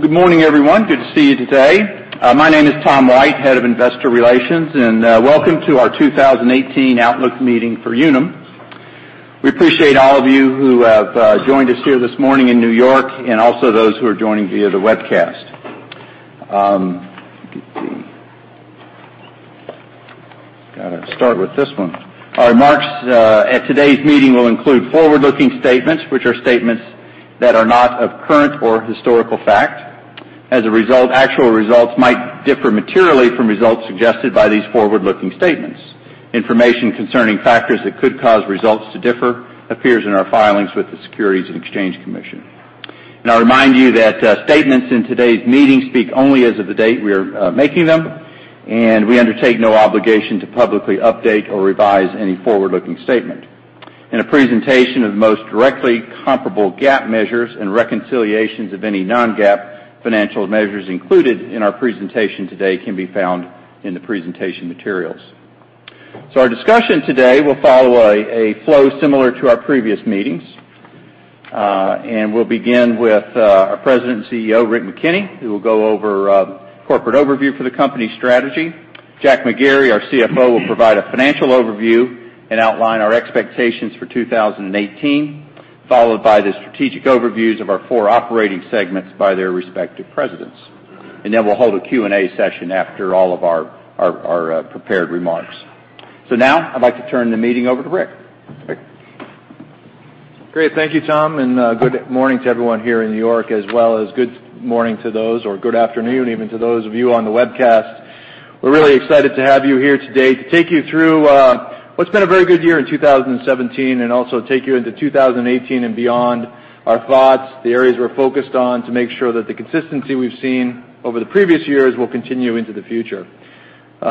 Good morning, everyone. Good to see you today. My name is Tom White, Head of Investor Relations, and welcome to our 2018 Outlook Meeting for Unum. We appreciate all of you who have joined us here this morning in N.Y., and also those who are joining via the webcast. Got to start with this one. Our remarks at today's meeting will include forward-looking statements, which are statements that are not of current or historical fact. As a result, actual results might differ materially from results suggested by these forward-looking statements. Information concerning factors that could cause results to differ appears in our filings with the Securities and Exchange Commission. I'll remind you that statements in today's meeting speak only as of the date we are making them, and we undertake no obligation to publicly update or revise any forward-looking statement. A presentation of the most directly comparable GAAP measures and reconciliations of any non-GAAP financial measures included in our presentation today can be found in the presentation materials. Our discussion today will follow a flow similar to our previous meetings. We'll begin with our President and CEO, Rick McKenney, who will go over corporate overview for the company strategy. Jack McGarry, our CFO, will provide a financial overview and outline our expectations for 2018, followed by the strategic overviews of our four operating segments by their respective presidents. We'll hold a Q&A session after all of our prepared remarks. Now I'd like to turn the meeting over to Rick. Rick. Thank you, Tom. Good morning to everyone here in N.Y., as well as good morning to those, or good afternoon, even, to those of you on the webcast. We're really excited to have you here today to take you through what's been a very good year in 2017, and also take you into 2018 and beyond. Our thoughts, the areas we're focused on to make sure that the consistency we've seen over the previous years will continue into the future.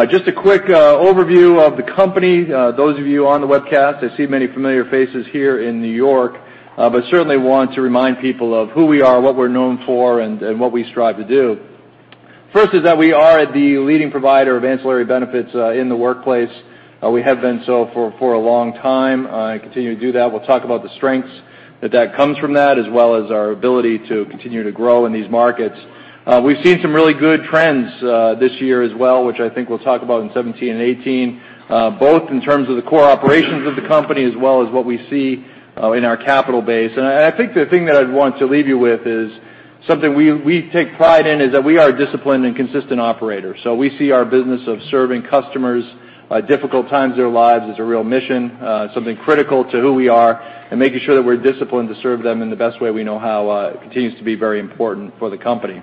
Just a quick overview of the company. Those of you on the webcast, I see many familiar faces here in N.Y., certainly want to remind people of who we are, what we're known for, and what we strive to do. First is that we are the leading provider of ancillary benefits in the workplace. We have been so for a long time, continue to do that. We'll talk about the strengths that comes from that, as well as our ability to continue to grow in these markets. We've seen some really good trends this year as well, which I think we'll talk about in 2017 and 2018, both in terms of the core operations of the company, as well as what we see in our capital base. I think the thing that I'd want to leave you with is something we take pride in, is that we are a disciplined and consistent operator. We see our business of serving customers at difficult times in their lives as a real mission, something critical to who we are, and making sure that we're disciplined to serve them in the best way we know how continues to be very important for the company.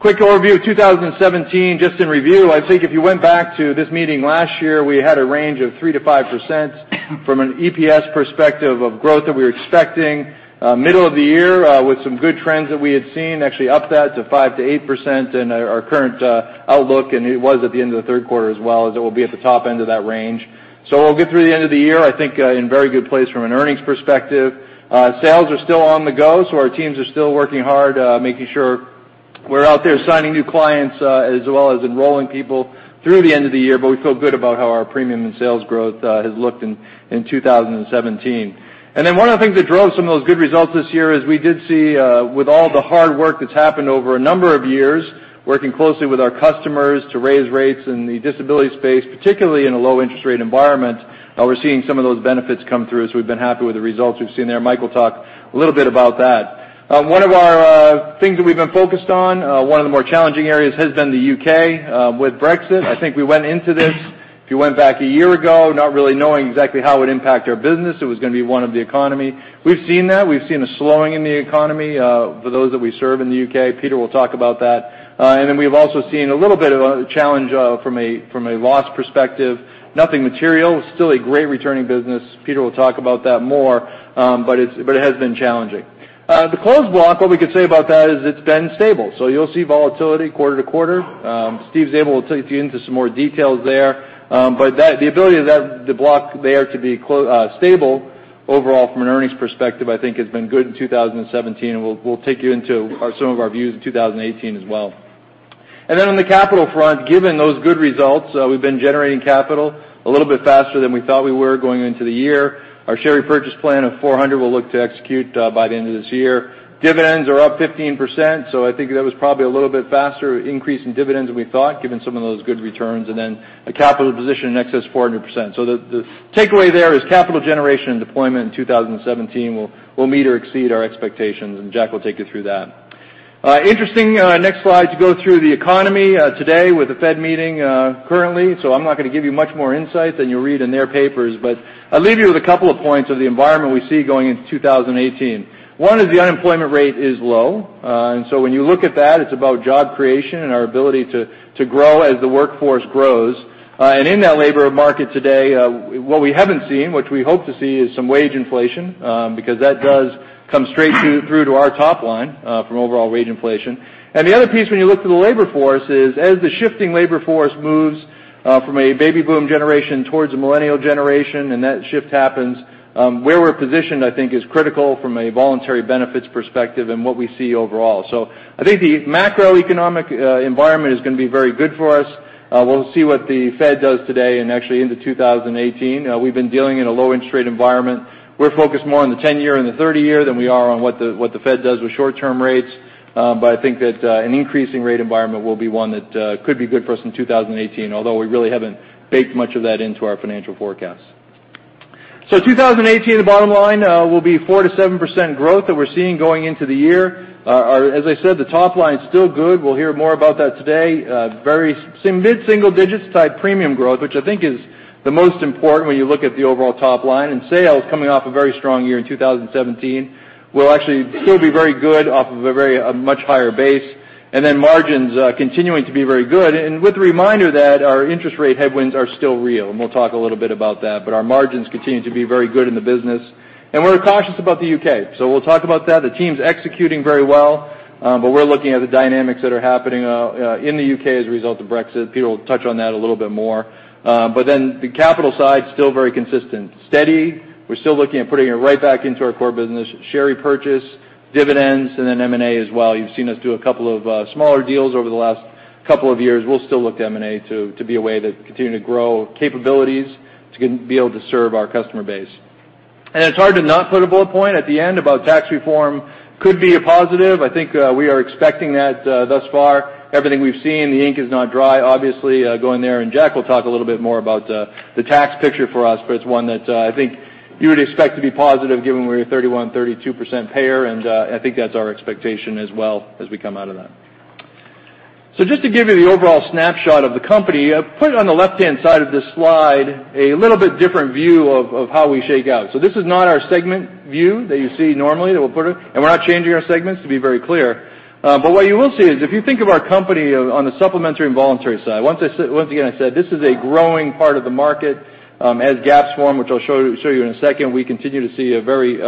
Quick overview of 2017, just in review. I think if you went back to this meeting last year, we had a range of 3%-5% from an EPS perspective of growth that we were expecting. Middle of the year, with some good trends that we had seen, actually upped that to 5%-8% in our current outlook, and it was at the end of the third quarter as well, as it will be at the top end of that range. We'll get through the end of the year, I think, in very good place from an earnings perspective. Our teams are still working hard, making sure we're out there signing new clients, as well as enrolling people through the end of the year. We feel good about how our premium and sales growth has looked in 2017. One of the things that drove some of those good results this year is we did see, with all the hard work that's happened over a number of years, working closely with our customers to raise rates in the disability space, particularly in a low interest rate environment, we're seeing some of those benefits come through as we've been happy with the results we've seen there. Michael will talk a little bit about that. One of our things that we've been focused on, one of the more challenging areas has been the U.K. with Brexit. I think we went into this, if you went back a year ago, not really knowing exactly how it would impact our business. It was going to be one of the economy. We've seen that. We've seen a slowing in the economy for those that we serve in the U.K. Peter will talk about that. We've also seen a little bit of a challenge from a loss perspective. Nothing material. Still a great returning business. Peter will talk about that more, but it has been challenging. The Closed Block, what we could say about that is it's been stable. You'll see volatility quarter to quarter. Steve Zabel will take you into some more details there. The ability of the block there to be stable overall from an earnings perspective, I think, has been good in 2017, and we'll take you into some of our views in 2018 as well. On the capital front, given those good results, we've been generating capital a little bit faster than we thought we were going into the year. Our share repurchase plan of $400 million we'll look to execute by the end of this year. Dividends are up 15%. I think that was probably a little bit faster increase in dividends than we thought, given some of those good returns. A capital position in excess of 400%. The takeaway there is capital generation and deployment in 2017 will meet or exceed our expectations, and Jack will take you through that. Interesting next slide to go through the economy today with the Fed meeting currently. I'm not going to give you much more insight than you'll read in their papers. I'll leave you with a couple of points of the environment we see going into 2018. One is the unemployment rate is low. When you look at that, it's about job creation and our ability to grow as the workforce grows. In that labor market today, what we haven't seen, which we hope to see, is some wage inflation, because that does come straight through to our top line from overall wage inflation. The other piece, when you look to the labor force, is as the shifting labor force moves from a baby boom generation towards a Millennial generation, and that shift happens, where we're positioned, I think, is critical from a voluntary benefits perspective and what we see overall. I think the macroeconomic environment is going to be very good for us. We'll see what the Fed does today and actually into 2018. We've been dealing in a low interest rate environment. We're focused more on the 10-year and the 30-year than we are on what the Fed does with short-term rates. I think that an increasing rate environment will be one that could be good for us in 2018, although we really haven't baked much of that into our financial forecast. 2018, the bottom line will be 4%-7% growth that we're seeing going into the year. As I said, the top line's still good. We'll hear more about that today. Very mid-single-digits type premium growth, which I think is the most important when you look at the overall top line. Sales, coming off a very strong year in 2017, will actually still be very good off of a much higher base. Margins continuing to be very good. With the reminder that our interest rate headwinds are still real, and we'll talk a little bit about that, but our margins continue to be very good in the business. We're cautious about the U.K., so we'll talk about that. The team's executing very well, but we're looking at the dynamics that are happening in the U.K. as a result of Brexit. Peter will touch on that a little bit more. The capital side, still very consistent. Steady. We're still looking at putting it right back into our core business, share repurchase, dividends, and M&A as well. You've seen us do a couple of smaller deals over the last couple of years. We'll still look to M&A to be a way to continue to grow capabilities to be able to serve our customer base. It's hard to not put a bullet point at the end about tax reform. Could be a positive. I think we are expecting that thus far. Everything we've seen, the ink is not dry, obviously, going there, Jack will talk a little bit more about the tax picture for us, but it's one that I think you would expect to be positive given we're a 31%-32% payer, and I think that's our expectation as well as we come out of that. Just to give you the overall snapshot of the company, I've put on the left-hand side of this slide a little bit different view of how we shake out. This is not our segment view that you see normally that we'll put, and we're not changing our segments to be very clear. What you will see is if you think of our company on the supplementary and voluntary side, once again, I said this is a growing part of the market. When gaps form, which I'll show you in a second, we continue to see a very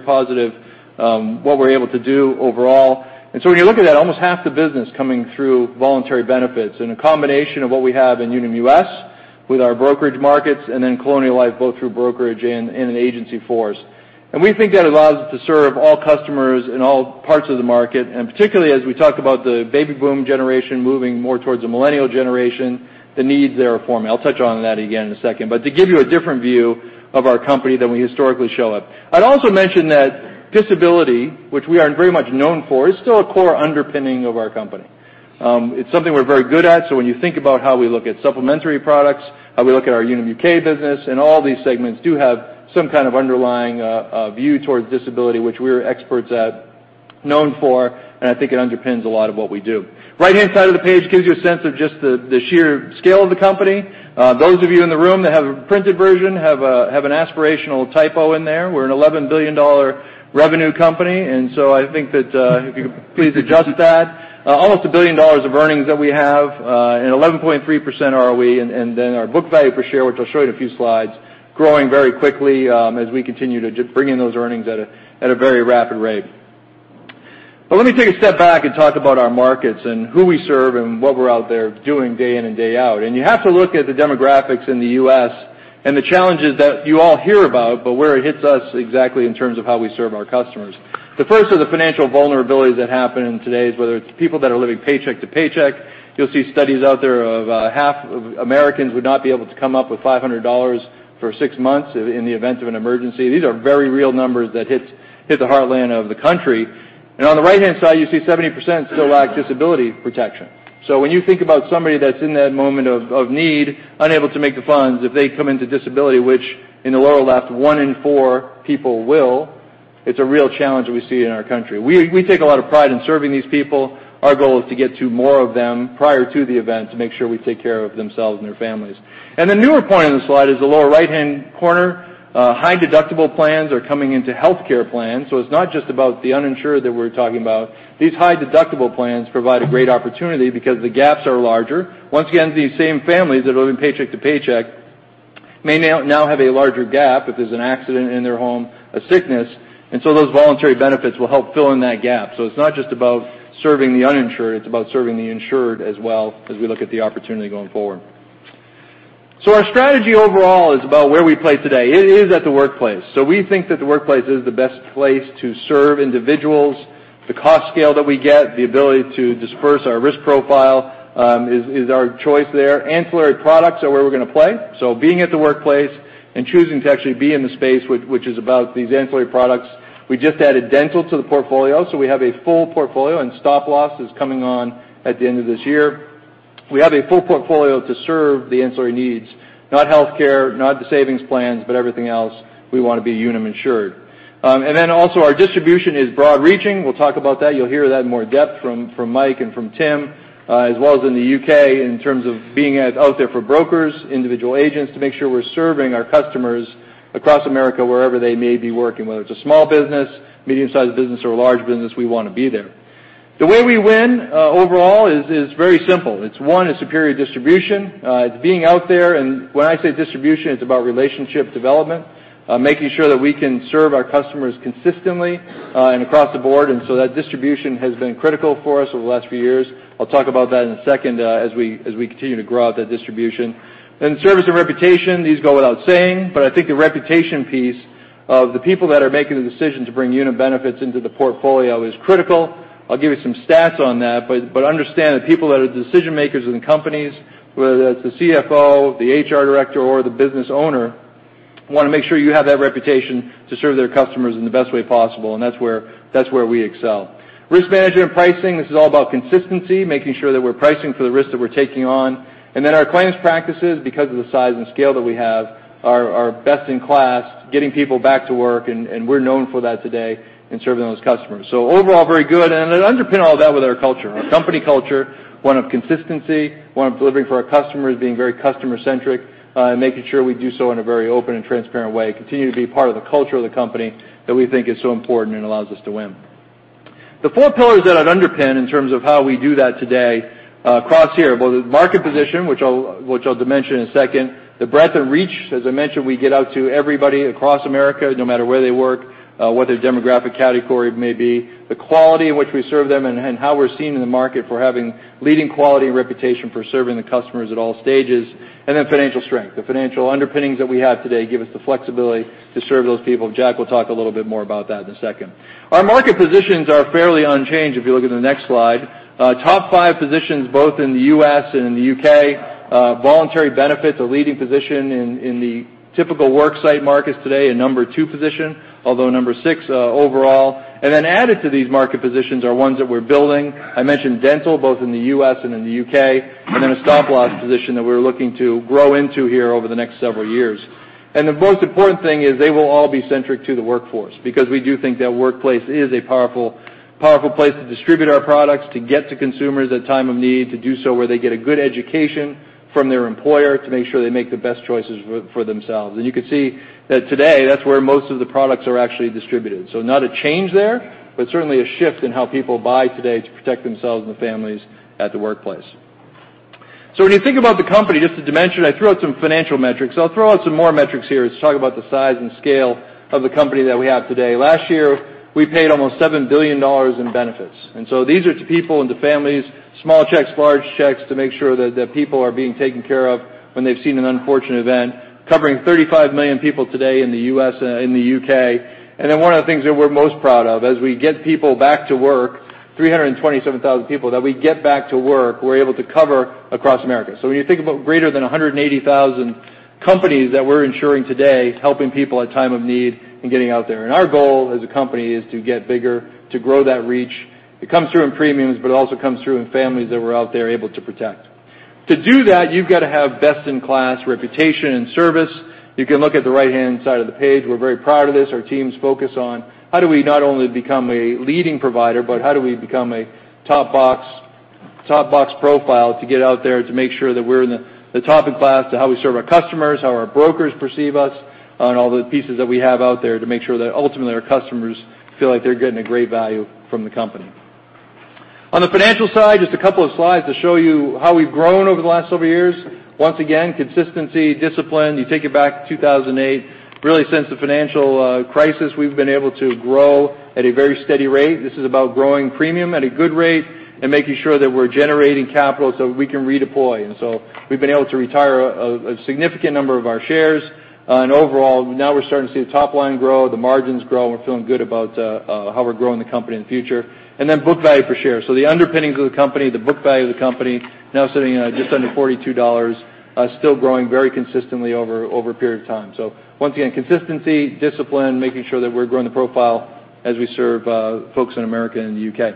positive, what we're able to do overall. When you look at that, almost half the business coming through voluntary benefits and a combination of what we have in Unum US with our brokerage markets and then Colonial Life both through brokerage and an agency force. We think that allows us to serve all customers in all parts of the market, and particularly as we talk about the baby boom generation moving more towards the millennial generation, the needs that are forming. I'll touch on that again in a second. To give you a different view of our company than we historically show up. I'd also mention that disability, which we are very much known for, is still a core underpinning of our company. It's something we're very good at. When you think about how we look at supplementary products, how we look at our Unum UK business, all these segments do have some kind of underlying view towards disability, which we're experts at, known for, I think it underpins a lot of what we do. Right-hand side of the page gives you a sense of just the sheer scale of the company. Those of you in the room that have a printed version have an aspirational typo in there. We're an $11 billion revenue company, I think that if you could please adjust that. Almost $1 billion of earnings that we have, an 11.3% ROE, and then our book value per share, which I'll show you in a few slides, growing very quickly as we continue to bring in those earnings at a very rapid rate. Let me take a step back and talk about our markets and who we serve and what we're out there doing day in and day out. You have to look at the demographics in the U.S. and the challenges that you all hear about, but where it hits us exactly in terms of how we serve our customers. The first are the financial vulnerabilities that happen in today's, whether it's people that are living paycheck to paycheck. You'll see studies out there of half of Americans would not be able to come up with $500 for six months in the event of an emergency. These are very real numbers that hit the heartland of the country. On the right-hand side, you see 70% still lack disability protection. When you think about somebody that's in that moment of need, unable to make the funds, if they come into disability, which in the lower left, 1 in 4 people will, it's a real challenge that we see in our country. We take a lot of pride in serving these people. Our goal is to get to more of them prior to the event to make sure we take care of themselves and their families. The newer point on the slide is the lower right-hand corner. High deductible plans are coming into healthcare plans, so it's not just about the uninsured that we're talking about. These high deductible plans provide a great opportunity because the gaps are larger. Once again, these same families that are living paycheck to paycheck may now have a larger gap if there's an accident in their home, a sickness, those voluntary benefits will help fill in that gap. It's not just about serving the uninsured, it's about serving the insured as well as we look at the opportunity going forward. Our strategy overall is about where we play today. It is at the workplace. We think that the workplace is the best place to serve individuals. The cost scale that we get, the ability to disperse our risk profile is our choice there. Ancillary products are where we're going to play. Being at the workplace and choosing to actually be in the space which is about these ancillary products. We just added Unum Dental to the portfolio, we have a full portfolio, Unum Stop Loss is coming on at the end of this year. We have a full portfolio to serve the ancillary needs. Not healthcare, not the savings plans, but everything else, we want to be Unum insured. Our distribution is broad reaching. We'll talk about that. You'll hear that in more depth from Mike and from Tim, as well as in the U.K. in terms of being out there for brokers, individual agents to make sure we're serving our customers across America wherever they may be working. Whether it's a small business, medium-sized business or a large business, we want to be there. The way we win overall is very simple. It's one, it's superior distribution. It's being out there. When I say distribution, it's about relationship development, making sure that we can serve our customers consistently and across the board. That distribution has been critical for us over the last few years. I'll talk about that in a second as we continue to grow out that distribution. Service and reputation, these go without saying, but I think the reputation piece of the people that are making the decision to bring Unum benefits into the portfolio is critical. I'll give you some stats on that, but understand that people that are the decision makers in companies, whether that's the CFO, the HR director, or the business owner, want to make sure you have that reputation to serve their customers in the best way possible, that's where we excel. Risk management and pricing, this is all about consistency, making sure that we're pricing for the risk that we're taking on. Our claims practices, because of the size and scale that we have, are best in class, getting people back to work, we're known for that today in serving those customers. Overall, very good. Underpin all that with our culture, our company culture, one of consistency, one of delivering for our customers, being very customer centric, making sure we do so in a very open and transparent way, continue to be part of the culture of the company that we think is so important and allows us to win. The four pillars that I'd underpin in terms of how we do that today cross here. Both the market position, which I'll dimension in a second, the breadth of reach, as I mentioned, we get out to everybody across America, no matter where they work, what their demographic category may be, the quality in which we serve them, and how we're seen in the market for having leading quality and reputation for serving the customers at all stages, and then financial strength. The financial underpinnings that we have today give us the flexibility to serve those people. Jack will talk a little bit more about that in a second. Our market positions are fairly unchanged if you look at the next slide. Top five positions both in the U.S. and in the U.K. Voluntary benefits, a leading position in the typical worksite markets today, a number 2 position, although number 6 overall. Added to these market positions are ones that we're building. I mentioned dental, both in the U.S. and in the U.K., then a Stop Loss position that we're looking to grow into here over the next several years. The most important thing is they will all be centric to the workforce, because we do think that workplace is a powerful place to distribute our products, to get to consumers at time of need, to do so where they get a good education from their employer to make sure they make the best choices for themselves. You can see that today, that's where most of the products are actually distributed. Not a change there, but certainly a shift in how people buy today to protect themselves and their families at the workplace. When you think about the company, just to mention, I threw out some financial metrics. I'll throw out some more metrics here to talk about the size and scale of the company that we have today. Last year, we paid almost $7 billion in benefits. These are to people and to families, small checks, large checks, to make sure that the people are being taken care of when they've seen an unfortunate event, covering 35 million people today in the U.S. and in the U.K. One of the things that we're most proud of, as we get people back to work, 327,000 people that we get back to work, we're able to cover across America. When you think about greater than 180,000 companies that we're insuring today, helping people at time of need and getting out there. Our goal as a company is to get bigger, to grow that reach. It comes through in premiums, but it also comes through in families that we're out there able to protect. To do that, you've got to have best-in-class reputation and service. You can look at the right-hand side of the page. We're very proud of this. Our teams focus on how do we not only become a leading provider, but how do we become a top-in-class profile to get out there to make sure that we're in the top-in-class to how we serve our customers, how our brokers perceive us on all the pieces that we have out there to make sure that ultimately our customers feel like they're getting a great value from the company. On the financial side, just a couple of slides to show you how we've grown over the last several years. Once again, consistency, discipline. You take it back to 2008. Really, since the financial crisis, we've been able to grow at a very steady rate. This is about growing premium at a good rate and making sure that we're generating capital so we can redeploy. We've been able to retire a significant number of our shares. Overall, now we're starting to see the top line grow, the margins grow, and we're feeling good about how we're growing the company in the future. Book value per share. The underpinnings of the company, the book value of the company, now sitting at just under $42, still growing very consistently over a period of time. Once again, consistency, discipline, making sure that we're growing the profile as we serve folks in America and the U.K.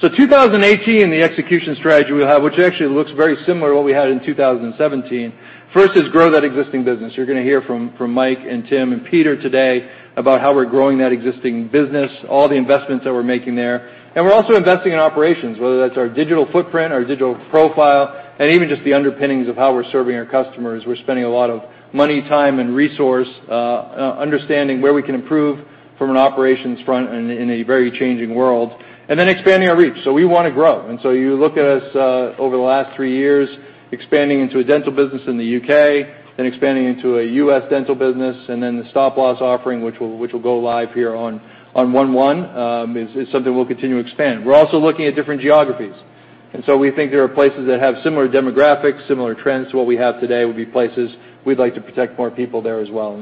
2018, the execution strategy we have, which actually looks very similar to what we had in 2017. First is grow that existing business. You're going to hear from Mike and Tim and Peter today about how we're growing that existing business, all the investments that we're making there. We're also investing in operations, whether that's our digital footprint, our digital profile, and even just the underpinnings of how we're serving our customers. We're spending a lot of money, time, and resource understanding where we can improve from an operations front in a very changing world. Expanding our reach. We want to grow. You look at us over the last three years, expanding into a dental business in the U.K., then expanding into a U.S. dental business, and then the stop loss offering, which will go live here on 1/1, is something we'll continue to expand. We're also looking at different geographies. We think there are places that have similar demographics, similar trends to what we have today, would be places we'd like to protect more people there as well.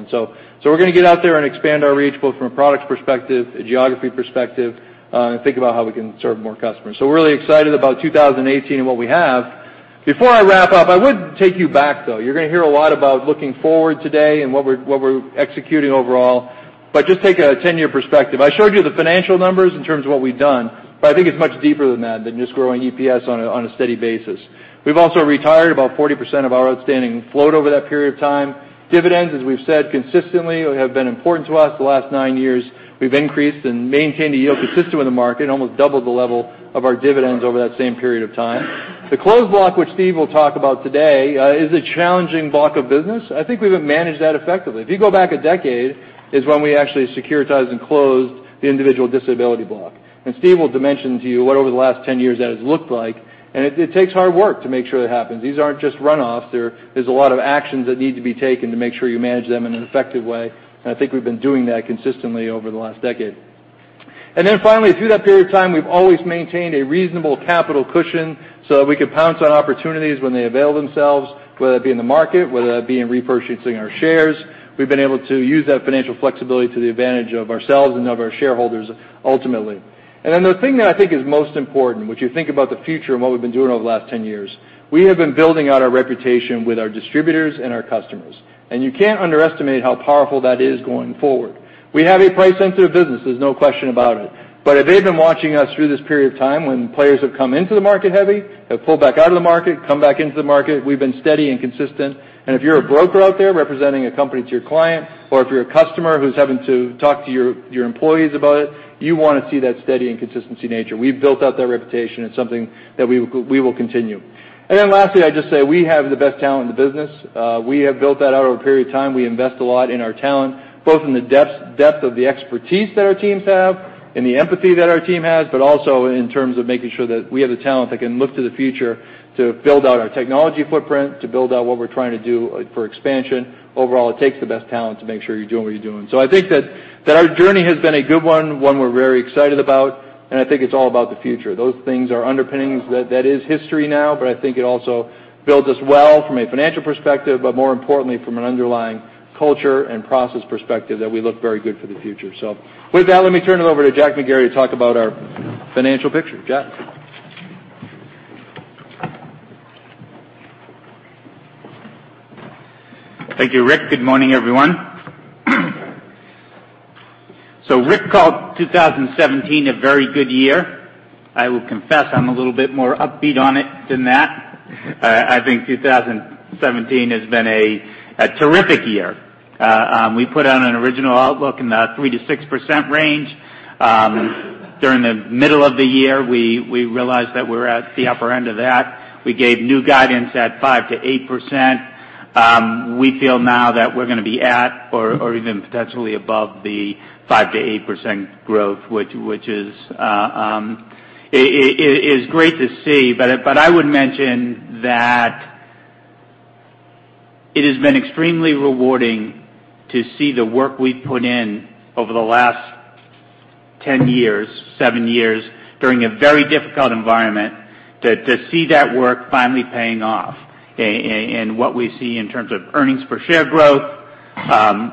We're going to get out there and expand our reach, both from a product perspective, a geography perspective, and think about how we can serve more customers. We're really excited about 2018 and what we have. Before I wrap up, I would take you back, though. You're going to hear a lot about looking forward today and what we're executing overall, but just take a 10-year perspective. I showed you the financial numbers in terms of what we've done, but I think it's much deeper than that, than just growing EPS on a steady basis. We've also retired about 40% of our outstanding float over that period of time. Dividends, as we've said consistently, have been important to us the last nine years. We've increased and maintained a yield consistent with the market, almost doubled the level of our dividends over that same period of time. The Closed Block, which Steve will talk about today, is a challenging block of business. I think we've managed that effectively. If you go back a decade is when we actually securitized and closed the individual disability block. Steve will dimension to you what over the last 10 years that has looked like. It takes hard work to make sure that happens. These aren't just runoffs. There's a lot of actions that need to be taken to make sure you manage them in an effective way, and I think we've been doing that consistently over the last decade. Finally, through that period of time, we've always maintained a reasonable capital cushion so that we could pounce on opportunities when they avail themselves, whether that be in the market, whether that be in repurchasing our shares. We've been able to use that financial flexibility to the advantage of ourselves and of our shareholders, ultimately. The thing that I think is most important, which you think about the future and what we've been doing over the last 10 years, we have been building out our reputation with our distributors and our customers. You can't underestimate how powerful that is going forward. We have a price-sensitive business, there's no question about it. If they've been watching us through this period of time when players have come into the market heavy, have pulled back out of the market, come back into the market, we've been steady and consistent. If you're a broker out there representing a company to your client, or if you're a customer who's having to talk to your employees about it, you want to see that steady and consistency nature. We've built out that reputation. It's something that we will continue. Lastly, I'd just say, we have the best talent in the business. We have built that out over a period of time. We invest a lot in our talent, both in the depth of the expertise that our teams have and the empathy that our team has, but also in terms of making sure that we have the talent that can look to the future to build out our technology footprint, to build out what we're trying to do for expansion. Overall, it takes the best talent to make sure you're doing what you're doing. I think that our journey has been a good one we're very excited about, I think it's all about the future. Those things are underpinnings. That is history now, I think it also builds us well from a financial perspective, but more importantly, from an underlying culture and process perspective that we look very good for the future. With that, let me turn it over to Jack McGarry to talk about our financial picture. Jack. Thank you, Rick. Good morning, everyone. Rick called 2017 a very good year. I will confess, I'm a little bit more upbeat on it than that. I think 2017 has been a terrific year. We put out an original outlook in the 3%-6% range. During the middle of the year, we realized that we're at the upper end of that. We gave new guidance at 5%-8%. We feel now that we're going to be at or even potentially above the 5%-8% growth, which is great to see. I would mention that it has been extremely rewarding to see the work we've put in over the last 10 years, seven years during a very difficult environment, to see that work finally paying off. What we see in terms of earnings per share growth,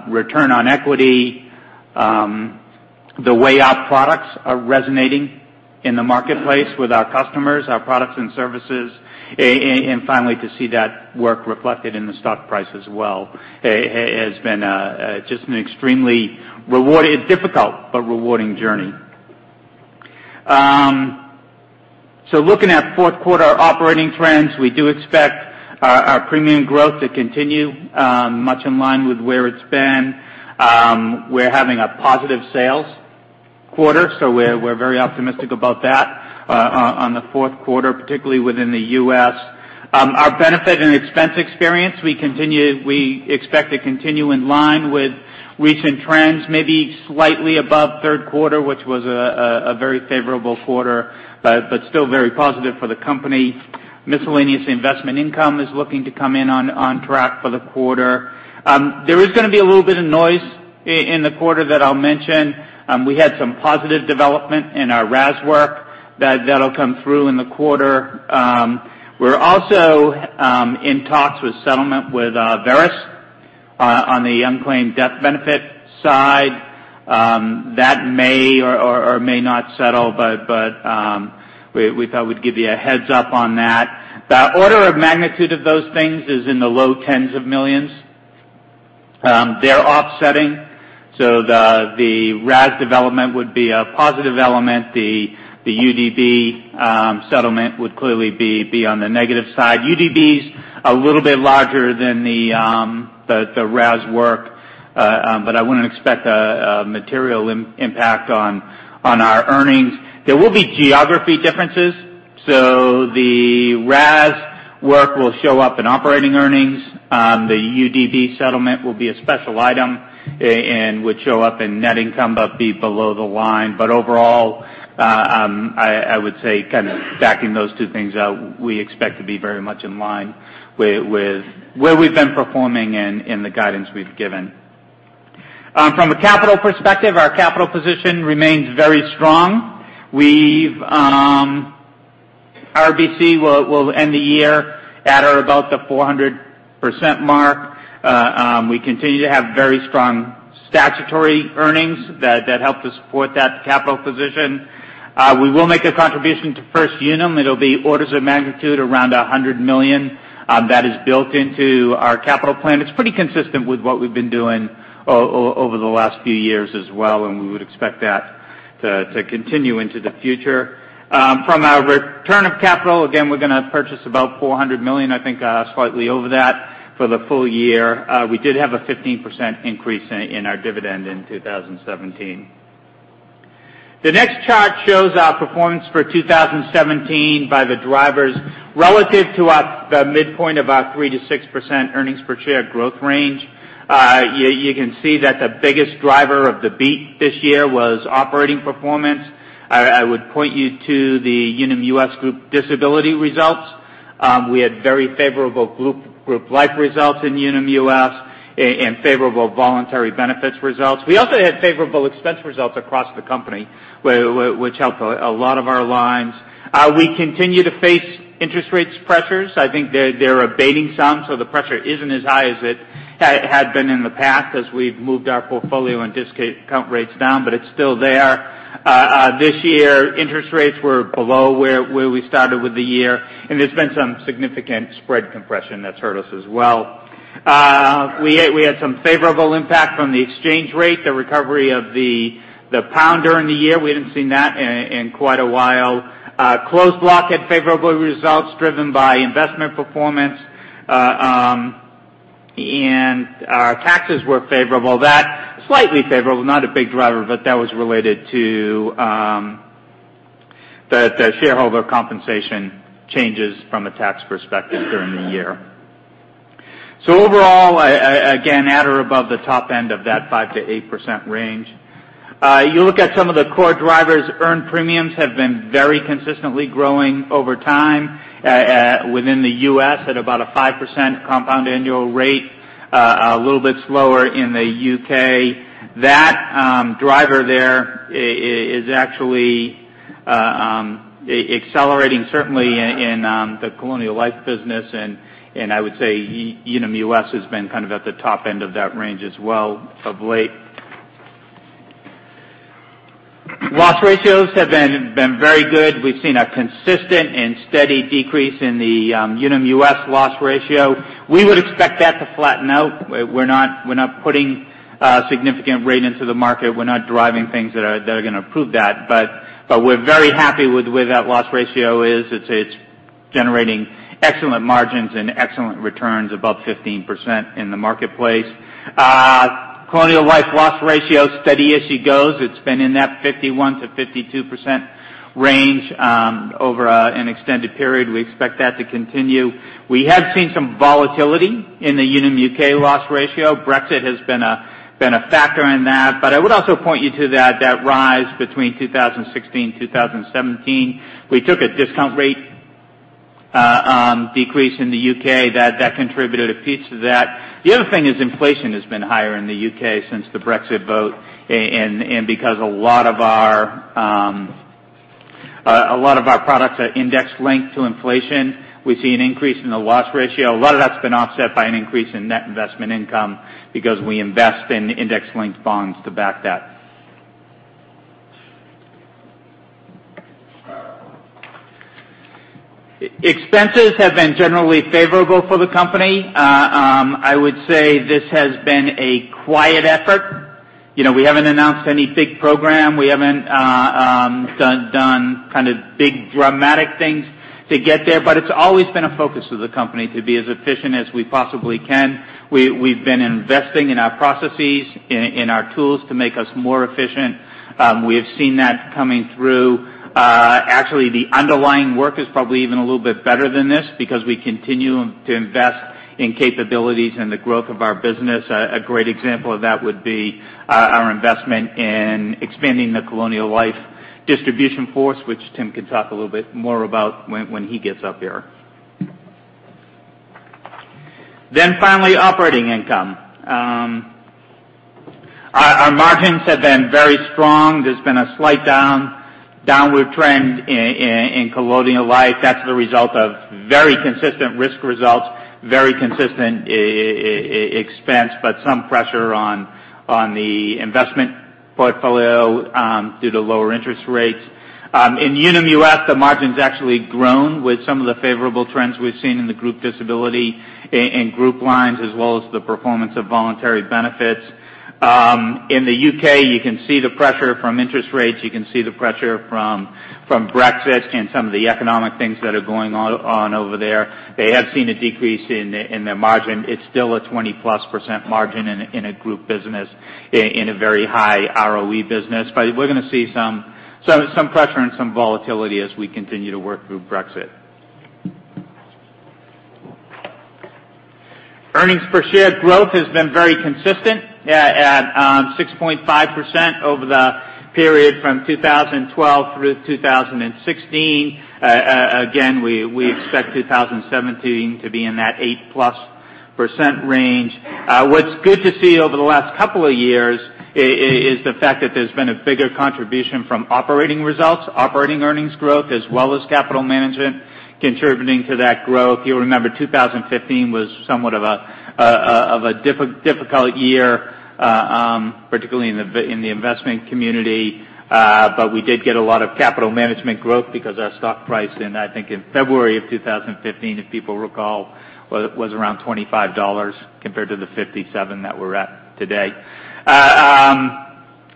return on equity, the way our products are resonating in the marketplace with our customers, our products and services, and finally, to see that work reflected in the stock price as well, has been just an extremely difficult but rewarding journey. Looking at fourth quarter operating trends, we do expect our premium growth to continue much in line with where it's been. We're having a positive sales quarter, so we're very optimistic about that on the fourth quarter, particularly within the U.S. Our benefit and expense experience, we expect to continue in line with recent trends, maybe slightly above third quarter, which was a very favorable quarter but still very positive for the company. Miscellaneous investment income is looking to come in on track for the quarter. There is going to be a little bit of noise in the quarter that I'll mention. We had some positive development in our RAS work that'll come through in the quarter. We're also in talks with settlement with Verisk on the unclaimed death benefit side. That may or may not settle, but we thought we'd give you a heads up on that. The order of magnitude of those things is in the low tens of millions. They're offsetting, the RAS development would be a positive element. The UDB settlement would clearly be on the negative side. UDB's a little bit larger than the RAS work, but I wouldn't expect a material impact on our earnings. There will be geography differences. The RAS work will show up in operating earnings. The UDB settlement will be a special item and would show up in net income but be below the line. Overall, I would say kind of backing those two things out, we expect to be very much in line with where we've been performing and in the guidance we've given. From a capital perspective, our capital position remains very strong. Our RBC will end the year at or about the 400% mark. We continue to have very strong statutory earnings that help to support that capital position. We will make a contribution to First Unum. It'll be orders of magnitude around $100 million. That is built into our capital plan. It's pretty consistent with what we've been doing over the last few years as well, and we would expect that to continue into the future. From our return of capital, we're going to purchase about $400 million, I think slightly over that for the full year. We did have a 15% increase in our dividend in 2017. The next chart shows our performance for 2017 by the drivers relative to the midpoint of our 3%-6% earnings per share growth range. You can see that the biggest driver of the beat this year was operating performance. I would point you to the Unum US Group Disability results. We had very favorable group life results in Unum US and favorable voluntary benefits results. We had favorable expense results across the company, which helped a lot of our lines. We continue to face interest rates pressures. I think they're abating some, so the pressure isn't as high as it had been in the past as we've moved our portfolio and discount rates down, but it's still there. This year, interest rates were below where we started with the year, there's been some significant spread compression that's hurt us as well. We had some favorable impact from the exchange rate, the recovery of the pound during the year. We hadn't seen that in quite a while. Closed Block had favorable results driven by investment performance. Our taxes were favorable. Slightly favorable, not a big driver, but that was related to the shareholder compensation changes from a tax perspective during the year. Overall, at or above the top end of that 5%-8% range. You look at some of the core drivers, earned premiums have been very consistently growing over time within the U.S. at about a 5% compound annual rate, a little bit slower in the U.K. That driver there is actually accelerating, certainly in the Colonial Life business, I would say Unum US has been at the top end of that range as well of late. Loss ratios have been very good. We've seen a consistent and steady decrease in the Unum US loss ratio. We would expect that to flatten out. We're not putting a significant rate into the market. We're not driving things that are going to prove that, but we're very happy with where that loss ratio is. It's generating excellent margins and excellent returns above 15% in the marketplace. Colonial Life loss ratio, steady as she goes. It's been in that 51%-52% range over an extended period. We expect that to continue. We have seen some volatility in the Unum UK loss ratio. Brexit has been a factor in that. I would point you to that rise between 2016, 2017. We took a discount rate decrease in the U.K. that contributed a piece to that. The other thing is inflation has been higher in the U.K. since the Brexit vote, because a lot of our products are index-linked to inflation, we see an increase in the loss ratio. A lot of that's been offset by an increase in net investment income because we invest in index linked bonds to back that. Expenses have been generally favorable for the company. I would say this has been a quiet effort. We haven't announced any big program. We haven't done big dramatic things to get there, but it's always been a focus of the company to be as efficient as we possibly can. We've been investing in our processes, in our tools to make us more efficient. We have seen that coming through. Actually, the underlying work is probably even a little bit better than this because we continue to invest in capabilities and the growth of our business. A great example of that would be our investment in expanding the Colonial Life distribution force, which Tim can talk a little bit more about when he gets up here. Finally, operating income. Our margins have been very strong. There's been a slight downward trend in Colonial Life. That's the result of very consistent risk results, very consistent expense, but some pressure on the investment portfolio due to lower interest rates. In Unum US, the margin's actually grown with some of the favorable trends we've seen in the group disability in group lines, as well as the performance of voluntary benefits. In the U.K., you can see the pressure from interest rates, you can see the pressure from Brexit and some of the economic things that are going on over there. They have seen a decrease in their margin. It's still a 20-plus % margin in a group business, in a very high ROE business. We're going to see some pressure and some volatility as we continue to work through Brexit. Earnings per share growth has been very consistent at 6.5% over the period from 2012 through 2016. We expect 2017 to be in that 8-plus % range. What's good to see over the last couple of years is the fact that there's been a bigger contribution from operating results, operating earnings growth, as well as capital management contributing to that growth. You'll remember 2015 was somewhat of a difficult year, particularly in the investment community. We did get a lot of capital management growth because our stock price in, I think, in February of 2015, if people recall, was around $25, compared to the $57 that we're at today.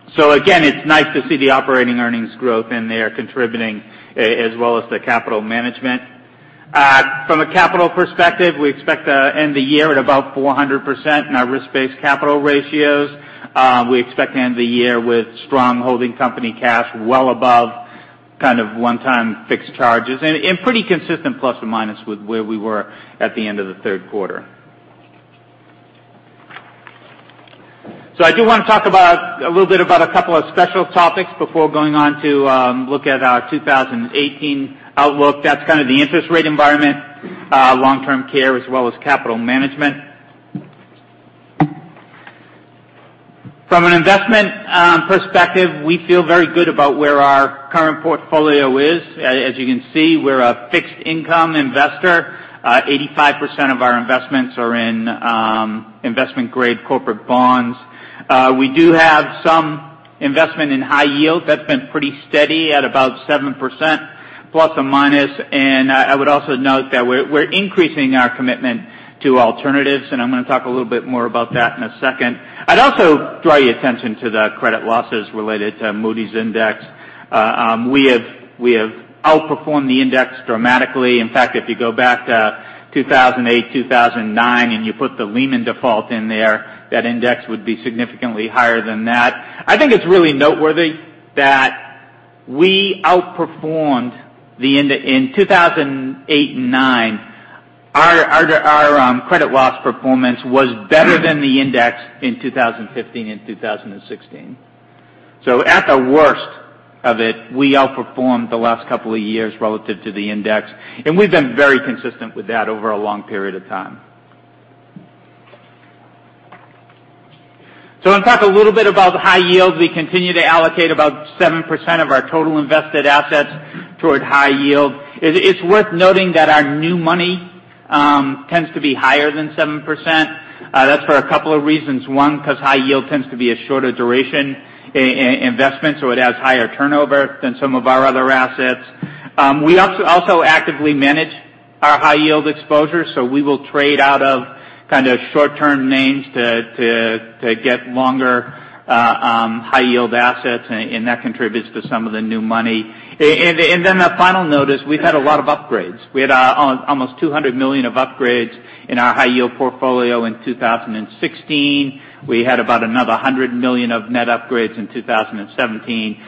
It's nice to see the operating earnings growth, and they are contributing as well as the capital management. From a capital perspective, we expect to end the year at about 400% in our risk-based capital ratios. We expect to end the year with strong holding company cash well above one-time fixed charges and pretty consistent plus or minus with where we were at the end of the third quarter. I do want to talk a little bit about a couple of special topics before going on to look at our 2018 outlook. That's the interest rate environment, long-term care, as well as capital management. From an investment perspective, we feel very good about where our current portfolio is, as you can see, we're a fixed income investor. 85% of our investments are in investment-grade corporate bonds. We do have some investment in high yield. That's been pretty steady at about 7% plus or minus. I would also note that we're increasing our commitment to alternatives, and I'm going to talk a little bit more about that in a second. I'd also draw your attention to the credit losses related to Moody's Index. We have outperformed the index dramatically. In fact, if you go back to 2008, 2009, and you put the Lehman default in there, that index would be significantly higher than that. I think it's really noteworthy that we outperformed. In 2008 and 2009, our credit loss performance was better than the index in 2015 and 2016. At the worst of it, we outperformed the last couple of years relative to the index, and we've been very consistent with that over a long period of time. I'm going to talk a little bit about high yield. We continue to allocate about 7% of our total invested assets toward high yield. It's worth noting that our new money tends to be higher than 7%. That's for a couple of reasons. One, because high yield tends to be a shorter duration investment, so it has higher turnover than some of our other assets. We also actively manage our high-yield exposure, so we will trade out of kind of short-term names to get longer high-yield assets, and that contributes to some of the new money. The final note is we've had a lot of upgrades. We had almost $200 million of upgrades in our high-yield portfolio in 2016. We had about another $100 million of net upgrades in 2017.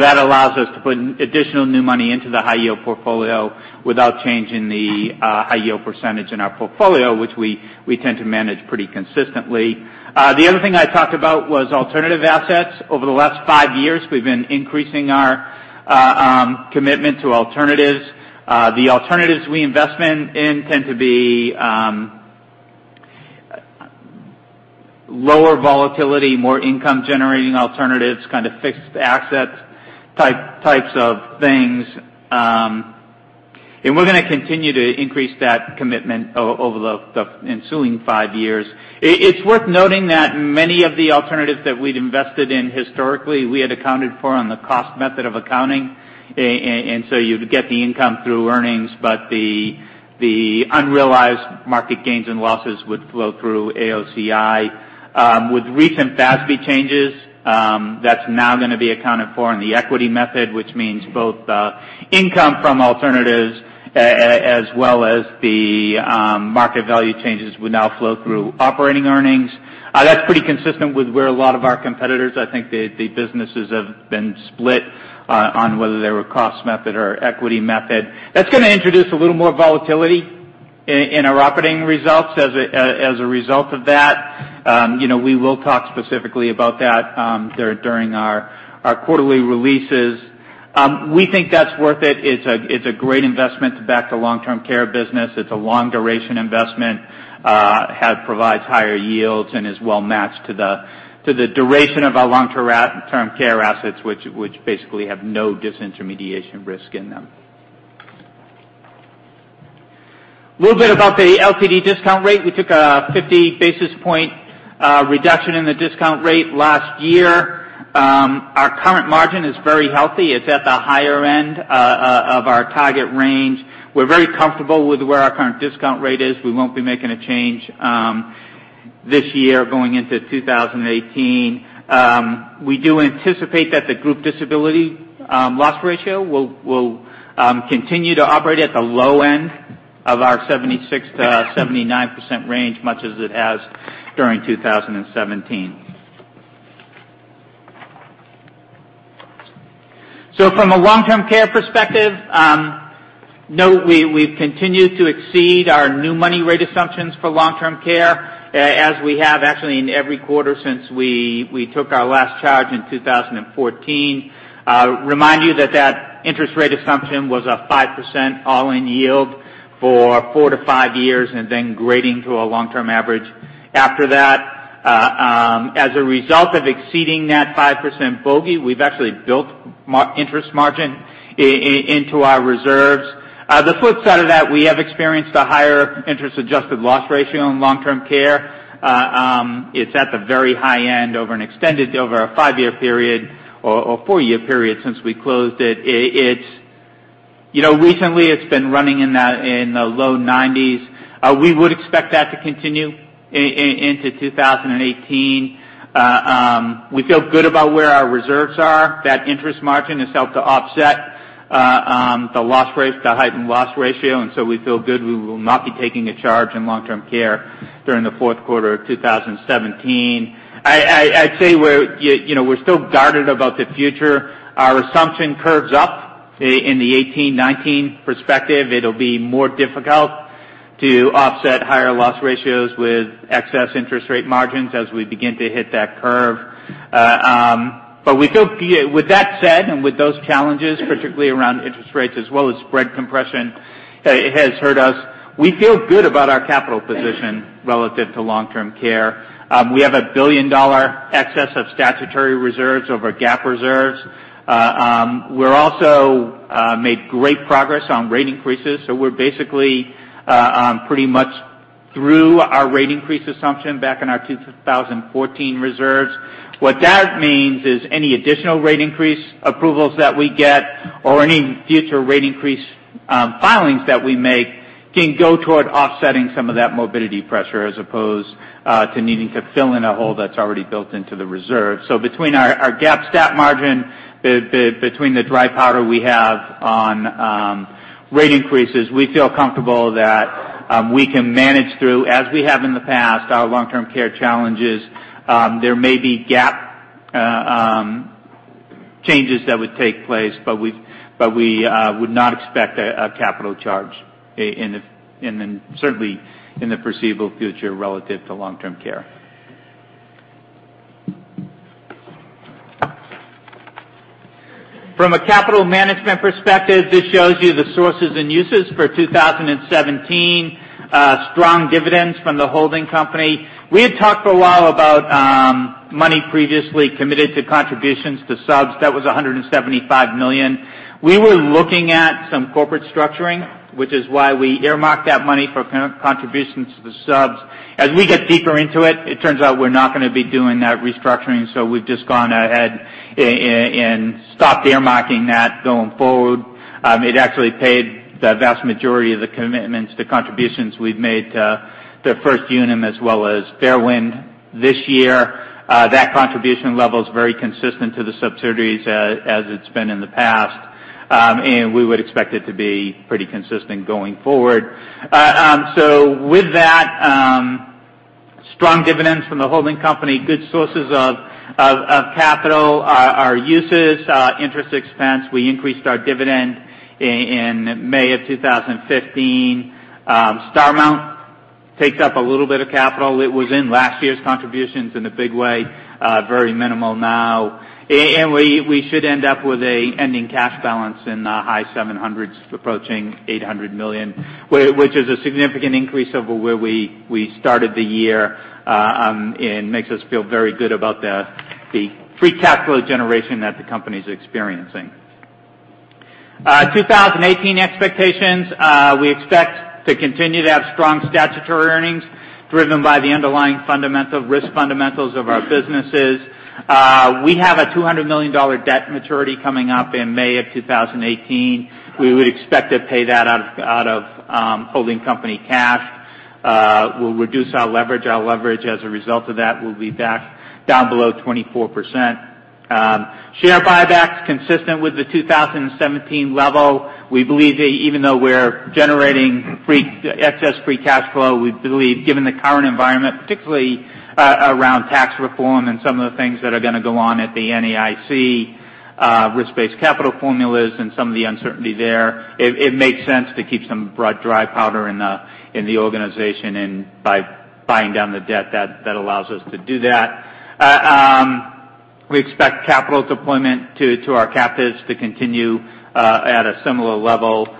That allows us to put additional new money into the high-yield portfolio without changing the high-yield percentage in our portfolio, which we tend to manage pretty consistently. The other thing I talked about was alternative assets. Over the last 5 years, we've been increasing our commitment to alternatives. The alternatives we invest in tend to be lower volatility, more income-generating alternatives, kind of fixed asset types of things. We're going to continue to increase that commitment over the ensuing 5 years. It's worth noting that many of the alternatives that we'd invested in historically, we had accounted for on the cost method of accounting. You'd get the income through earnings, but the unrealized market gains and losses would flow through AOCI. With recent FASB changes, that's now going to be accounted for in the equity method, which means both the income from alternatives as well as the market value changes would now flow through operating earnings. That's pretty consistent with where a lot of our competitors, I think, the businesses have been split on whether they were cost method or equity method. That's going to introduce a little more volatility in our operating results as a result of that. We will talk specifically about that during our quarterly releases. We think that's worth it. It's a great investment to back the long-term care business. It's a long-duration investment. It provides higher yields and is well-matched to the duration of our long-term care assets, which basically have no disintermediation risk in them. A little bit about the LTD discount rate. We took a 50 basis points reduction in the discount rate last year. Our current margin is very healthy. It's at the higher end of our target range. We're very comfortable with where our current discount rate is. We won't be making a change this year going into 2018. We do anticipate that the group disability loss ratio will continue to operate at the low end of our 76%-79% range, much as it has during 2017. From a long-term care perspective, note we've continued to exceed our new money rate assumptions for long-term care, as we have actually in every quarter since we took our last charge in 2014. Remind you that that interest rate assumption was a 5% all-in yield for four to five years and then grading to a long-term average after that. As a result of exceeding that 5% bogey, we've actually built interest margin into our reserves. The flip side of that, we have experienced a higher interest-adjusted loss ratio in long-term care. It's at the very high end over a five-year period or four-year period since we closed it. Recently, it's been running in the low 90s. We would expect that to continue into 2018. We feel good about where our reserves are. That interest margin has helped to offset the heightened loss ratio. We will not be taking a charge in long-term care during the fourth quarter of 2017. I'd say we're still guarded about the future. Our assumption curves up in the 2018-2019 perspective. It'll be more difficult to offset higher loss ratios with excess interest rate margins as we begin to hit that curve. With that said and with those challenges, particularly around interest rates as well as spread compression. It has hurt us. We feel good about our capital position relative to long-term care. We have a billion-dollar excess of statutory reserves over GAAP reserves. We're also made great progress on rate increases, so we're basically pretty much through our rate increase assumption back in our 2014 reserves. What that means is any additional rate increase approvals that we get or any future rate increase filings that we make can go toward offsetting some of that morbidity pressure as opposed to needing to fill in a hole that's already built into the reserve. Between our GAAP stat margin, between the dry powder we have on rate increases, we feel comfortable that we can manage through, as we have in the past, our long-term care challenges. There may be GAAP changes that would take place, but we would not expect a capital charge, certainly in the foreseeable future relative to long-term care. From a capital management perspective, this shows you the sources and uses for 2017. Strong dividends from the holding company. We had talked for a while about money previously committed to contributions to subs. That was $175 million. We were looking at some corporate structuring, which is why we earmarked that money for contributions to the subs. As we get deeper into it turns out we're not going to be doing that restructuring, so we've just gone ahead and stopped earmarking that going forward. It actually paid the vast majority of the commitments to contributions we've made to First Unum as well as Fairwind this year. That contribution level is very consistent to the subsidiaries as it's been in the past. We would expect it to be pretty consistent going forward. With that, strong dividends from the holding company, good sources of capital. Our uses, interest expense. We increased our dividend in May of 2015. Starmount takes up a little bit of capital. It was in last year's contributions in a big way, very minimal now. We should end up with an ending cash balance in the high 700s, approaching $800 million, which is a significant increase over where we started the year. Makes us feel very good about the free cash flow generation that the company's experiencing. 2018 expectations, we expect to continue to have strong statutory earnings driven by the underlying risk fundamentals of our businesses. We have a $200 million debt maturity coming up in May of 2018. We would expect to pay that out of holding company cash. We'll reduce our leverage. Our leverage as a result of that will be back down below 24%. Share buybacks consistent with the 2017 level. Even though we're generating excess free cash flow, we believe given the current environment, particularly around tax reform and some of the things that are going to go on at the NAIC risk-based capital formulas and some of the uncertainty there, it makes sense to keep some dry powder in the organization. By buying down the debt, that allows us to do that. We expect capital deployment to our captives to continue at a similar level.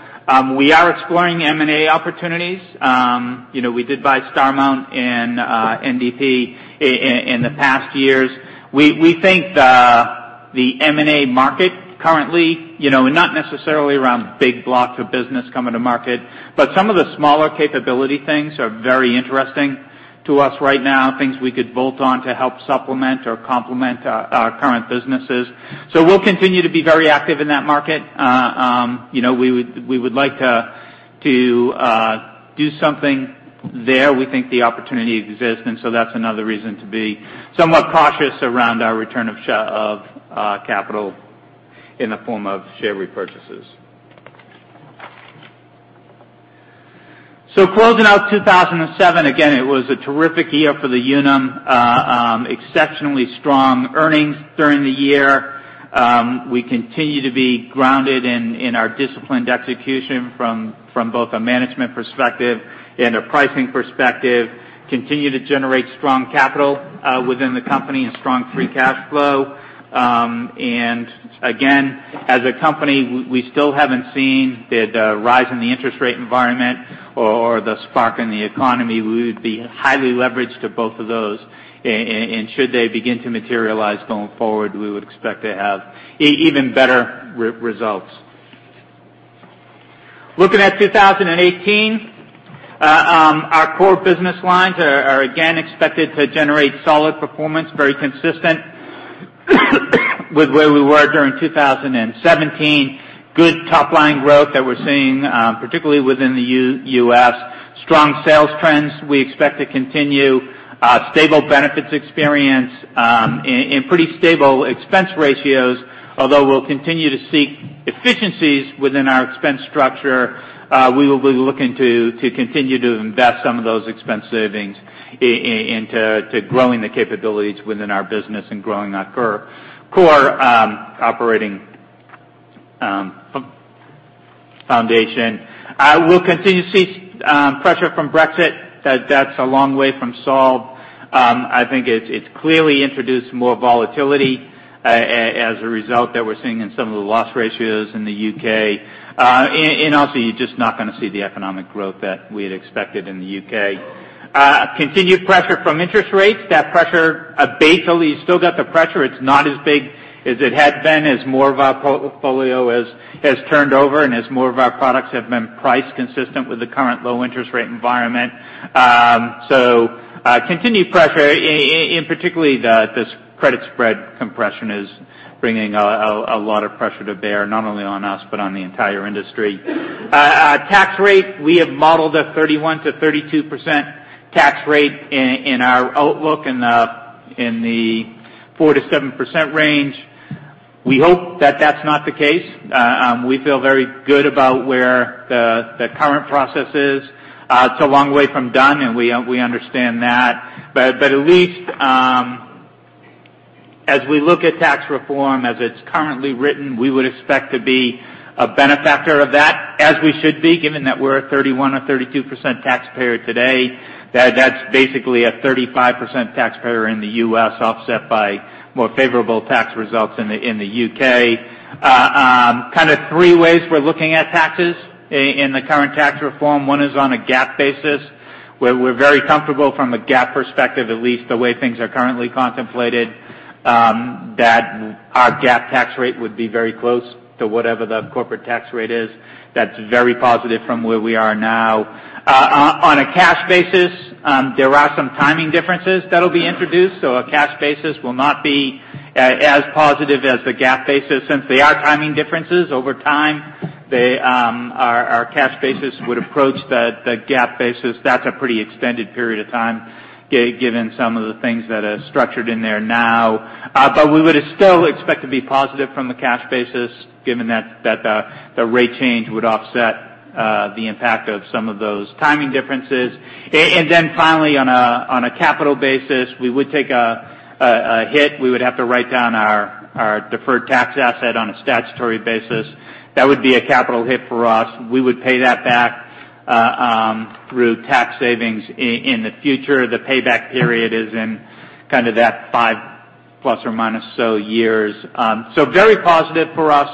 We are exploring M&A opportunities. We did buy Starmount and NDP in the past years. We think the M&A market currently, not necessarily around big blocks of business coming to market, but some of the smaller capability things are very interesting to us right now, things we could bolt on to help supplement or complement our current businesses. We'll continue to be very active in that market. We would like to do something there. We think the opportunity exists. That's another reason to be somewhat cautious around our return of capital in the form of share repurchases. Closing out 2017, again, it was a terrific year for the Unum. Exceptionally strong earnings during the year. We continue to be grounded in our disciplined execution from both a management perspective and a pricing perspective, continue to generate strong capital within the company and strong free cash flow. Again, as a company, we still haven't seen the rise in the interest rate environment or the spark in the economy. We would be highly leveraged to both of those, and should they begin to materialize going forward, we would expect to have even better results. Looking at 2018, our core business lines are again expected to generate solid performance, very consistent with where we were during 2017. Good top-line growth that we're seeing, particularly within the U.S. Strong sales trends we expect to continue. Stable benefits experience and pretty stable expense ratios. Although we'll continue to seek efficiencies within our expense structure, we will be looking to continue to invest some of those expense savings into growing the capabilities within our business and growing our core operating foundation. We'll continue to see pressure from Brexit. That's a long way from solved. I think it's clearly introduced more volatility as a result that we're seeing in some of the loss ratios in the U.K. Also, you're just not going to see the economic growth that we had expected in the U.K. Continued pressure from interest rates. That pressure abates, although you still got the pressure. It's not as big as it had been as more of our portfolio has turned over and as more of our products have been priced consistent with the current low interest rate environment. Continued pressure, in particular this credit spread compression is bringing a lot of pressure to bear, not only on us, but on the entire industry. Tax rate. We have modeled a 31%-32% tax rate in our outlook in the 4%-7% range. We hope that that's not the case. We feel very good about where the current process is. It's a long way from done, and we understand that. At least as we look at tax reform as it's currently written, we would expect to be a benefactor of that, as we should be, given that we're a 31% or 32% taxpayer today. That's basically a 35% taxpayer in the U.S. offset by more favorable tax results in the U.K. Three ways we're looking at taxes in the current tax reform. One is on a GAAP basis, where we're very comfortable from a GAAP perspective, at least the way things are currently contemplated, that our GAAP tax rate would be very close to whatever the corporate tax rate is. That's very positive from where we are now. On a cash basis, there are some timing differences that will be introduced, a cash basis will not be as positive as the GAAP basis. Since they are timing differences, over time, our cash basis would approach the GAAP basis. That's a pretty extended period of time given some of the things that are structured in there now. We would still expect to be positive from the cash basis given that the rate change would offset the impact of some of those timing differences. Finally, on a capital basis, we would take a hit. We would have to write down our deferred tax asset on a statutory basis. That would be a capital hit for us. We would pay that back through tax savings in the future. The payback period is in kind of that five plus or minus years. Very positive for us.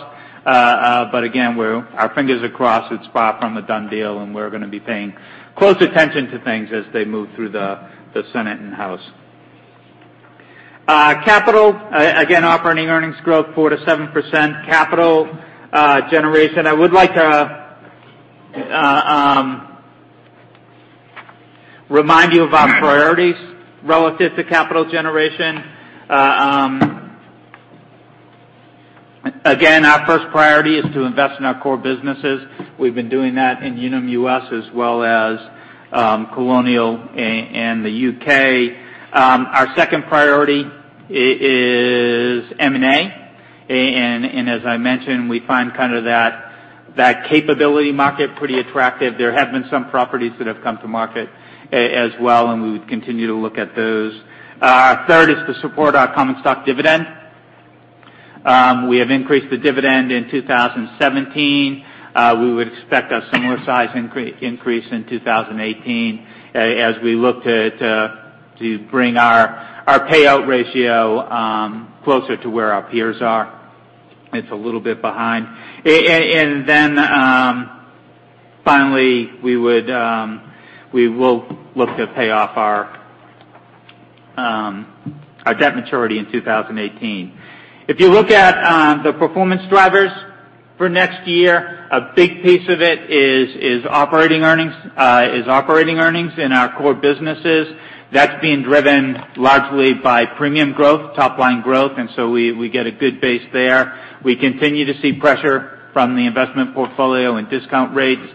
Again, our fingers are crossed. It's far from a done deal, and we're going to be paying close attention to things as they move through the Senate and House. Again, operating earnings growth 4%-7%. Capital generation. I would like to remind you of our priorities relative to capital generation. Again, our first priority is to invest in our core businesses. We've been doing that in Unum US as well as Colonial and the U.K. Our second priority is M&A. As I mentioned, we find that capability market pretty attractive. There have been some properties that have come to market as well, and we would continue to look at those. Third is to support our common stock dividend. We have increased the dividend in 2017. We would expect a similar size increase in 2018 as we look to bring our payout ratio closer to where our peers are. It's a little bit behind. Finally, we will look to pay off our debt maturity in 2018. If you look at the performance drivers for next year, a big piece of it is operating earnings in our core businesses. That is being driven largely by premium growth, top-line growth, we get a good base there. We continue to see pressure from the investment portfolio and discount rates.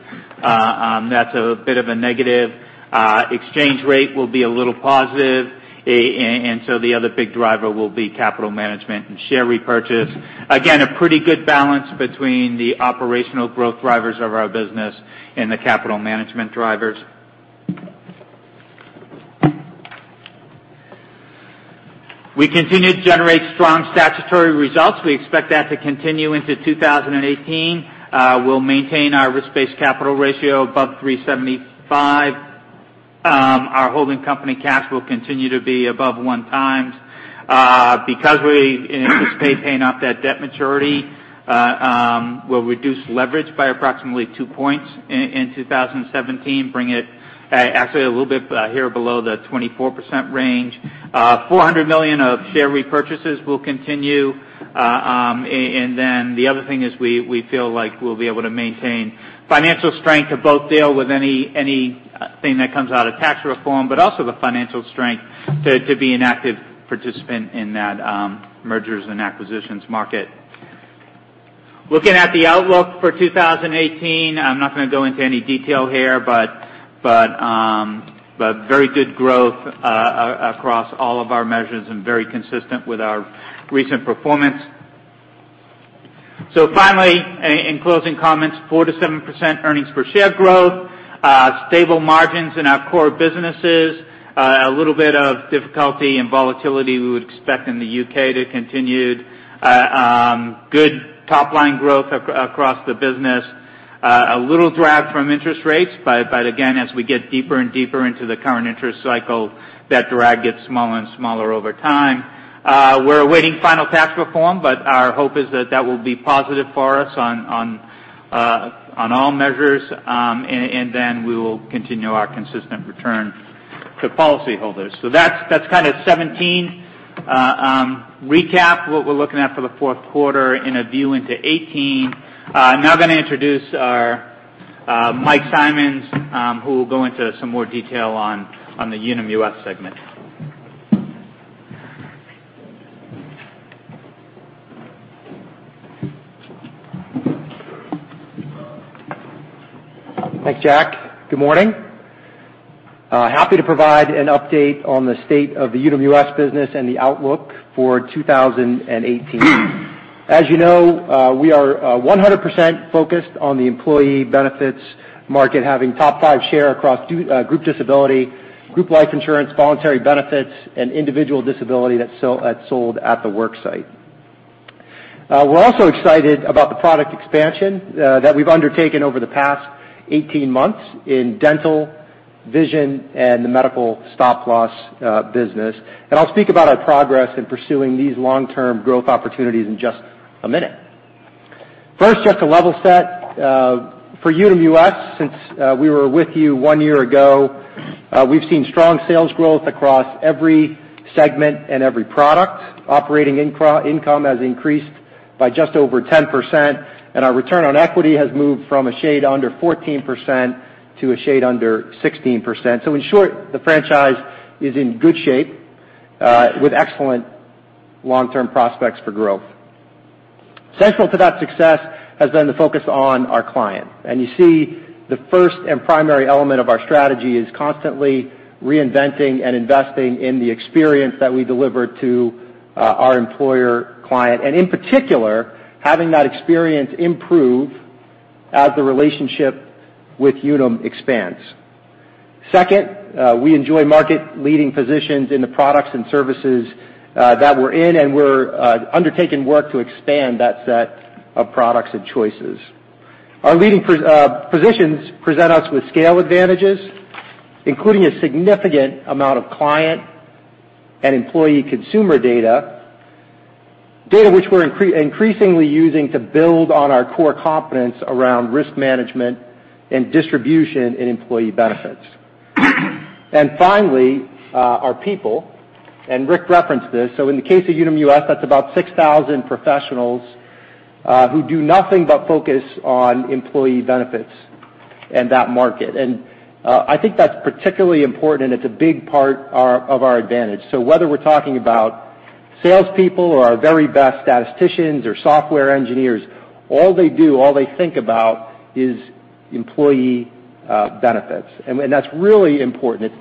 That is a bit of a negative. Exchange rate will be a little positive. The other big driver will be capital management and share repurchase. Again, a pretty good balance between the operational growth drivers of our business and the capital management drivers. We continue to generate strong statutory results. We expect that to continue into 2018. We will maintain our risk-based capital ratio above 375. Our holding company cash will continue to be above one times. Because we anticipate paying off that debt maturity, we will reduce leverage by approximately 2 points in 2017, bring it actually a little bit here below the 24% range. $400 million of share repurchases will continue. The other thing is we feel like we will be able to maintain financial strength to both deal with anything that comes out of tax reform, but also the financial strength to be an active participant in that mergers and acquisitions market. Looking at the outlook for 2018, I am not going to go into any detail here, but very good growth across all of our measures and very consistent with our recent performance. Finally, in closing comments, 4%-7% earnings per share growth. Stable margins in our core businesses. A little bit of difficulty and volatility we would expect in the U.K. to continue. Good top-line growth across the business. A little drag from interest rates, as we get deeper and deeper into the current interest cycle, that drag gets smaller and smaller over time. We are awaiting final tax reform, but our hope is that that will be positive for us on all measures. We will continue our consistent return to policyholders. That is kind of 2017 recap, what we are looking at for the fourth quarter and a view into 2018. I am now going to introduce Mike Simonds, who will go into some more detail on the Unum US segment. Thanks, Jack. Good morning. Happy to provide an update on the state of the Unum US business and the outlook for 2018. As you know, we are 100% focused on the employee benefits market, having top 5 share across group disability, group life insurance, voluntary benefits, and individual disability that is sold at the worksite. We are also excited about the product expansion that we have undertaken over the past 18 months in dental, vision, and the Medical Stop Loss business. I will speak about our progress in pursuing these long-term growth opportunities in just a minute. First, just to level set, for Unum US, since we were with you 1 year ago, we have seen strong sales growth across every segment and every product. Operating income has increased by just over 10%, and our return on equity has moved from a shade under 14% to a shade under 16%. In short, the franchise is in good shape with excellent long-term prospects for growth. Central to that success has been the focus on our client. You see the first and primary element of our strategy is constantly reinventing and investing in the experience that we deliver to our employer client, and in particular, having that experience improve as the relationship with Unum expands. Second, we enjoy market-leading positions in the products and services that we're in, and we're undertaking work to expand that set of products and choices. Our leading positions present us with scale advantages, including a significant amount of client and employee consumer data. Data which we're increasingly using to build on our core competence around risk management and distribution in employee benefits. Finally, our people, and Rick referenced this. In the case of Unum US, that's about 6,000 professionals who do nothing but focus on employee benefits and that market. I think that's particularly important, and it's a big part of our advantage. Whether we're talking about salespeople or our very best statisticians or software engineers, all they do, all they think about is employee benefits. That's really important.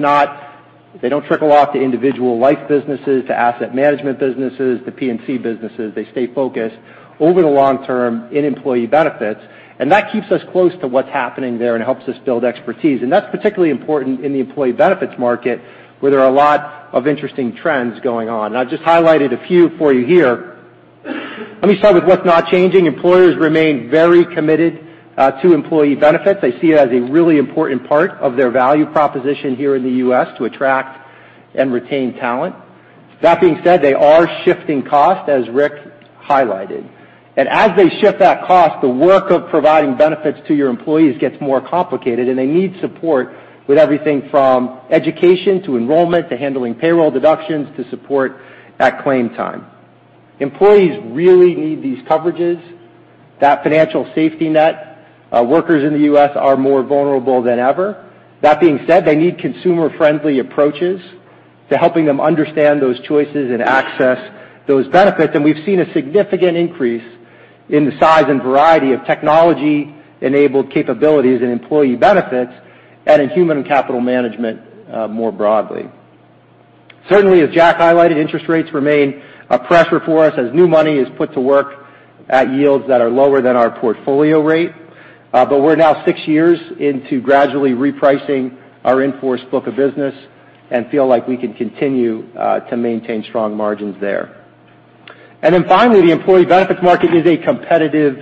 They don't trickle off to individual life businesses, to asset management businesses, to P&C businesses. They stay focused over the long term in employee benefits, and that keeps us close to what's happening there and helps us build expertise. That's particularly important in the employee benefits market, where there are a lot of interesting trends going on. I've just highlighted a few for you here. Let me start with what's not changing. Employers remain very committed to employee benefits. They see it as a really important part of their value proposition here in the U.S. to attract and retain talent. That being said, they are shifting cost, as Rick highlighted. As they shift that cost, the work of providing benefits to your employees gets more complicated, and they need support with everything from education to enrollment, to handling payroll deductions, to support at claim time. Employees really need these coverages, that financial safety net. Workers in the U.S. are more vulnerable than ever. That being said, they need consumer-friendly approaches to helping them understand those choices and access those benefits. We've seen a significant increase in the size and variety of technology-enabled capabilities in employee benefits and in human capital management more broadly. Certainly, as Jack highlighted, interest rates remain a pressure for us as new money is put to work at yields that are lower than our portfolio rate. We're now six years into gradually repricing our in-force book of business and feel like we can continue to maintain strong margins there. Finally, the employee benefits market is a competitive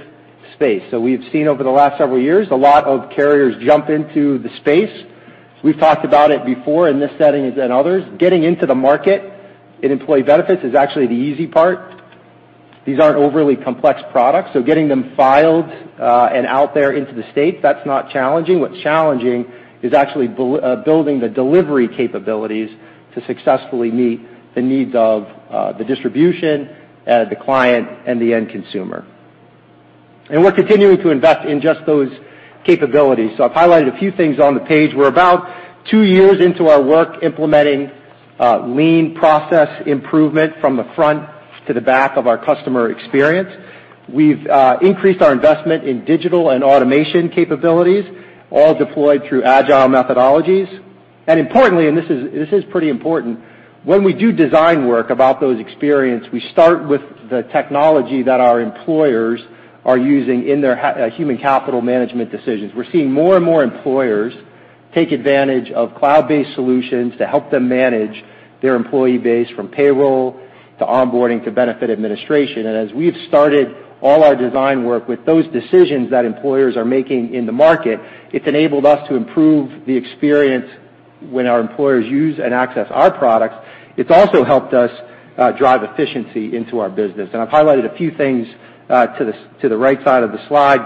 space. We've seen over the last several years, a lot of carriers jump into the space. We've talked about it before in this setting and others. Getting into the market in employee benefits is actually the easy part. These aren't overly complex products, so getting them filed and out there into the state, that's not challenging. What's challenging is actually building the delivery capabilities to successfully meet the needs of the distribution, the client, and the end consumer. We're continuing to invest in just those capabilities. I've highlighted a few things on the page. We're about two years into our work implementing lean process improvement from the front to the back of our customer experience. We've increased our investment in digital and automation capabilities, all deployed through agile methodologies. Importantly, and this is pretty important, when we do design work about those experience, we start with the technology that our employers are using in their human capital management decisions. We're seeing more and more employers take advantage of cloud-based solutions to help them manage their employee base, from payroll to onboarding to benefit administration. As we've started all our design work with those decisions that employers are making in the market, it's enabled us to improve the experience when our employers use and access our products. It's also helped us drive efficiency into our business. I've highlighted a few things to the right side of the slide.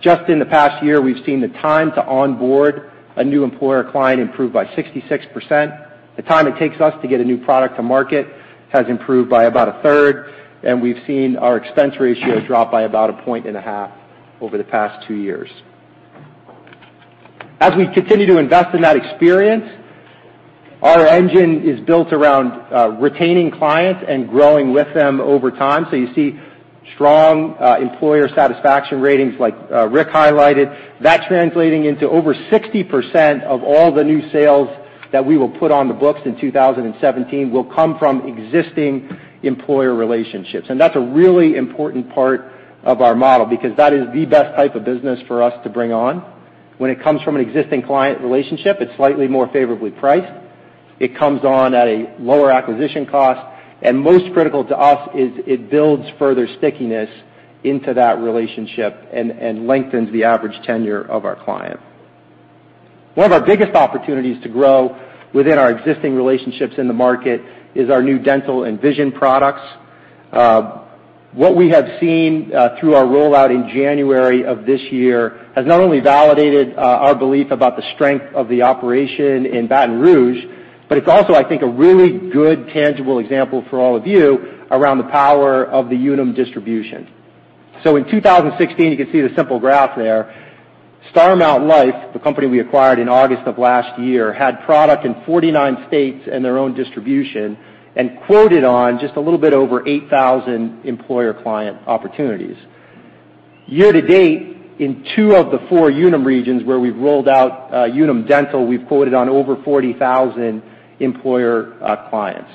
Just in the past year, we've seen the time to onboard a new employer client improve by 66%. The time it takes us to get a new product to market has improved by about a third, and we've seen our expense ratio drop by about a point and a half over the past two years. As we continue to invest in that experience, our engine is built around retaining clients and growing with them over time. You see strong employer satisfaction ratings, like Rick highlighted. That's translating into over 60% of all the new sales that we will put on the books in 2017 will come from existing employer relationships. That's a really important part of our model because that is the best type of business for us to bring on. When it comes from an existing client relationship, it's slightly more favorably priced. It comes on at a lower acquisition cost. Most critical to us is it builds further stickiness into that relationship and lengthens the average tenure of our client. One of our biggest opportunities to grow within our existing relationships in the market is our new dental and vision products. What we have seen through our rollout in January of this year has not only validated our belief about the strength of the operation in Baton Rouge, but it's also, I think, a really good, tangible example for all of you around the power of the Unum distribution. In 2016, you can see the simple graph there. Starmount Life, the company we acquired in August of last year, had product in 49 states and their own distribution, and quoted on just a little bit over 8,000 employer client opportunities. Year to date, in two of the four Unum regions where we've rolled out Unum Dental, we've quoted on over 40,000 employer clients.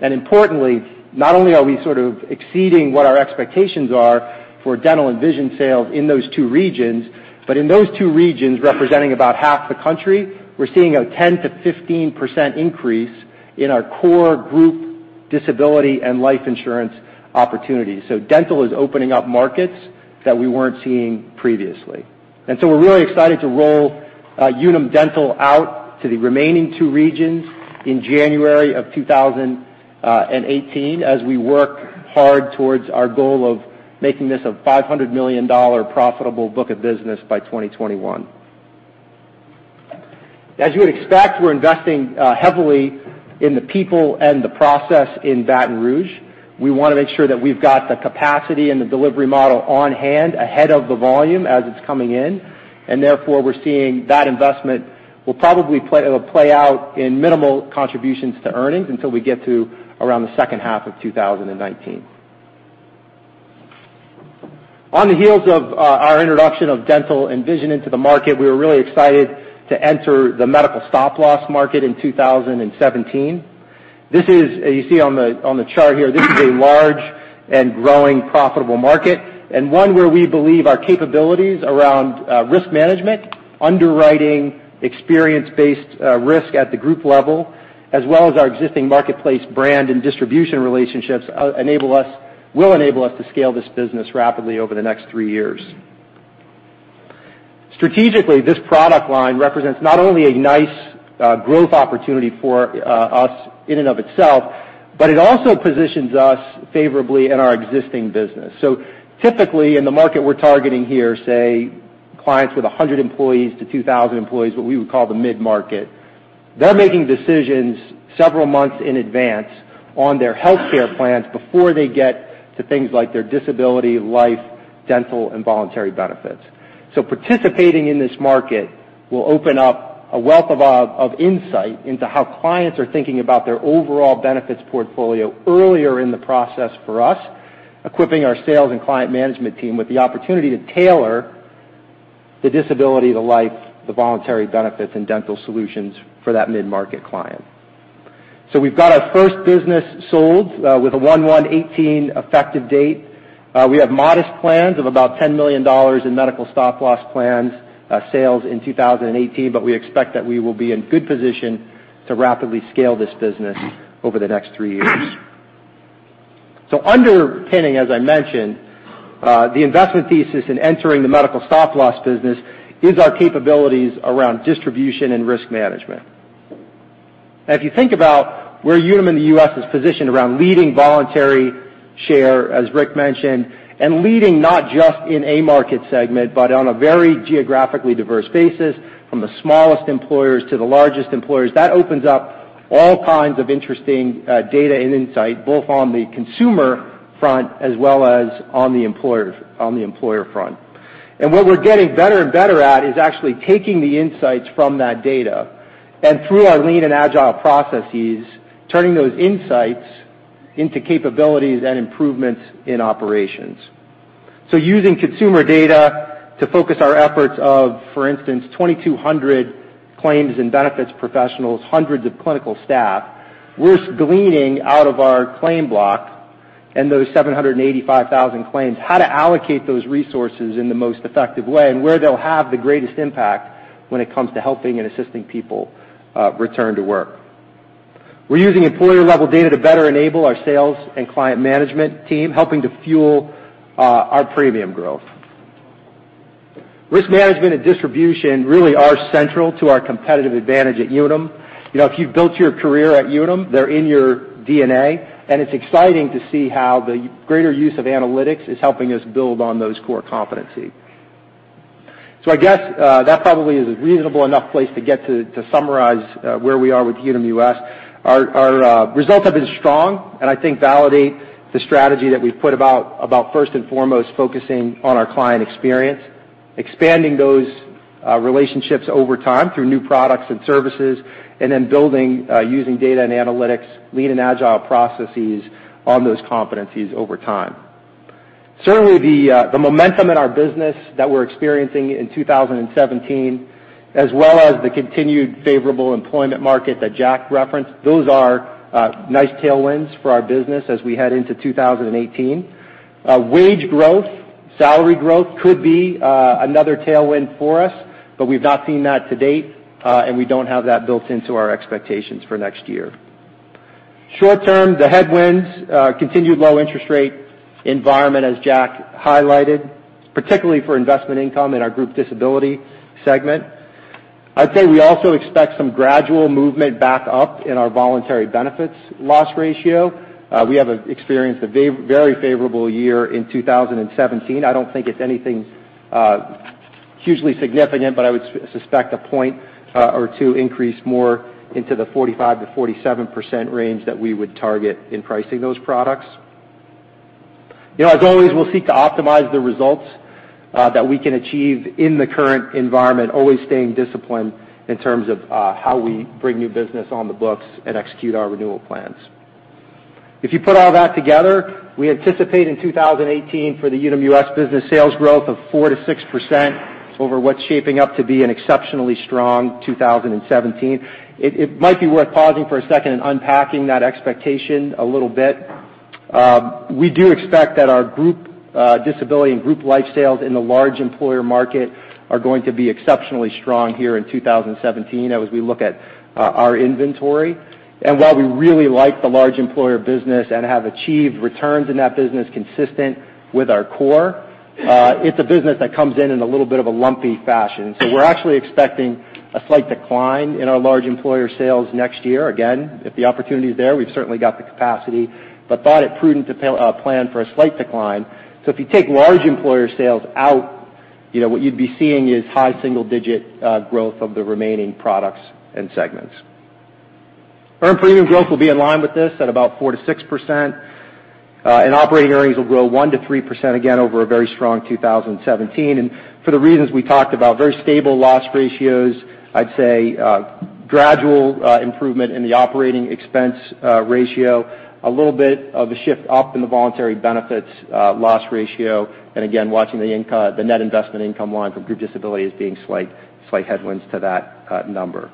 Importantly, not only are we sort of exceeding what our expectations are for dental and vision sales in those two regions, but in those two regions, representing about half the country, we're seeing a 10%-15% increase in our core group disability and life insurance opportunities. Dental is opening up markets that we weren't seeing previously. We're really excited to roll Unum Dental out to the remaining two regions in January of 2018 as we work hard towards our goal of making this a $500 million profitable book of business by 2021. As you would expect, we're investing heavily in the people and the process in Baton Rouge. We want to make sure that we've got the capacity and the delivery model on hand ahead of the volume as it's coming in, therefore we're seeing that investment will probably play out in minimal contributions to earnings until we get to around the second half of 2019. On the heels of our introduction of dental and vision into the market, we were really excited to enter the Medical Stop Loss market in 2017. You see on the chart here, this is a large and growing profitable market and one where we believe our capabilities around risk management, underwriting experience-based risk at the group level, as well as our existing marketplace brand and distribution relationships will enable us to scale this business rapidly over the next three years. Strategically, this product line represents not only a nice growth opportunity for us in and of itself, but it also positions us favorably in our existing business. Typically, in the market we're targeting here, say, clients with 100 employees to 2,000 employees, what we would call the mid-market, they're making decisions several months in advance on their healthcare plans before they get to things like their disability, life, dental, and voluntary benefits. Participating in this market will open up a wealth of insight into how clients are thinking about their overall benefits portfolio earlier in the process for us, equipping our sales and client management team with the opportunity to tailor the disability to life, the voluntary benefits, and dental solutions for that mid-market client. We've got our first business sold with a 1/1/2018 effective date. We have modest plans of about $10 million in Medical Stop Loss plans sales in 2018, but we expect that we will be in good position to rapidly scale this business over the next three years. Underpinning, as I mentioned, the investment thesis in entering the Medical Stop Loss business is our capabilities around distribution and risk management. If you think about where Unum in the U.S. is positioned around leading voluntary share, as Rick mentioned, and leading not just in a market segment, but on a very geographically diverse basis, from the smallest employers to the largest employers, that opens up all kinds of interesting data and insight, both on the consumer front as well as on the employer front. What we're getting better and better at is actually taking the insights from that data, and through our lean and agile processes, turning those insights into capabilities and improvements in operations. Using consumer data to focus our efforts of, for instance, 2,200 claims and benefits professionals, hundreds of clinical staff. We're gleaning out of our claim block. Those 785,000 claims, how to allocate those resources in the most effective way and where they'll have the greatest impact when it comes to helping and assisting people return to work. We're using employer-level data to better enable our sales and client management team, helping to fuel our premium growth. Risk management and distribution really are central to our competitive advantage at Unum. If you've built your career at Unum, they're in your DNA, and it's exciting to see how the greater use of analytics is helping us build on those core competencies. I guess that probably is a reasonable enough place to get to summarize where we are with Unum US. Our results have been strong and I think validate the strategy that we've put about first and foremost focusing on our client experience, expanding those relationships over time through new products and services, and then building using data and analytics, lean and agile processes on those competencies over time. Certainly, the momentum in our business that we're experiencing in 2017, as well as the continued favorable employment market that Jack referenced, those are nice tailwinds for our business as we head into 2018. Wage growth, salary growth could be another tailwind for us, but we've not seen that to date, and we don't have that built into our expectations for next year. Short term, the headwinds, continued low interest rate environment, as Jack highlighted, particularly for investment income in our group disability segment. I'd say we also expect some gradual movement back up in our voluntary benefits loss ratio. We have experienced a very favorable year in 2017. I don't think it's anything hugely significant, but I would suspect a point or two increase more into the 45%-47% range that we would target in pricing those products. Always, we'll seek to optimize the results that we can achieve in the current environment, always staying disciplined in terms of how we bring new business on the books and execute our renewal plans. If you put all that together, we anticipate in 2018 for the Unum US business sales growth of 4%-6% over what's shaping up to be an exceptionally strong 2017. It might be worth pausing for a second and unpacking that expectation a little bit. We do expect that our group disability and group life sales in the large employer market are going to be exceptionally strong here in 2017 as we look at our inventory. While we really like the large employer business and have achieved returns in that business consistent with our core, it's a business that comes in in a little bit of a lumpy fashion. We're actually expecting a slight decline in our large employer sales next year. Again, if the opportunity is there, we've certainly got the capacity, but thought it prudent to plan for a slight decline. If you take large employer sales out, what you'd be seeing is high single-digit growth of the remaining products and segments. Earned premium growth will be in line with this at about 4%-6%, and operating earnings will grow 1%-3% again over a very strong 2017. For the reasons we talked about, very stable loss ratios, I'd say gradual improvement in the operating expense ratio, a little bit of a shift up in the voluntary benefits loss ratio, and again, watching the net investment income line from group disability as being slight headwinds to that number.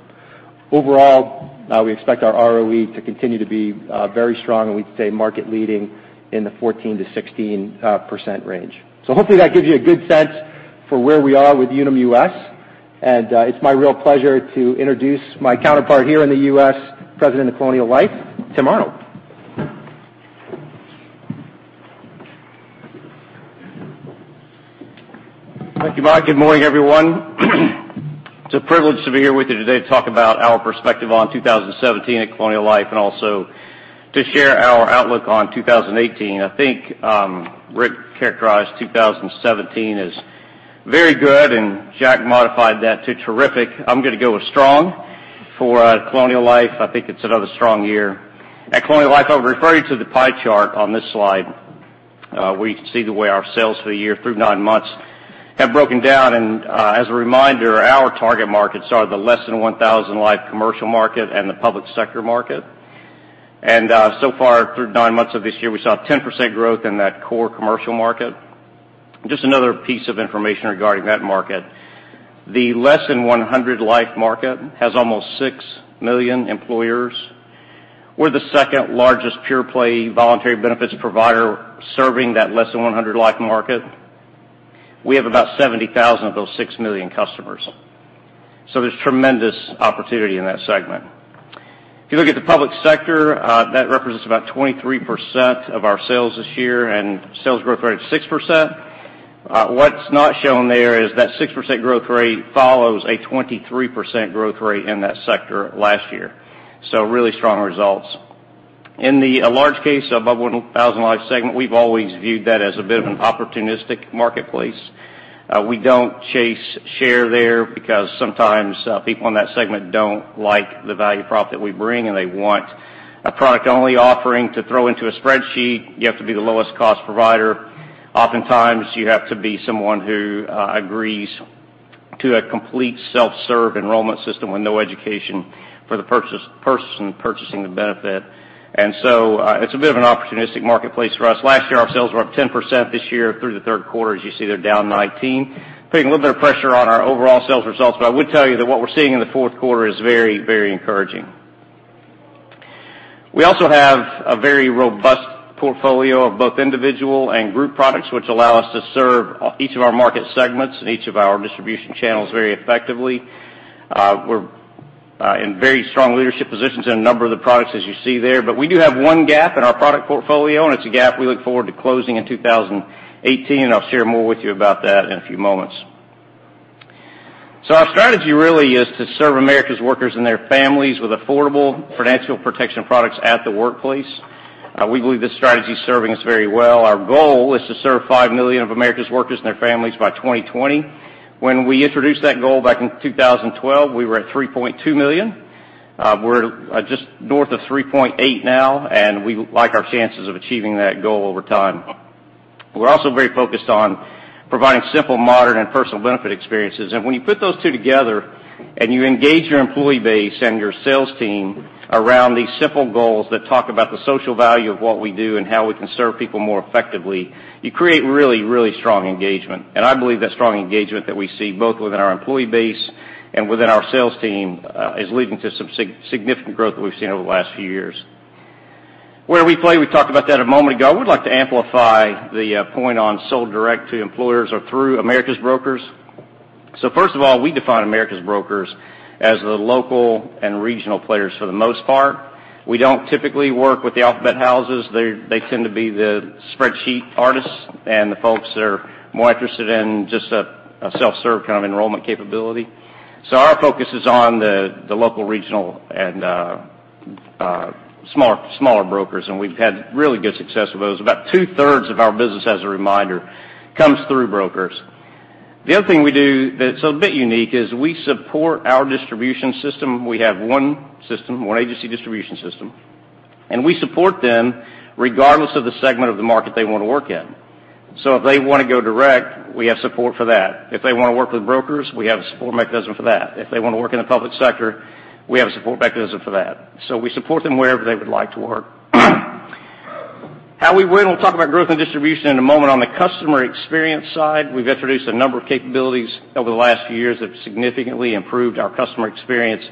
Overall, we expect our ROE to continue to be very strong, and we'd say market leading in the 14%-16% range. Hopefully that gives you a good sense for where we are with Unum US. It's my real pleasure to introduce my counterpart here in the U.S., President of Colonial Life, Tim Arnold. Thank you, Mike. Good morning, everyone. It's a privilege to be here with you today to talk about our perspective on 2017 at Colonial Life and also to share our outlook on 2018. I think Rick characterized 2017 as very good, Jack modified that to terrific. I'm going to go with strong for Colonial Life. I think it's another strong year. At Colonial Life, I would refer you to the pie chart on this slide, where you can see the way our sales for the year through nine months have broken down. As a reminder, our target markets are the less than 1,000 life commercial market and the public sector market. So far, through nine months of this year, we saw 10% growth in that core commercial market. Just another piece of information regarding that market. The less than 100 life market has almost six million employers. We're the second largest pure play voluntary benefits provider serving that less than 100 life market. We have about 70,000 of those six million customers. There's tremendous opportunity in that segment. If you look at the public sector, that represents about 23% of our sales this year, and sales growth rate of 6%. What's not shown there is that 6% growth rate follows a 23% growth rate in that sector last year. Really strong results. In the large case above 1,000 life segment, we've always viewed that as a bit of an opportunistic marketplace. We don't chase share there because sometimes people in that segment don't like the value prop that we bring, and they want a product-only offering to throw into a spreadsheet. You have to be the lowest cost provider. Oftentimes, you have to be someone who agrees to a complete self-serve enrollment system with no education for the person purchasing the benefit. It's a bit of an opportunistic marketplace for us. Last year, our sales were up 10%. This year, through the third quarter, as you see, they're down 19%, putting a little bit of pressure on our overall sales results. I would tell you that what we're seeing in the fourth quarter is very encouraging. We also have a very robust portfolio of both individual and group products, which allow us to serve each of our market segments and each of our distribution channels very effectively. We're in very strong leadership positions in a number of the products as you see there. We do have one gap in our product portfolio, and it's a gap we look forward to closing in 2018. I'll share more with you about that in a few moments. Our strategy really is to serve America's workers and their families with affordable financial protection products at the workplace. We believe this strategy is serving us very well. Our goal is to serve 5 million of America's workers and their families by 2020. When we introduced that goal back in 2012, we were at 3.2 million. We're just north of 3.8 now, and we like our chances of achieving that goal over time. We're also very focused on providing simple, modern, and personal benefit experiences. When you put those two together and you engage your employee base and your sales team around these simple goals that talk about the social value of what we do and how we can serve people more effectively, you create really, really strong engagement. I believe that strong engagement that we see both within our employee base and within our sales team is leading to some significant growth that we've seen over the last few years. Where we play, we talked about that a moment ago. I would like to amplify the point on sold direct to employers or through America's brokers. First of all, we define America's brokers as the local and regional players for the most part. We don't typically work with the alphabet houses. They tend to be the spreadsheet artists and the folks that are more interested in just a self-serve kind of enrollment capability. Our focus is on the local, regional, and smaller brokers, and we've had really good success with those. About two-thirds of our business, as a reminder, comes through brokers. The other thing we do that's a bit unique is we support our distribution system. We have one system, one agency distribution system, and we support them regardless of the segment of the market they want to work in. If they want to go direct, we have support for that. If they want to work with brokers, we have a support mechanism for that. If they want to work in the public sector, we have a support mechanism for that. We support them wherever they would like to work. How we win, we'll talk about growth and distribution in a moment. On the customer experience side, we've introduced a number of capabilities over the last few years that have significantly improved our customer experience.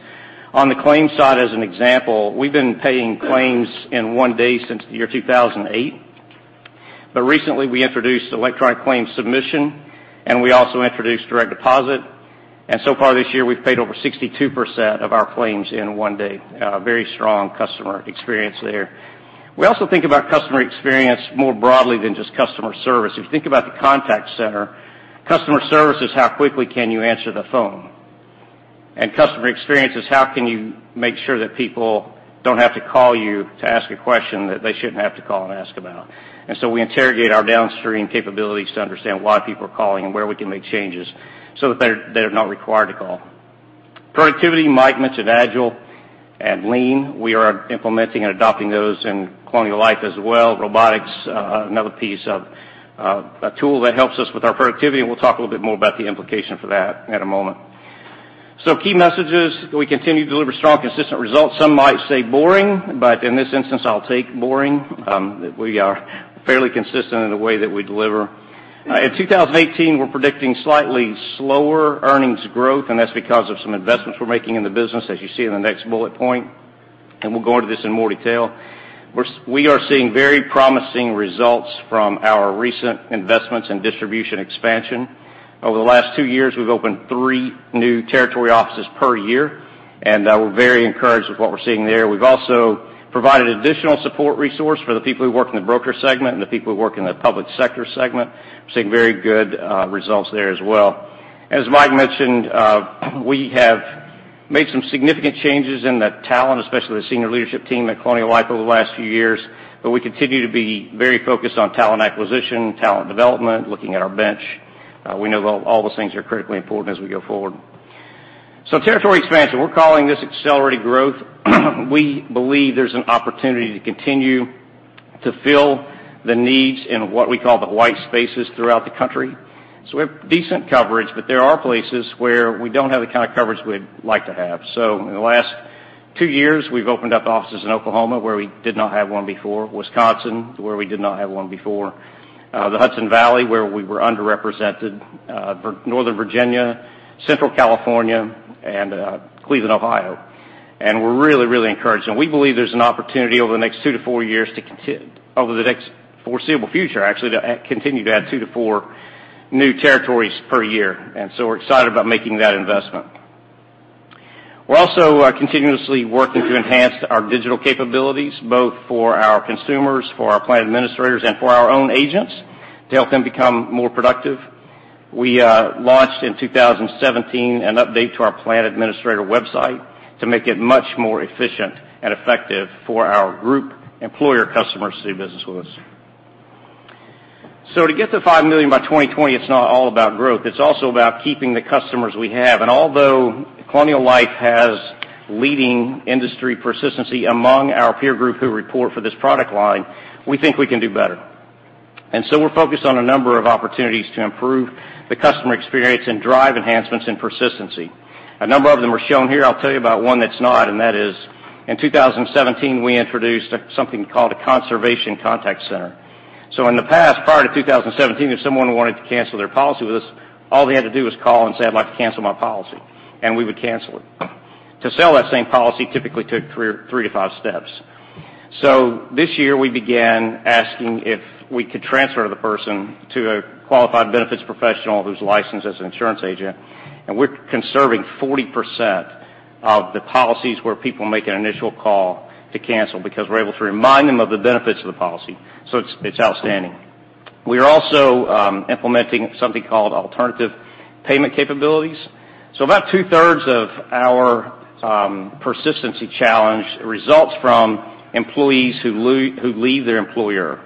On the claims side, as an example, we've been paying claims in one day since the year 2008. Recently we introduced electronic claims submission, and we also introduced direct deposit. So far this year, we've paid over 62% of our claims in one day. A very strong customer experience there. We also think about customer experience more broadly than just customer service. If you think about the contact center, customer service is how quickly can you answer the phone. Customer experience is how can you make sure that people don't have to call you to ask a question that they shouldn't have to call and ask about. We interrogate our downstream capabilities to understand why people are calling and where we can make changes so that they're not required to call. Productivity, Mike mentioned Agile and Lean. We are implementing and adopting those in Colonial Life as well. Robotics, another piece of a tool that helps us with our productivity. We'll talk a little bit more about the implication for that in a moment. Key messages. We continue to deliver strong, consistent results. Some might say boring. In this instance, I'll take boring. We are fairly consistent in the way that we deliver. In 2018, we're predicting slightly slower earnings growth. That's because of some investments we're making in the business, as you see in the next bullet point. We'll go into this in more detail. We are seeing very promising results from our recent investments in distribution expansion. Over the last two years, we've opened three new territory offices per year. We're very encouraged with what we're seeing there. We've also provided additional support resource for the people who work in the broker segment and the people who work in the public sector segment. We're seeing very good results there as well. As Mike mentioned, we have made some significant changes in the talent, especially the senior leadership team at Colonial Life over the last few years. We continue to be very focused on talent acquisition, talent development, looking at our bench. We know all those things are critically important as we go forward. Territory expansion. We're calling this accelerated growth. We believe there's an opportunity to continue to fill the needs in what we call the white spaces throughout the country. We have decent coverage. There are places where we don't have the kind of coverage we'd like to have. In the last two years, we've opened up offices in Oklahoma, where we did not have one before. Wisconsin, where we did not have one before. The Hudson Valley, where we were underrepresented. Northern Virginia, Central California, and Cleveland, Ohio. We're really encouraged. We believe there's an opportunity over the next two to four years, over the next foreseeable future, actually, to continue to add two to four new territories per year. We're excited about making that investment. We're also continuously working to enhance our digital capabilities, both for our consumers, for our plan administrators, and for our own agents to help them become more productive. We launched in 2017 an update to our plan administrator website to make it much more efficient and effective for our group employer customers to do business with us. To get to 5 million by 2020, it's not all about growth. It's also about keeping the customers we have. Although Colonial Life has leading industry persistency among our peer group who report for this product line, we think we can do better. We're focused on a number of opportunities to improve the customer experience and drive enhancements and persistency. A number of them are shown here. I'll tell you about one that's not. That is in 2017, we introduced something called a conservation contact center. In the past, prior to 2017, if someone wanted to cancel their policy with us, all they had to do was call and say, "I'd like to cancel my policy." We would cancel it. To sell that same policy typically took three to five steps. This year, we began asking if we could transfer the person to a qualified benefits professional who's licensed as an insurance agent, and we're conserving 40% of the policies where people make an initial call to cancel because we're able to remind them of the benefits of the policy. It's outstanding. We are also implementing something called alternative payment capabilities. About two-thirds of our persistency challenge results from employees who leave their employer.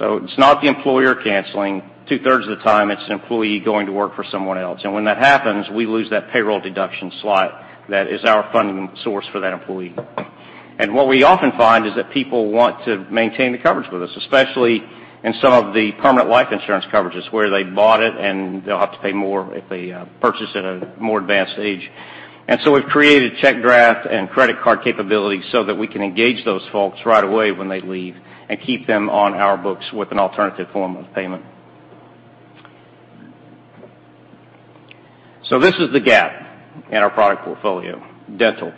It's not the employer canceling. Two-thirds of the time, it's an employee going to work for someone else. When that happens, we lose that payroll deduction slot that is our funding source for that employee. What we often find is that people want to maintain the coverage with us, especially in some of the permanent life insurance coverages where they bought it, and they'll have to pay more if they purchase at a more advanced age. We've created check draft and credit card capabilities so that we can engage those folks right away when they leave and keep them on our books with an alternative form of payment. This is the gap in our product portfolio, dental.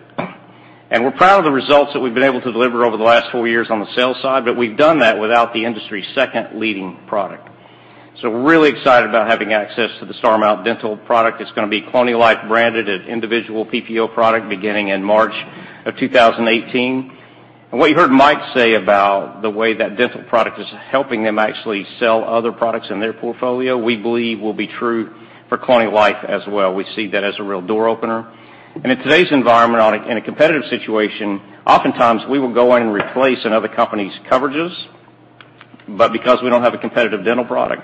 We're proud of the results that we've been able to deliver over the last four years on the sales side, but we've done that without the industry's second leading product. We're really excited about having access to the Starmount dental product. It's going to be Colonial Life branded, an individual PPO product beginning in March of 2018. What you heard Mike say about the way that dental product is helping them actually sell other products in their portfolio, we believe will be true for Colonial Life as well. We see that as a real door opener. In today's environment, in a competitive situation, oftentimes we will go in and replace another company's coverages, but because we don't have a competitive dental product,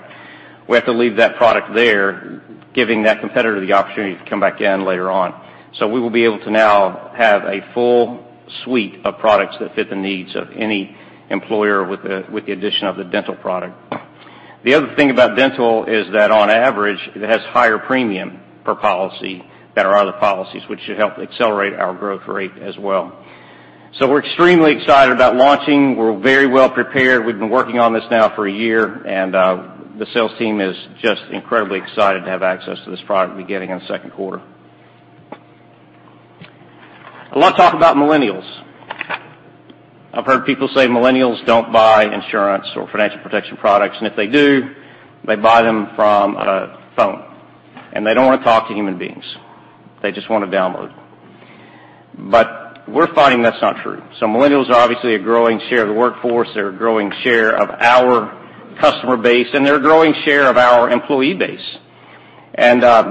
we have to leave that product there, giving that competitor the opportunity to come back in later on. We will be able to now have a full suite of products that fit the needs of any employer with the addition of the dental product. The other thing about dental is that on average, it has higher premium per policy than our other policies, which should help accelerate our growth rate as well. We're extremely excited about launching. We're very well prepared. We've been working on this now for a year, and the sales team is just incredibly excited to have access to this product beginning in the second quarter. I want to talk about millennials. I've heard people say millennials don't buy insurance or financial protection products, and if they do, they buy them from a phone, and they don't want to talk to human beings. They just want to download. We're finding that's not true. Millennials are obviously a growing share of the workforce, they're a growing share of our customer base, and they're a growing share of our employee base.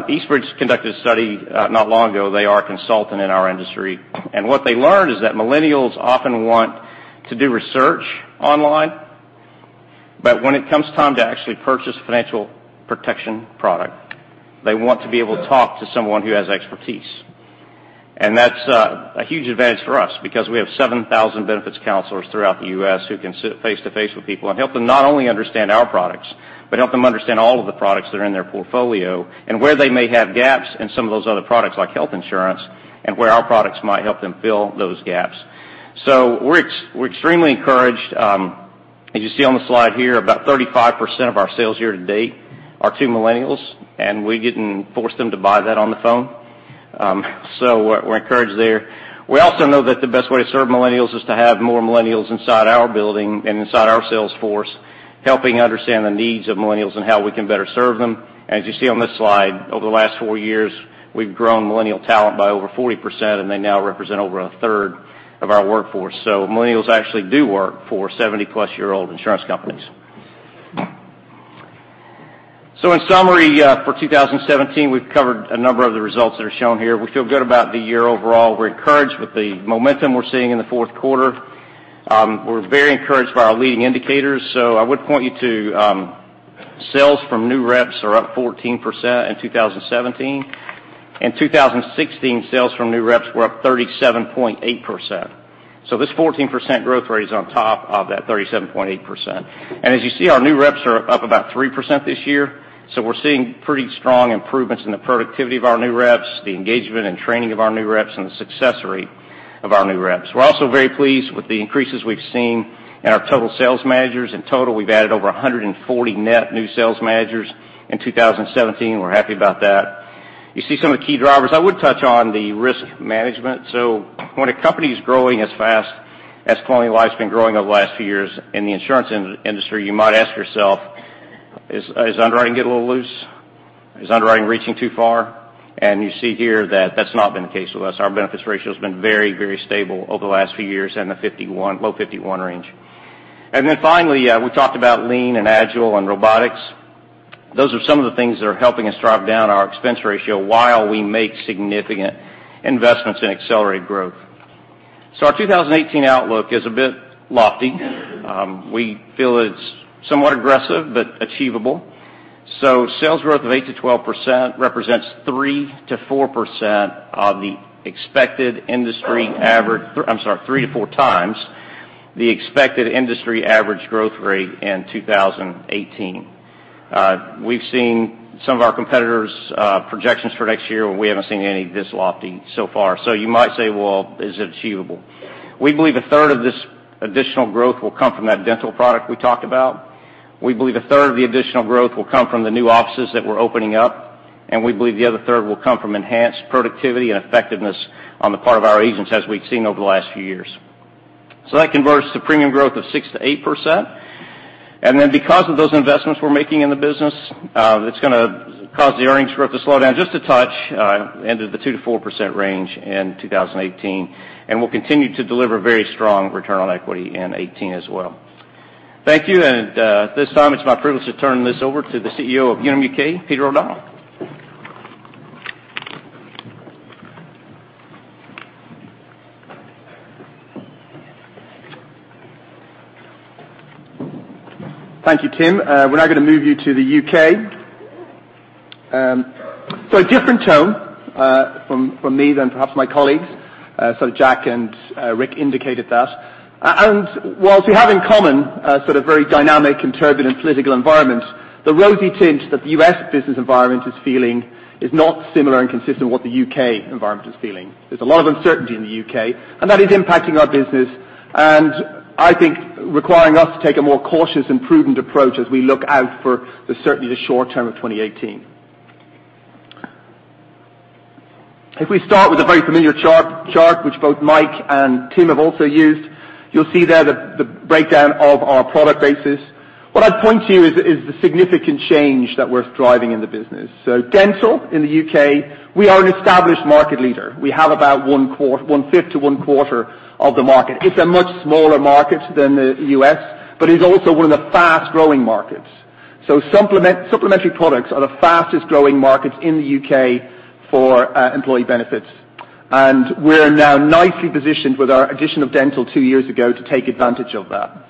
Eastbridge conducted a study not long ago. They are a consultant in our industry. What they learned is that millennials often want to do research online, but when it comes time to actually purchase a financial protection product, they want to be able to talk to someone who has expertise. That's a huge advantage for us because we have 7,000 benefits counselors throughout the U.S. who can sit face-to-face with people and help them not only understand our products, but help them understand all of the products that are in their portfolio and where they may have gaps in some of those other products like health insurance, and where our products might help them fill those gaps. We're extremely encouraged. As you see on the slide here, about 35% of our sales year to date are to millennials, and we didn't force them to buy that on the phone. We're encouraged there. We also know that the best way to serve millennials is to have more millennials inside our building and inside our sales force, helping understand the needs of millennials and how we can better serve them. As you see on this slide, over the last four years, we've grown millennial talent by over 40%, and they now represent over a third of our workforce. Millennials actually do work for 70-plus-year-old insurance companies. In summary, for 2017, we've covered a number of the results that are shown here. We feel good about the year overall. We're encouraged with the momentum we're seeing in the fourth quarter. We're very encouraged by our leading indicators. I would point you to sales from new reps are up 14% in 2017. In 2016, sales from new reps were up 37.8%. This 14% growth rate is on top of that 37.8%. As you see, our new reps are up about 3% this year. We're seeing pretty strong improvements in the productivity of our new reps, the engagement and training of our new reps, and the success rate of our new reps. We're also very pleased with the increases we've seen in our total sales managers. In total, we've added over 140 net new sales managers in 2017. We're happy about that. You see some of the key drivers. I would touch on the risk management. When a company's growing as fast as Colonial Life's been growing over the last few years in the insurance industry, you might ask yourself, is underwriting getting a little loose? Is underwriting reaching too far? You see here that that's not been the case with us. Our benefits ratio has been very stable over the last few years in the low 51 range. Finally, we talked about lean and agile and robotics. Those are some of the things that are helping us drive down our expense ratio while we make significant investments in accelerated growth. Our 2018 outlook is a bit lofty. We feel it's somewhat aggressive but achievable. Sales growth of 8%-12% represents 3%-4% of the expected industry average. I'm sorry, three to four times the expected industry average growth rate in 2018. We've seen some of our competitors' projections for next year. We haven't seen any this lofty so far. You might say, "Well, is it achievable?" We believe a third of this additional growth will come from that dental product we talked about. We believe a third of the additional growth will come from the new offices that we're opening up, and we believe the other third will come from enhanced productivity and effectiveness on the part of our agents, as we've seen over the last few years. That converts to premium growth of 6%-8%. Because of those investments we're making in the business, it's going to cause the earnings growth to slow down just a touch into the 2%-4% range in 2018. We'll continue to deliver very strong return on equity in 2018 as well. Thank you. At this time, it's my privilege to turn this over to the CEO of Unum UK, Peter O'Donnell. Thank you, Tim. We're now going to move you to the U.K. A different tone from me than perhaps my colleagues. Jack and Rick indicated that. Whilst we have in common a sort of very dynamic and turbulent political environment, the rosy tint that the U.S. business environment is feeling is not similar and consistent with what the U.K. environment is feeling. There's a lot of uncertainty in the U.K., and that is impacting our business, and I think requiring us to take a more cautious and prudent approach as we look out for certainly the short term of 2018. If we start with a very familiar chart, which both Mike and Tim have also used, you'll see there the breakdown of our product bases. What I'd point to is the significant change that we're driving in the business. Unum Dental in the U.K., we are an established market leader. We have about one-fifth to one-quarter of the market. It's a much smaller market than the U.S., but it's also one of the fast-growing markets. Supplementary products are the fastest-growing markets in the U.K. for employee benefits. We're now nicely positioned with our addition of Unum Dental two years ago to take advantage of that.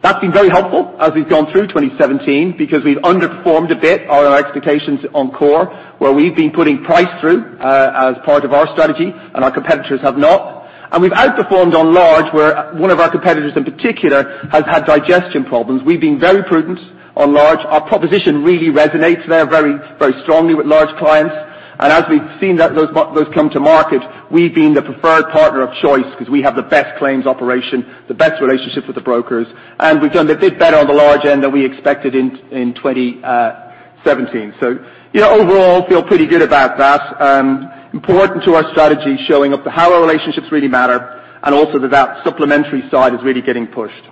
That's been very helpful as we've gone through 2017 because we've underperformed a bit on our expectations on core, where we've been putting price through as part of our strategy and our competitors have not. We've outperformed on large, where one of our competitors in particular has had digestion problems. We've been very prudent on large. Our proposition really resonates there very strongly with large clients. As we've seen those come to market, we've been the preferred partner of choice because we have the best claims operation, the best relationships with the brokers, and we've done a bit better on the large end than we expected in 2017. Overall, feel pretty good about that. Important to our strategy, showing up how our relationships really matter and also that that supplementary side is really getting pushed.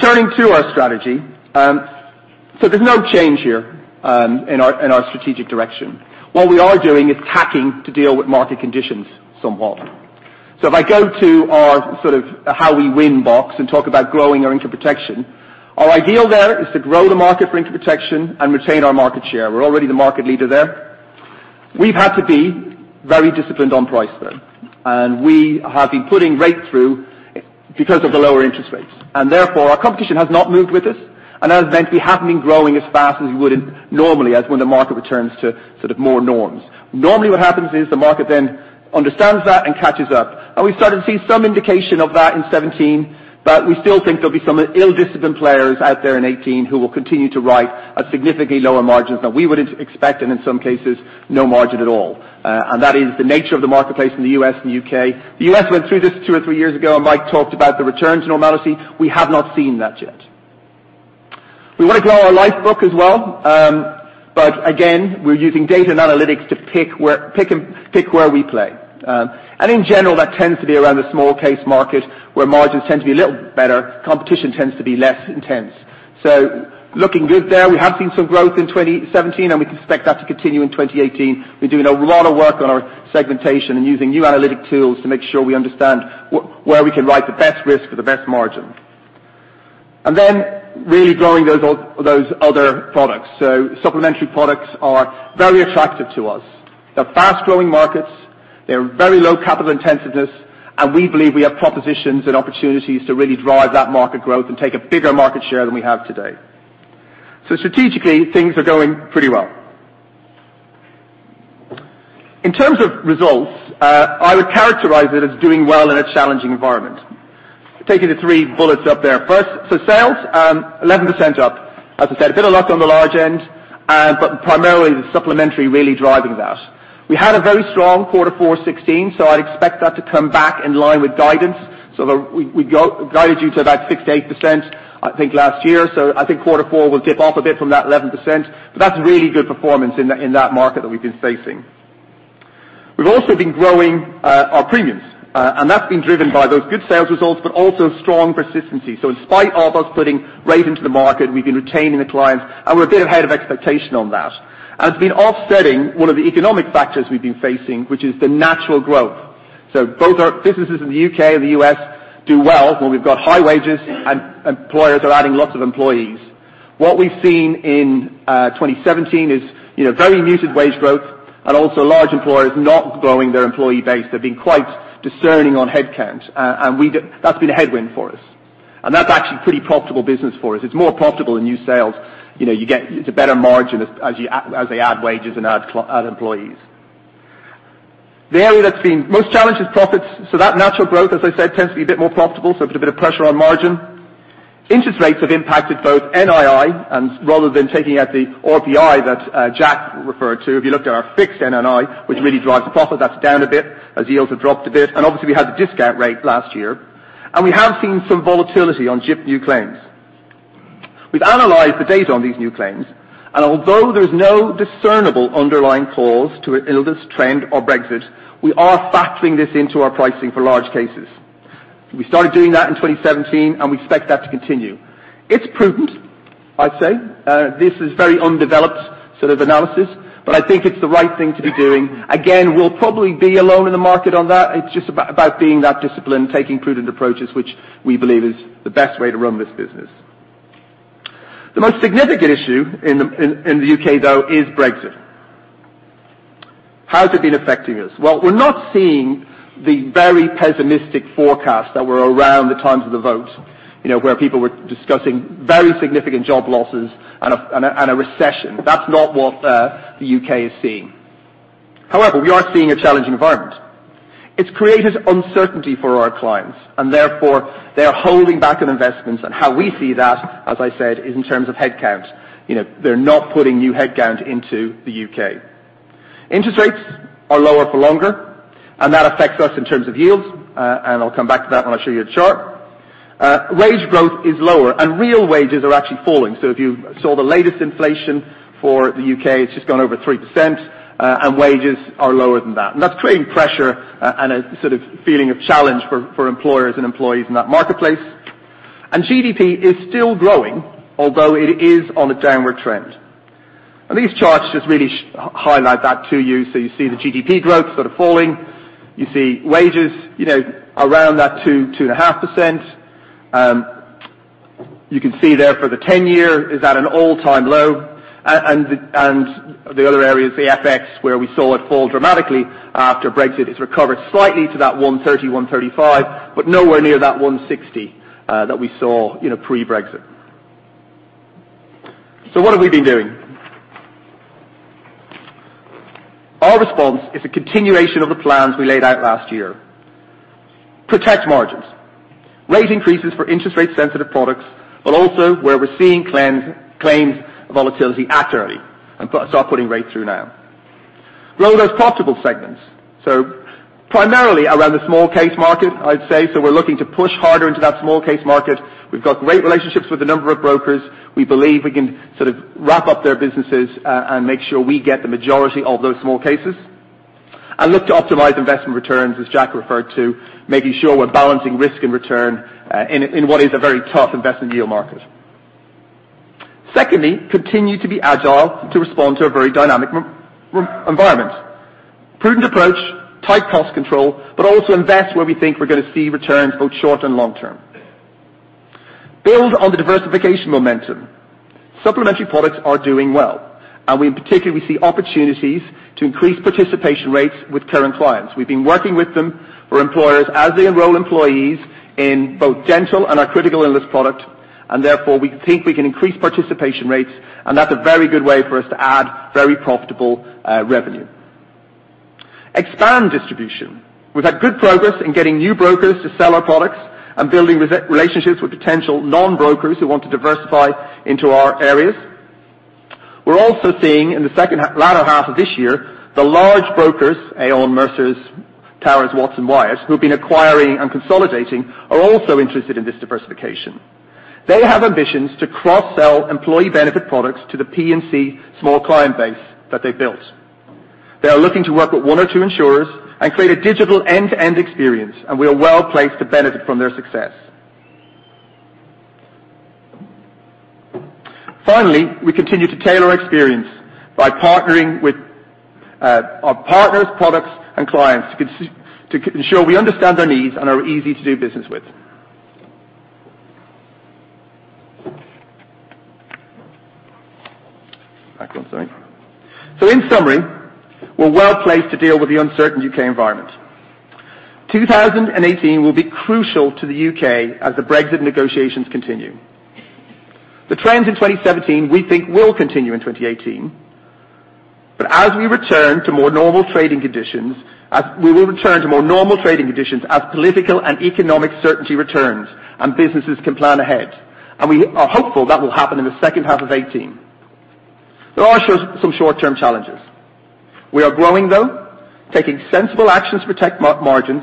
Turning to our strategy. There's no change here in our strategic direction. What we are doing is tacking to deal with market conditions somewhat. If I go to our how we win box and talk about growing our Group Income Protection, our ideal there is to grow the market for Group Income Protection and retain our market share. We're already the market leader there. We've had to be very disciplined on price, though. We have been putting rate through because of the lower interest rates. Therefore, our competition has not moved with us. That has meant we haven't been growing as fast as we would normally as when the market returns to more norms. Normally, what happens is the market then understands that and catches up. We started to see some indication of that in 2017, but we still think there will be some ill-disciplined players out there in 2018 who will continue to write at significantly lower margins than we would expect, and in some cases, no margin at all. That is the nature of the marketplace in the U.S. and U.K. The U.S. went through this two or three years ago, and Mike talked about the return to normality. We have not seen that yet. We want to grow our life book as well. Again, we're using data and analytics to pick where we play. In general, that tends to be around the small case market where margins tend to be a little better. Competition tends to be less intense. Looking good there. We have seen some growth in 2017, and we can expect that to continue in 2018. We're doing a lot of work on our segmentation and using new analytic tools to make sure we understand where we can write the best risk for the best margin. Then really growing those other products. Supplementary products are very attractive to us. They're fast-growing markets. They're very low capital intensiveness, and we believe we have propositions and opportunities to really drive that market growth and take a bigger market share than we have today. Strategically, things are going pretty well. In terms of results, I would characterize it as doing well in a challenging environment. Taking the three bullets up there. First, sales, 11% up. As I said, a bit of luck on the large end, but primarily the supplementary really driving that. We had a very strong Q4 2016, I'd expect that to come back in line with guidance. We guided you to about 6%-8%, I think, last year. I think Q4 will dip off a bit from that 11%, but that's really good performance in that market that we've been facing. We've also been growing our premiums, and that's been driven by those good sales results, but also strong persistency. In spite of us putting rate into the market, we've been retaining the clients, and we're a bit ahead of expectation on that. It's been offsetting one of the economic factors we've been facing, which is the natural growth. Both our businesses in the U.K. and the U.S. do well when we've got high wages and employers are adding lots of employees. What we've seen in 2017 is very muted wage growth and also large employers not growing their employee base. They've been quite discerning on headcount. That's been a headwind for us. That's actually pretty profitable business for us. It's more profitable than new sales. It's a better margin as they add wages and add employees. The area that's been most challenged is profits. That natural growth, as I said, tends to be a bit more profitable, so put a bit of pressure on margin. Interest rates have impacted both NII and rather than taking out the RPI that Jack referred to, if you looked at our fixed NII, which really drives profit, that's down a bit as yields have dropped a bit. Obviously, we had the discount rate last year. We have seen some volatility on GIP new claims. We've analyzed the data on these new claims, and although there's no discernible underlying cause to illness trend or Brexit, we are factoring this into our pricing for large cases. We started doing that in 2017, and we expect that to continue. It's prudent, I'd say. This is very undeveloped sort of analysis, but I think it's the right thing to be doing. We'll probably be alone in the market on that. It's just about being that discipline, taking prudent approaches, which we believe is the best way to run this business. The most significant issue in the U.K., though, is Brexit. How has it been affecting us? Well, we're not seeing the very pessimistic forecasts that were around the time of the vote, where people were discussing very significant job losses and a recession. That's not what the U.K. is seeing. However, we are seeing a challenging environment. It's created uncertainty for our clients, and therefore, they are holding back on investments. How we see that, as I said, is in terms of headcount. They're not putting new headcount into the U.K. Interest rates are lower for longer, and that affects us in terms of yields. I'll come back to that when I show you the chart. Wage growth is lower, and real wages are actually falling. If you saw the latest inflation for the U.K., it's just gone over 3%, and wages are lower than that. That's creating pressure and a sort of feeling of challenge for employers and employees in that marketplace. GDP is still growing, although it is on a downward trend. These charts just really highlight that to you. You see the GDP growth sort of falling. You see wages around that 2%, 2.5%. You can see there for the 10-year is at an all-time low. The other area is the FX, where we saw it fall dramatically after Brexit. It's recovered slightly to that 130, 135 but nowhere near that 160 that we saw pre-Brexit. What have we been doing? Our response is a continuation of the plans we laid out last year. Protect margins. Rate increases for interest rate sensitive products, but also where we're seeing claims volatility accurately and start putting rates through now. Grow those profitable segments. Primarily around the small case market, I'd say. We're looking to push harder into that small case market. We've got great relationships with a number of brokers. We believe we can sort of wrap up their businesses and make sure we get the majority of those small cases and look to optimize investment returns, as Jack referred to, making sure we're balancing risk and return in what is a very tough investment yield market. Secondly, continue to be agile to respond to a very dynamic environment. Prudent approach, tight cost control, but also invest where we think we're going to see returns both short and long term. Build on the diversification momentum. Supplementary products are doing well, and we particularly see opportunities to increase participation rates with current clients. We've been working with them or employers as they enroll employees in both dental and our critical illness product. Therefore, we think we can increase participation rates, and that's a very good way for us to add very profitable revenue. Expand distribution. We've had good progress in getting new brokers to sell our products and building relationships with potential non-brokers who want to diversify into our areas. We're also seeing in the latter half of this year, the large brokers, Aon, Mercer, Towers Watson, Wyatt, who've been acquiring and consolidating, are also interested in this diversification. They have ambitions to cross-sell employee benefit products to the P&C small client base that they built. They are looking to work with one or two insurers and create a digital end-to-end experience. We are well-placed to benefit from their success. Finally, we continue to tailor experience by partnering with our partners, products, and clients to ensure we understand their needs and are easy to do business with. Back one, sorry. In summary, we're well-placed to deal with the uncertain U.K. environment. 2018 will be crucial to the U.K. as the Brexit negotiations continue. The trends in 2017, we think will continue in 2018. As we return to more normal trading conditions, we will return to more normal trading conditions as political and economic certainty returns and businesses can plan ahead. We are hopeful that will happen in the second half of 2018. There are some short-term challenges. We are growing, though, taking sensible actions to protect margins,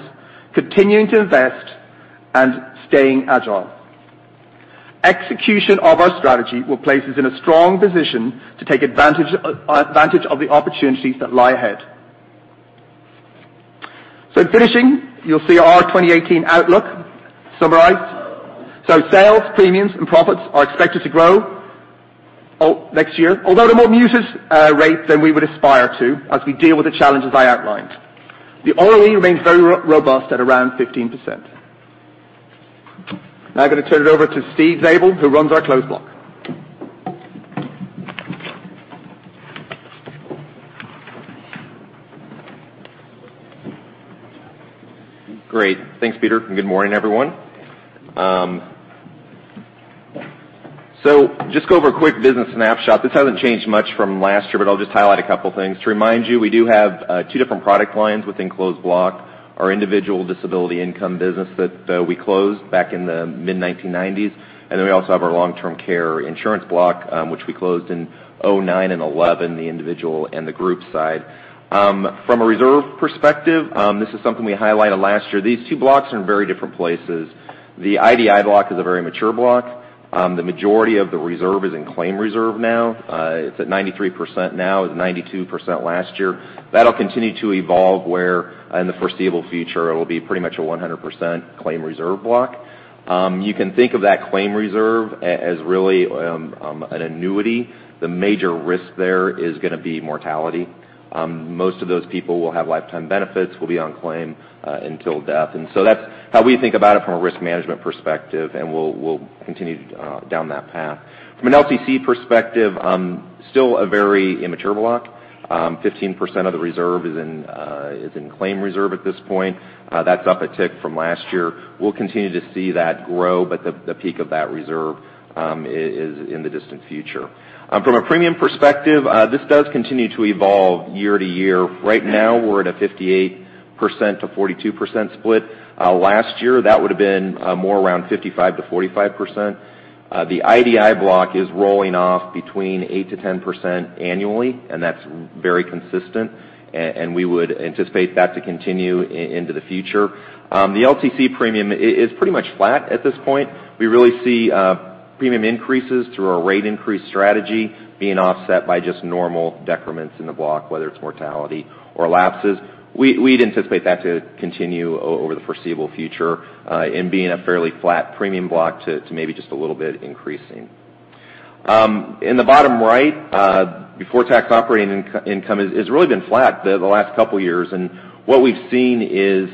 continuing to invest, and staying agile. Execution of our strategy will place us in a strong position to take advantage of the opportunities that lie ahead. Finishing, you'll see our 2018 outlook summarized. Sales, premiums, and profits are expected to grow next year, although at a more muted rate than we would aspire to as we deal with the challenges I outlined. The ROE remains very robust at around 15%. Now I'm going to turn it over to Steve Zabel, who runs our Closed Block. Great. Thanks, Peter. Good morning, everyone. Just go over a quick business snapshot. This hasn't changed much from last year, I'll just highlight a couple of things. To remind you, we do have two different product lines within Closed Block, our individual disability income business that we closed back in the mid-1990s. Then we also have our long-term care insurance block, which we closed in 2009 and 2011, the individual and the group side. From a reserve perspective, this is something we highlighted last year. These two blocks are in very different places. The IDI block is a very mature block. The majority of the reserve is in claim reserve now. It's at 93% now, it was 92% last year. That'll continue to evolve where, in the foreseeable future, it'll be pretty much a 100% claim reserve block. You can think of that claim reserve as really an annuity. The major risk there is going to be mortality. Most of those people will have lifetime benefits, will be on claim until death. That's how we think about it from a risk management perspective, and we'll continue down that path. From an LTC perspective, still a very immature block. 15% of the reserve is in claim reserve at this point. That's up a tick from last year. We'll continue to see that grow, but the peak of that reserve is in the distant future. From a premium perspective, this does continue to evolve year-to-year. Right now, we're at a 58%-42% split. Last year, that would've been more around 55%-45%. The IDI block is rolling off between 8%-10% annually, and that's very consistent. We would anticipate that to continue into the future. The LTC premium is pretty much flat at this point. We really see premium increases through our rate increase strategy being offset by just normal decrements in the block, whether it's mortality or lapses. We'd anticipate that to continue over the foreseeable future, being a fairly flat premium block to maybe just a little bit increasing. In the bottom right, before-tax operating income has really been flat the last couple of years. What we've seen is,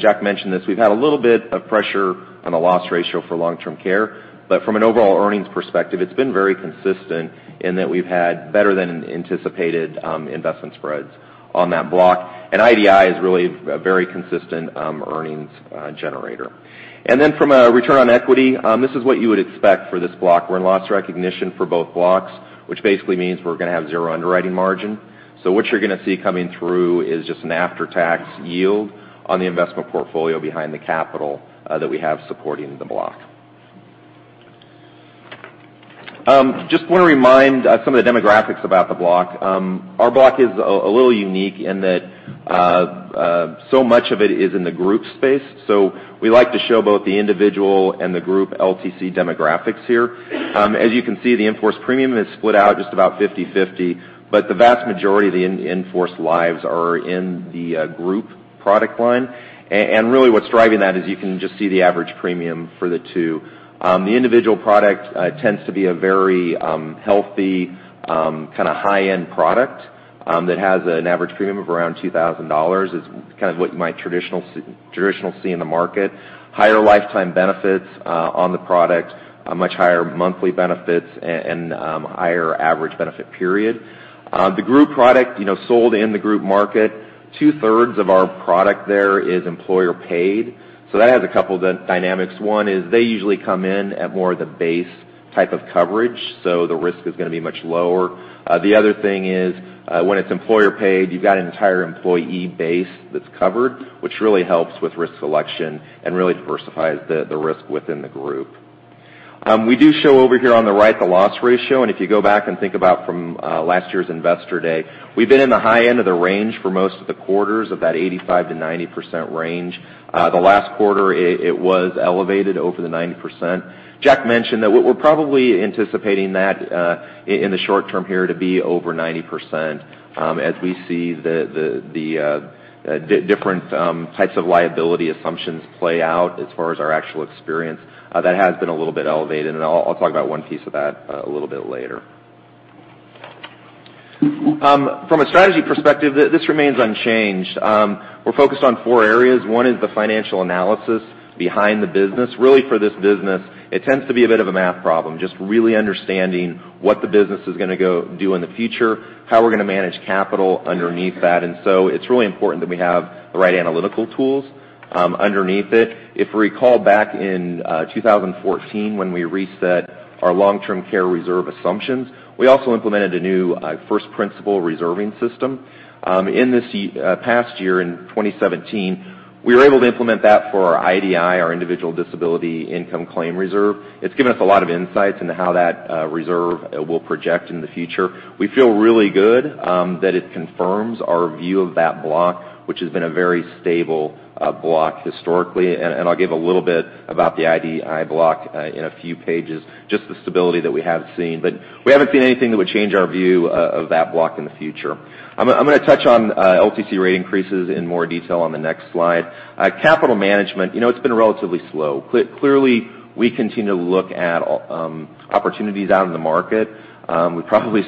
Jack mentioned this, we've had a little bit of pressure on the loss ratio for long-term care. From an overall earnings perspective, it's been very consistent in that we've had better than anticipated investment spreads on that block. IDI is really a very consistent earnings generator. From a return on equity, this is what you would expect for this block. We're in loss recognition for both blocks, which basically means we're going to have zero underwriting margin. What you're going to see coming through is just an after-tax yield on the investment portfolio behind the capital that we have supporting the block. Just want to remind some of the demographics about the block. Our block is a little unique in that so much of it is in the group space, so we like to show both the individual and the group LTC demographics here. As you can see, the in-force premium is split out just about 50/50, but the vast majority of the in-force lives are in the group product line. Really what's driving that is you can just see the average premium for the two. The individual product tends to be a very healthy high-end product that has an average premium of around $2,000. It's what you might traditionally see in the market. Higher lifetime benefits on the product, much higher monthly benefits, and higher average benefit period. The group product sold in the group market, two-thirds of our product there is employer paid. That has a couple of dynamics. One is they usually come in at more of the base type of coverage, the risk is going to be much lower. The other thing is, when it's employer paid, you've got an entire employee base that's covered, which really helps with risk selection and really diversifies the risk within the group. We do show over here on the right the loss ratio. If you go back and think about from last year's Investor Day, we've been in the high end of the range for most of the quarters, about 85%-90% range. The last quarter, it was elevated over 90%. Jack mentioned that we're probably anticipating that in the short term here to be over 90%, as we see the different types of liability assumptions play out as far as our actual experience. That has been a little bit elevated, and I'll talk about one piece of that a little bit later. From a strategy perspective, this remains unchanged. We're focused on four areas. One is the financial analysis behind the business. Really, for this business, it tends to be a bit of a math problem, just really understanding what the business is going to do in the future, how we're going to manage capital underneath that. It's really important that we have the right analytical tools underneath it. If we recall back in 2014 when we reset our long-term care reserve assumptions, we also implemented a new first-principle reserving system. In this past year, in 2017, we were able to implement that for our IDI, our individual disability income claim reserve. It's given us a lot of insights into how that reserve will project in the future. We feel really good that it confirms our view of that block, which has been a very stable block historically, and I'll give a little bit about the IDI block in a few pages, just the stability that we have seen. We haven't seen anything that would change our view of that block in the future. I'm going to touch on LTC rate increases in more detail on the next slide. Capital management, it's been relatively slow. Clearly, we continue to look at opportunities out in the market. We've probably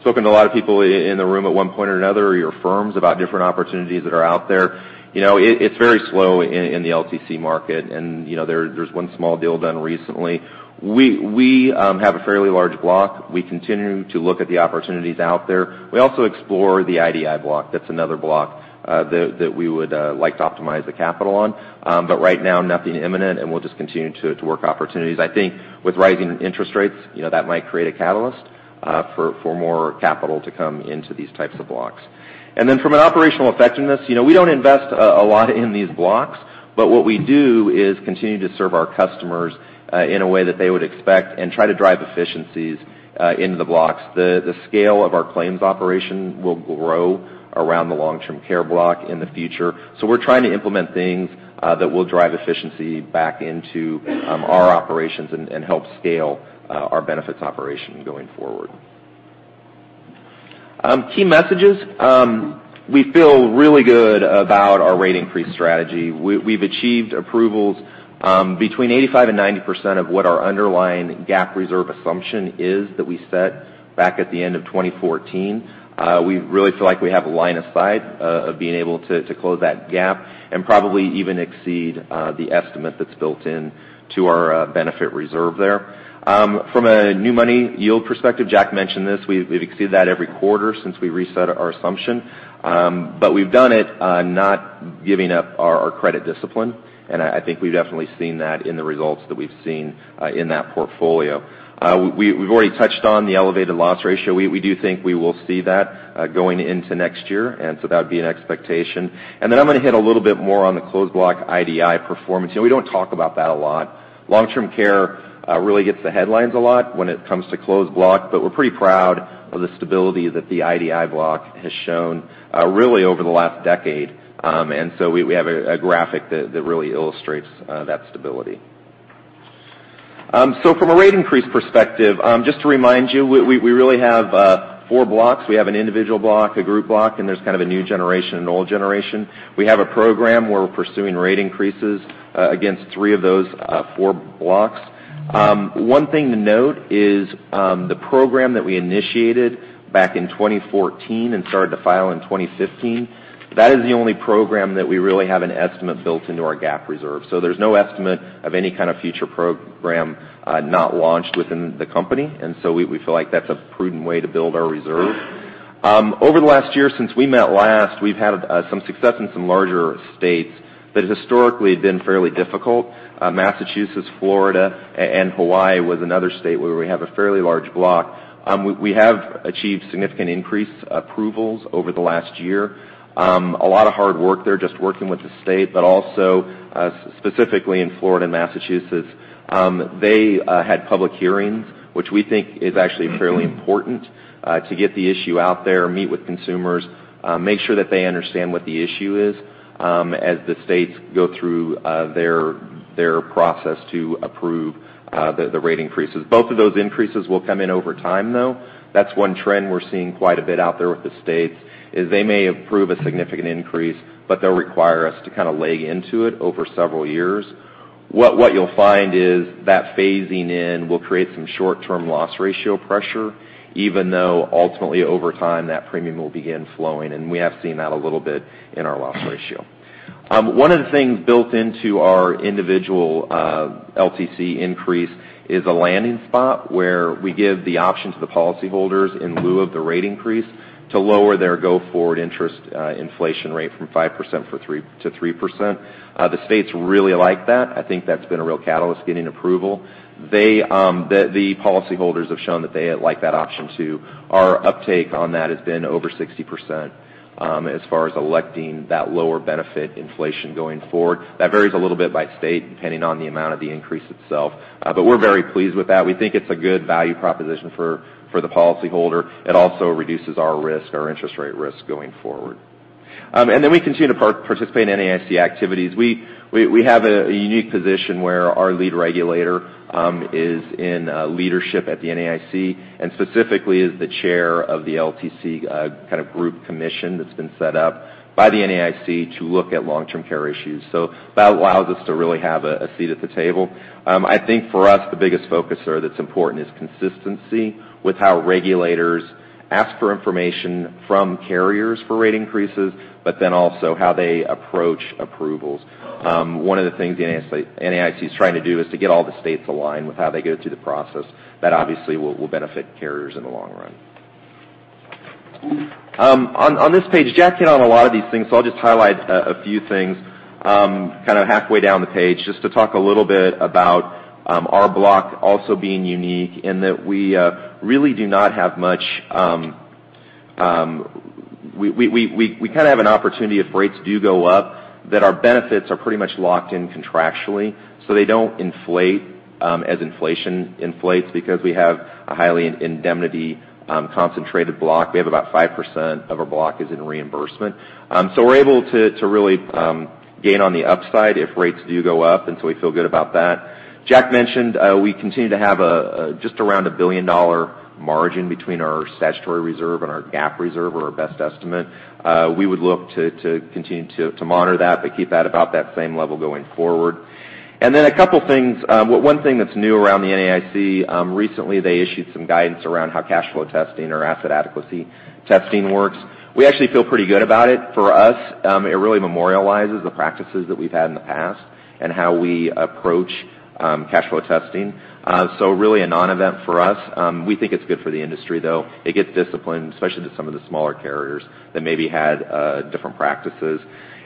spoken to a lot of people in the room at one point or another, or your firms, about different opportunities that are out there. It's very slow in the LTC market, and there's one small deal done recently. We have a fairly large block. We continue to look at the opportunities out there. We also explore the IDI block. That's another block that we would like to optimize the capital on. Right now, nothing imminent, and we'll just continue to work opportunities. I think with rising interest rates, that might create a catalyst for more capital to come into these types of blocks. From an operational effectiveness, we don't invest a lot in these blocks, but what we do is continue to serve our customers in a way that they would expect and try to drive efficiencies into the blocks. The scale of our claims operation will grow around the long-term care block in the future. We're trying to implement things that will drive efficiency back into our operations and help scale our benefits operation going forward. Key messages. We feel really good about our rate increase strategy. We've achieved approvals between 85%-90% of what our underlying GAAP reserve assumption is that we set back at the end of 2014. We really feel like we have a line of sight of being able to close that gap and probably even exceed the estimate that's built into our benefit reserve there. From a new money yield perspective, Jack mentioned this, we've exceeded that every quarter since we reset our assumption. We've done it not giving up our credit discipline, and I think we've definitely seen that in the results that we've seen in that portfolio. We've already touched on the elevated loss ratio. We do think we will see that going into next year, so that would be an expectation. I'm going to hit a little bit more on the Closed Block IDI performance. We don't talk about that a lot. Long-term care really gets the headlines a lot when it comes to Closed Block, but we're pretty proud of the stability that the IDI block has shown really over the last decade. We have a graphic that really illustrates that stability. From a rate increase perspective, just to remind you, we really have four blocks. We have an individual block, a group block, and there's kind of a new generation, an old generation. We have a program where we're pursuing rate increases against three of those four blocks. One thing to note is the program that we initiated back in 2014 and started to file in 2015, that is the only program that we really have an estimate built into our GAAP reserve. There's no estimate of any kind of future program not launched within the company, we feel like that's a prudent way to build our reserve. Over the last year since we met last, we've had some success in some larger states that historically had been fairly difficult. Massachusetts, Florida, and Hawaii was another state where we have a fairly large block. We have achieved significant increase approvals over the last year. A lot of hard work there just working with the state, but also specifically in Florida and Massachusetts. They had public hearings, which we think is actually fairly important to get the issue out there, meet with consumers, make sure that they understand what the issue is as the states go through their process to approve the rate increases. Both of those increases will come in over time, though. That's one trend we're seeing quite a bit out there with the states, is they may approve a significant increase, they'll require us to kind of leg into it over several years. What you'll find is that phasing in will create some short-term loss ratio pressure, even though ultimately over time, that premium will begin flowing, and we have seen that a little bit in our loss ratio. One of the things built into our individual LTC increase is a landing spot where we give the option to the policyholders in lieu of the rate increase to lower their go-forward interest inflation rate from 5% to 3%. The states really like that. I think that's been a real catalyst getting approval. The policyholders have shown that they like that option, too. Our uptake on that has been over 60% as far as electing that lower benefit inflation going forward. That varies a little bit by state, depending on the amount of the increase itself. We're very pleased with that. We think it's a good value proposition for the policyholder. It also reduces our risk, our interest rate risk going forward. We continue to participate in NAIC activities. We have a unique position where our lead regulator is in leadership at the NAIC, and specifically is the chair of the LTC Group Commission that's been set up by the NAIC to look at long-term care issues. That allows us to really have a seat at the table. I think for us, the biggest focus that's important is consistency with how regulators ask for information from carriers for rate increases, but then also how they approach approvals. One of the things the NAIC is trying to do is to get all the states aligned with how they go through the process. That obviously will benefit carriers in the long run. On this page, Jack hit on a lot of these things, I'll just highlight a few things kind of halfway down the page, just to talk a little bit about our block also being unique in that we kind of have an opportunity if rates do go up, that our benefits are pretty much locked in contractually, so they don't inflate as inflation inflates because we have a highly indemnity concentrated block. We have about 5% of our block is in reimbursement. We're able to really gain on the upside if rates do go up, and we feel good about that. Jack mentioned we continue to have just around a billion-dollar margin between our statutory reserve and our GAAP reserve or our best estimate. We would look to continue to monitor that, keep that about that same level going forward. A couple things. One thing that's new around the NAIC, recently, they issued some guidance around how cash flow testing or asset adequacy testing works. We actually feel pretty good about it. For us, it really memorializes the practices that we've had in the past and how we approach cash flow testing. Really a non-event for us. We think it's good for the industry, though. It gets discipline, especially to some of the smaller carriers that maybe had different practices.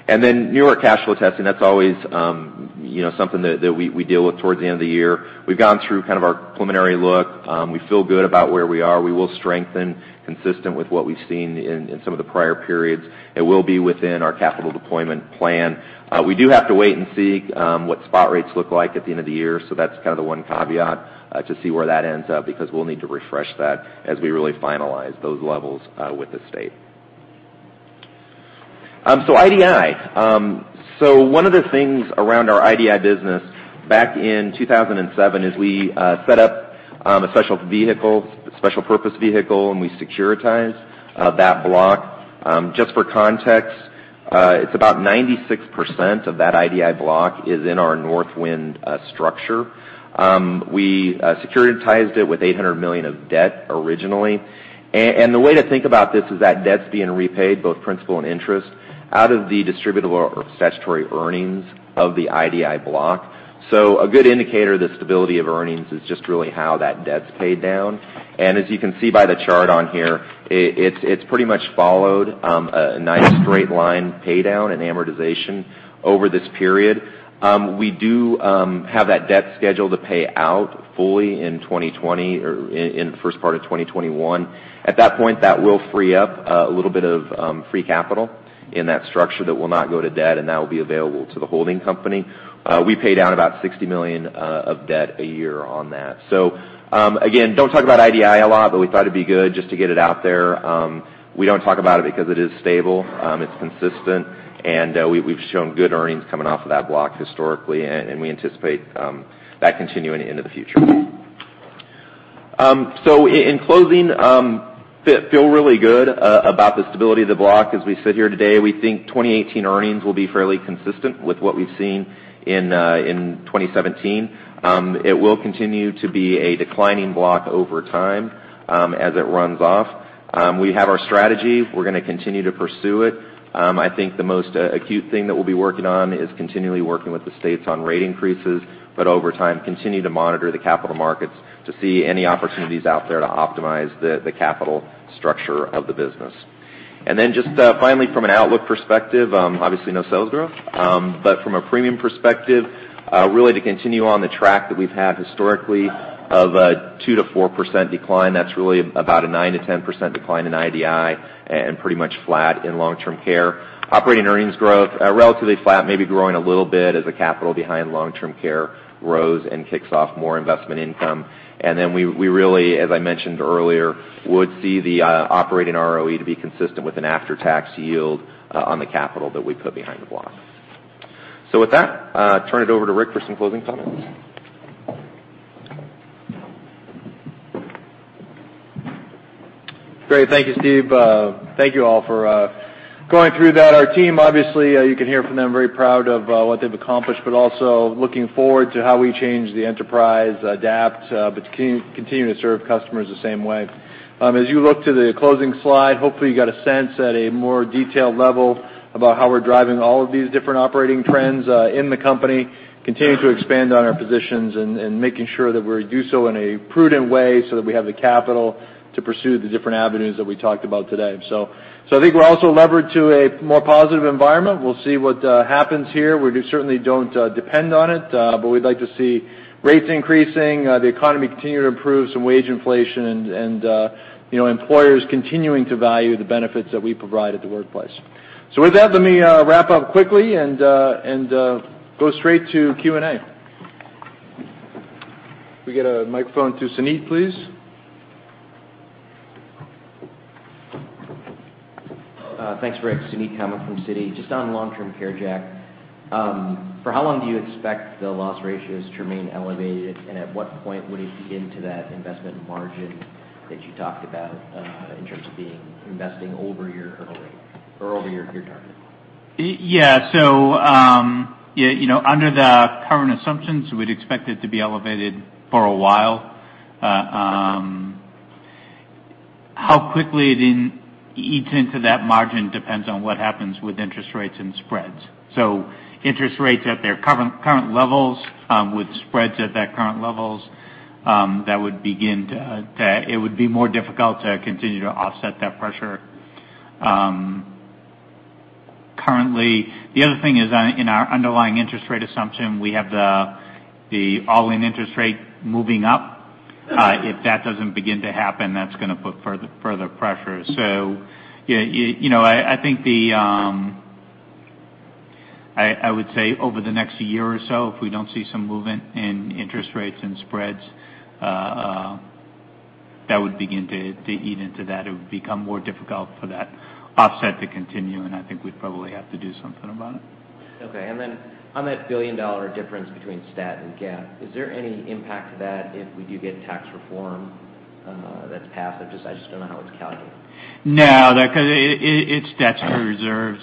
New York cash flow testing, that's always something that we deal with towards the end of the year. We've gone through kind of our preliminary look. We feel good about where we are. We will strengthen consistent with what we've seen in some of the prior periods. It will be within our capital deployment plan. We do have to wait and see what spot rates look like at the end of the year, that's kind of the one caveat to see where that ends up, because we'll need to refresh that as we really finalize those levels with the state. IDI. One of the things around our IDI business back in 2007 is we set up a special purpose vehicle, and we securitized that block. Just for context, it's about 96% of that IDI block is in our Northwind structure. We securitized it with $800 million of debt originally. The way to think about this is that debt's being repaid, both principal and interest, out of the distributable or statutory earnings of the IDI block. A good indicator of the stability of earnings is just really how that debt's paid down. As you can see by the chart on here, it's pretty much followed a nice straight line pay down and amortization over this period. We do have that debt schedule to pay out fully in 2020 or in the first part of 2021. At that point, that will free up a little bit of free capital in that structure that will not go to debt and that will be available to the holding company. We pay down about $60 million of debt a year on that. Again, don't talk about IDI a lot, but we thought it'd be good just to get it out there. We don't talk about it because it is stable, it's consistent, and we've shown good earnings coming off of that block historically, and we anticipate that continuing into the future. In closing, feel really good about the stability of the block as we sit here today. We think 2018 earnings will be fairly consistent with what we've seen in 2017. It will continue to be a declining block over time as it runs off. We have our strategy. We're going to continue to pursue it. I think the most acute thing that we'll be working on is continually working with the states on rate increases, but over time, continue to monitor the capital markets to see any opportunities out there to optimize the capital structure of the business. Just finally, from an outlook perspective, obviously no sales growth. From a premium perspective, really to continue on the track that we've had historically of a 2%-4% decline, that's really about a 9%-10% decline in IDI and pretty much flat in long-term care. Operating earnings growth, relatively flat, maybe growing a little bit as the capital behind long-term care grows and kicks off more investment income. We really, as I mentioned earlier, would see the operating ROE to be consistent with an after-tax yield on the capital that we put behind the block. With that, turn it over to Rick for some closing comments. Great. Thank you, Steve. Thank you all for going through that. Our team, obviously, you can hear from them, very proud of what they've accomplished, but also looking forward to how we change the enterprise, adapt, but continue to serve customers the same way. As you look to the closing slide, hopefully you got a sense at a more detailed level about how we're driving all of these different operating trends in the company, continuing to expand on our positions, and making sure that we do so in a prudent way so that we have the capital to pursue the different avenues that we talked about today. I think we're also levered to a more positive environment. We'll see what happens here. We certainly don't depend on it. We'd like to see rates increasing, the economy continuing to improve, some wage inflation, and employers continuing to value the benefits that we provide at the workplace. With that, let me wrap up quickly and go straight to Q&A. Can we get a microphone to Suneet, please? Thanks, Rick. Suneet Kamath from Citi. Just on long-term care, Jack, for how long do you expect the loss ratios to remain elevated? At what point would it be into that investment margin that you talked about in terms of investing over yearly or over your target? Yeah. Under the current assumptions, we'd expect it to be elevated for a while. How quickly it eats into that margin depends on what happens with interest rates and spreads. Interest rates at their current levels with spreads at their current levels, it would be more difficult to continue to offset that pressure. Currently, the other thing is in our underlying interest rate assumption, we have the all-in interest rate moving up. If that doesn't begin to happen, that's going to put further pressure. I think I would say over the next year or so, if we don't see some movement in interest rates and spreads, that would begin to eat into that. It would become more difficult for that offset to continue, and I think we'd probably have to do something about it. Okay. On that billion-dollar difference between stat and GAAP, is there any impact to that if we do get tax reform that's passed? I just don't know how it's calculated. No, because it's statutory reserves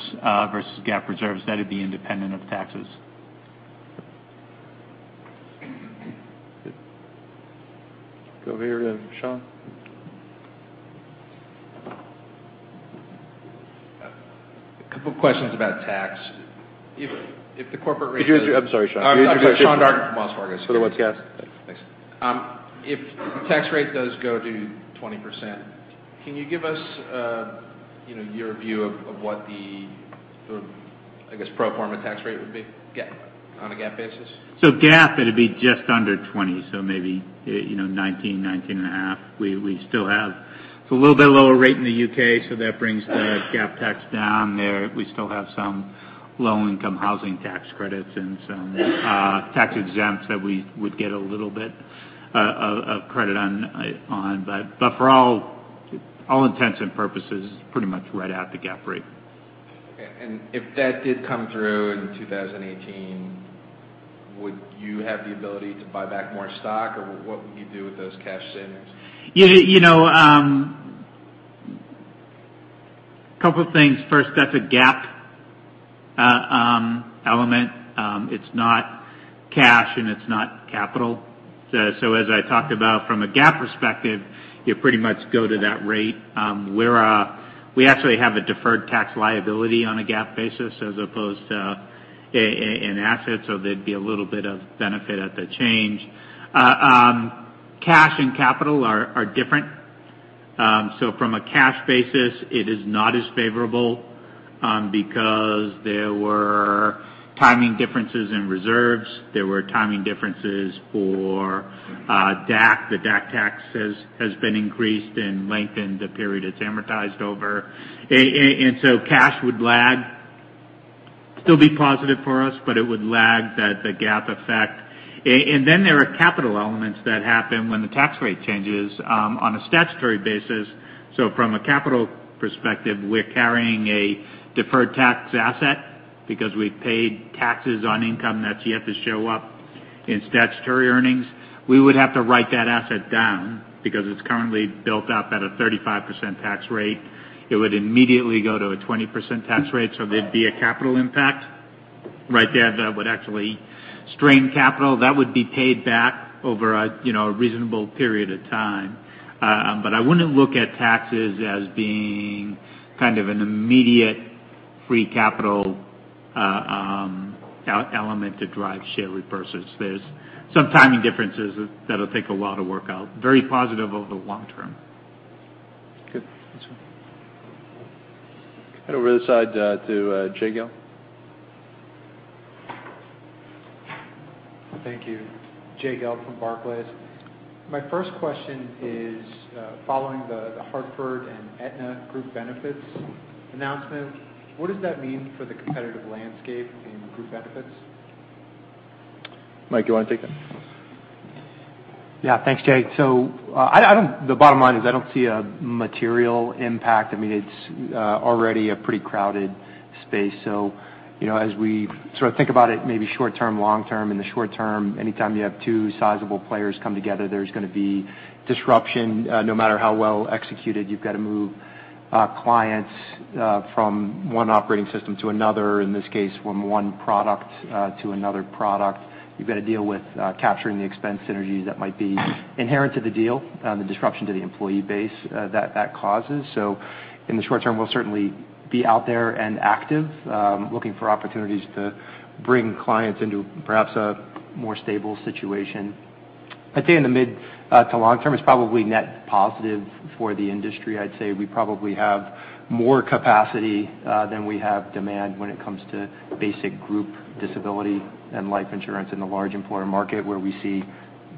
versus GAAP reserves. That would be independent of taxes. Go over here to Sean. A couple questions about tax. If the corporate rate- I'm sorry, Sean. Sean Dark from Wells Fargo. For the webcast. Thanks. If the tax rate does go to 20%, can you give us your view of what the pro forma tax rate would be on a GAAP basis? GAAP, it'd be just under 20, so maybe 19 and a half. It's a little bit lower rate in the U.K., so that brings the GAAP tax down there. We still have some Low-income Housing Tax Credits and some tax exempts that we would get a little bit of credit on. For all intents and purposes, it's pretty much right at the GAAP rate. Okay. If that did come through in 2018, would you have the ability to buy back more stock? What would you do with those cash savings? A couple things. First, that's a GAAP element. It's not cash and it's not capital. As I talked about from a GAAP perspective, you pretty much go to that rate. We actually have a deferred tax liability on a GAAP basis as opposed to an asset, so there'd be a little bit of benefit at the change. Cash and capital are different. From a cash basis, it is not as favorable because there were timing differences in reserves. There were timing differences for DAC. The DAC tax has been increased and lengthened the period it's amortized over. Cash would lag. Still be positive for us, it would lag the GAAP effect. There are capital elements that happen when the tax rate changes on a statutory basis. From a capital perspective, we're carrying a deferred tax asset because we've paid taxes on income that's yet to show up in statutory earnings. We would have to write that asset down because it's currently built up at a 35% tax rate. It would immediately go to a 20% tax rate, so there'd be a capital impact right there that would actually strain capital. That would be paid back over a reasonable period of time. I wouldn't look at taxes as being kind of an immediate free capital element to drive share repurchase. There's some timing differences that'll take a while to work out. Very positive over the long term. Good. That's all. Head over to this side to Jay Gelb. Thank you. Jay Gelb from Barclays. My first question is following The Hartford and Aetna Group Benefits announcement. What does that mean for the competitive landscape in group benefits? Mike, you want to take that? Yeah. Thanks, Jay. The bottom line is I don't see a material impact. It's already a pretty crowded space. As we sort of think about it, maybe short-term, long-term. In the short-term, anytime you have two sizable players come together, there's going to be disruption no matter how well executed. You've got to move clients from one operating system to another. In this case, from one product to another product. You've got to deal with capturing the expense synergies that might be inherent to the deal and the disruption to the employee base that causes. In the short-term, we'll certainly be out there and active, looking for opportunities to bring clients into perhaps a more stable situation. I'd say in the mid-to-long-term, it's probably net positive for the industry. I'd say we probably have more capacity than we have demand when it comes to basic group disability and life insurance in the large employer market where we see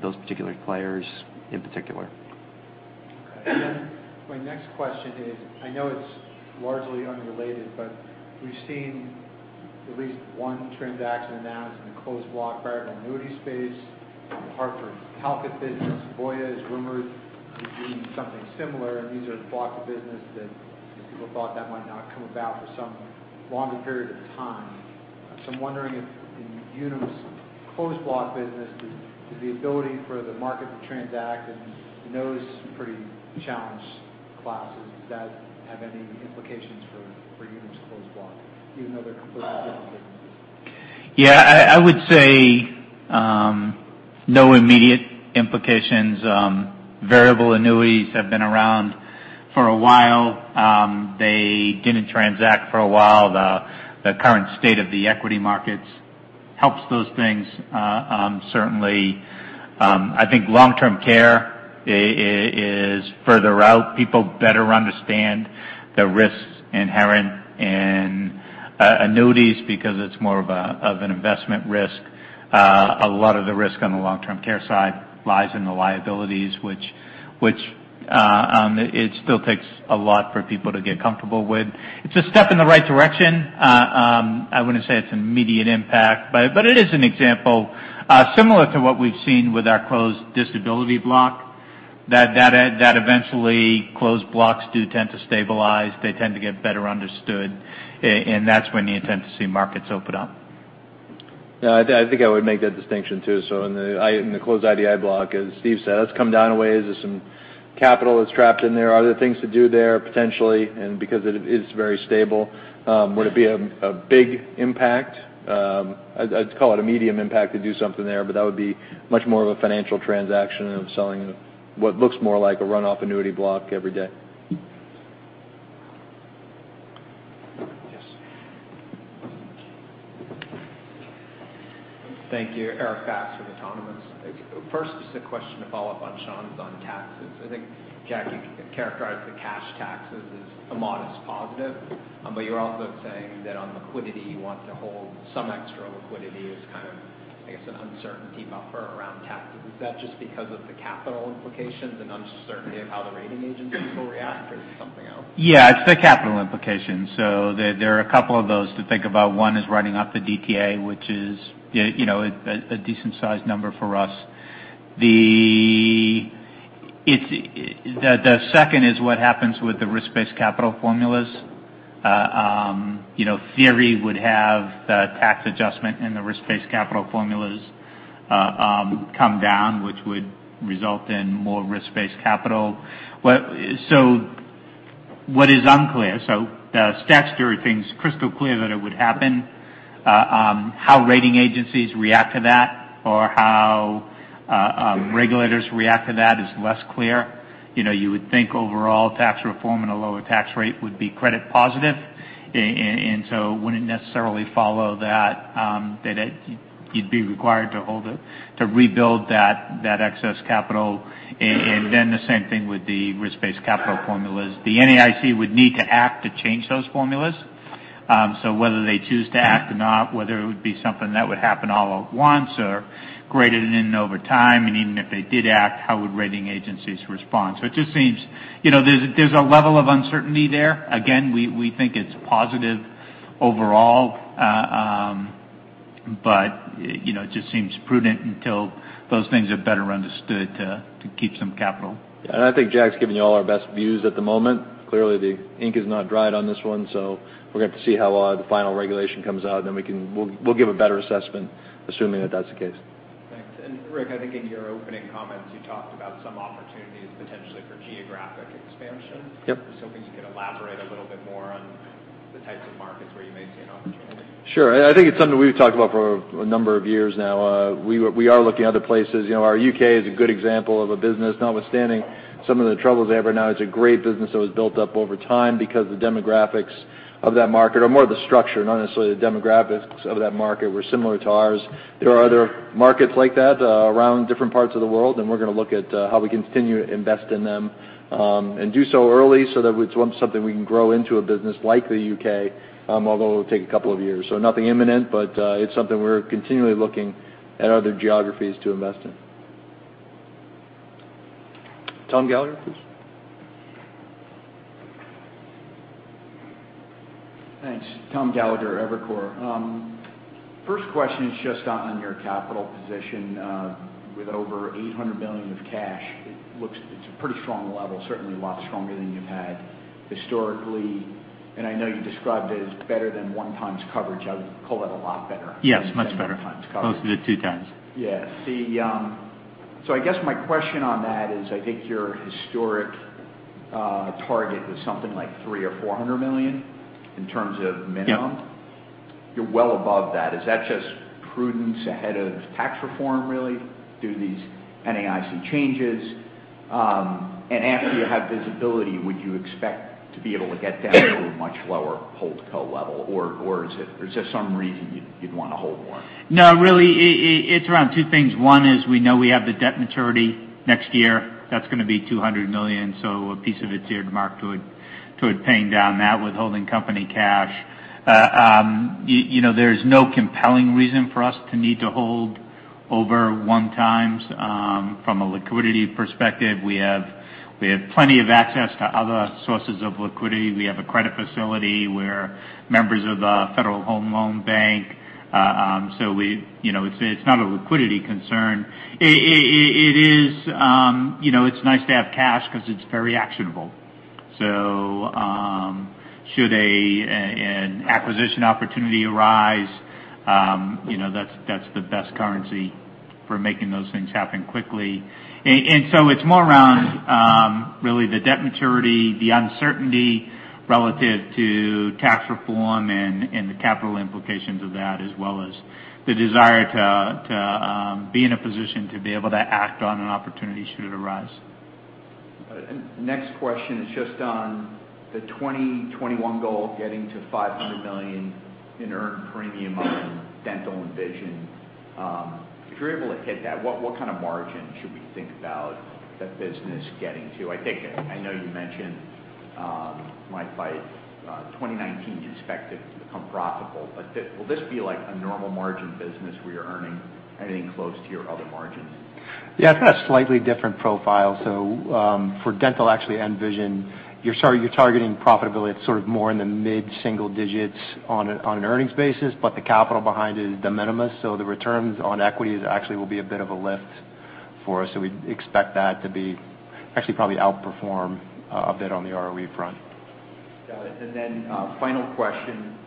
those particular players in particular. Okay. My next question is, I know it's largely unrelated, but we've seen at least one transaction announced in the Closed Block variable annuity space. The Hartford's Talcott business, Voya is rumored to be doing something similar, these are blocks of business that people thought that might not come about for some longer period of time. I'm wondering if in Unum's Closed Block business, does the ability for the market to transact in those pretty challenged classes, does that have any implications for Unum's Closed Block even though they're completely different businesses? Yeah. I would say no immediate implications. Variable annuities have been around for a while. They didn't transact for a while. The current state of the equity markets helps those things, certainly. I think long-term care is further out. People better understand the risks inherent in annuities because it's more of an investment risk. A lot of the risk on the long-term care side lies in the liabilities, which it still takes a lot for people to get comfortable with. It's a step in the right direction. I wouldn't say it's immediate impact, but it is an example similar to what we've seen with our Closed Disability Block, that eventually Closed Blocks do tend to stabilize. They tend to get better understood, and that's when you tend to see markets open up. Yeah. I think I would make that distinction, too. In the Closed IDI Block, as Steve said, that's come down a way as some capital is trapped in there. Other things to do there potentially, because it is very stable. Would it be a big impact? I'd call it a medium impact to do something there, that would be much more of a financial transaction than selling what looks more like a runoff annuity block every day. Yes. Thank you. Erik Bass with Autonomous. First, just a question to follow up on Sean's on taxes. I think, Jack, you characterized the cash taxes as a modest positive. You're also saying that on liquidity, some extra liquidity is kind of, I guess, an uncertainty buffer around tax. Is that just because of the capital implications and uncertainty of how the rating agencies will react, or is it something else? It's the capital implications. There are a couple of those to think about. One is writing off the DTA, which is a decent-sized number for us. The second is what happens with the risk-based capital formulas. Theory would have the tax adjustment and the risk-based capital formulas come down, which would result in more risk-based capital. What is unclear, the statutory thing's crystal clear that it would happen. How rating agencies react to that or how regulators react to that is less clear. You would think overall tax reform and a lower tax rate would be credit positive, it wouldn't necessarily follow that you'd be required to rebuild that excess capital. The same thing with the risk-based capital formulas. The NAIC would need to act to change those formulas. Whether they choose to act or not, whether it would be something that would happen all at once or graded in over time, and even if they did act, how would rating agencies respond? It just seems there's a level of uncertainty there. Again, we think it's positive overall. It just seems prudent until those things are better understood to keep some capital. I think Jack's given you all our best views at the moment. Clearly, the ink is not dried on this one, we're going to have to see how the final regulation comes out. We'll give a better assessment, assuming that that's the case. Thanks. Rick, I think in your opening comments, you talked about some opportunities potentially for geographic expansion. Yep. Just hoping you could elaborate a little bit more on the types of markets where you may see an opportunity. Sure. I think it's something we've talked about for a number of years now. We are looking at other places. Our U.K. is a good example of a business, notwithstanding some of the troubles they have right now. It's a great business that was built up over time because the demographics of that market, or more of the structure, not necessarily the demographics of that market, were similar to ours. There are other markets like that around different parts of the world, and we're going to look at how we can continue to invest in them. Do so early so that it's something we can grow into a business like the U.K., although it'll take a couple of years. Nothing imminent, but it's something we're continually looking at other geographies to invest in. Tom Gallagher, please. Thanks. Tom Gallagher, Evercore. First question is just on your capital position. With over $800 million of cash, it's a pretty strong level, certainly a lot stronger than you've had historically. I know you described it as better than one times coverage. I would call that a lot better. Yes, much better than one times coverage. Close to two times. Yes. I guess my question on that is, I think your historic target was something like three or $400 million in terms of minimum. Yeah. You're well above that. Is that just prudence ahead of tax reform, really? Do these NAIC changes? After you have visibility, would you expect to be able to get down to a much lower hold co level? Is there some reason you'd want to hold more? Really, it's around two things. One is we know we have the debt maturity next year. That's going to be $200 million. A piece of it's earmarked toward paying down that with holding company cash. There's no compelling reason for us to need to hold over one times from a liquidity perspective. We have plenty of access to other sources of liquidity. We have a credit facility. We're members of a Federal Home Loan Bank. It's not a liquidity concern. It's nice to have cash because it's very actionable. Should an acquisition opportunity arise, that's the best currency for making those things happen quickly. It's more around really the debt maturity, the uncertainty relative to tax reform, and the capital implications of that, as well as the desire to be in a position to be able to act on an opportunity should it arise. Next question is just on the 2021 goal of getting to $500 million in earned premium on dental and vision. If you're able to hit that, what kind of margin should we think about that business getting to? I know you mentioned, 2019, you expect it to become profitable. Will this be like a normal margin business where you're earning anything close to your other margins? It's got a slightly different profile. For dental, actually, and vision, you're targeting profitability at sort of more in the mid-single digits on an earnings basis. The capital behind it is de minimis. The returns on equity actually will be a bit of a lift for us. We'd expect that to actually probably outperform a bit on the ROE front. Got it. Final question.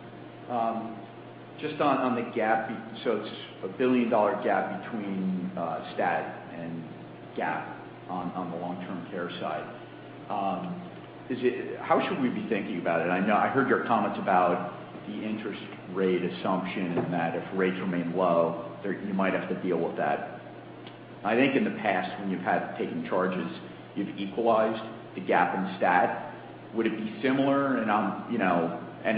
It's a billion-dollar gap between STAT and GAAP on the long-term care side. How should we be thinking about it? I know I heard your comments about the interest rate assumption and that if rates remain low, you might have to deal with that. I think in the past when you've had taken charges, you've equalized the GAAP and STAT. Would it be similar?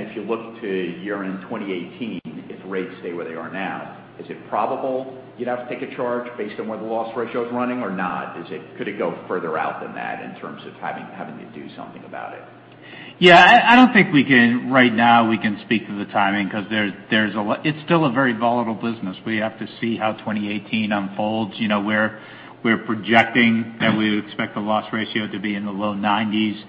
If you look to year-end 2018, if rates stay where they are now, is it probable you'd have to take a charge based on where the loss ratio is running or not? Could it go further out than that in terms of having to do something about it? I don't think right now we can speak to the timing because it's still a very volatile business. We have to see how 2018 unfolds. We're projecting that we would expect the loss ratio to be in the low 90s.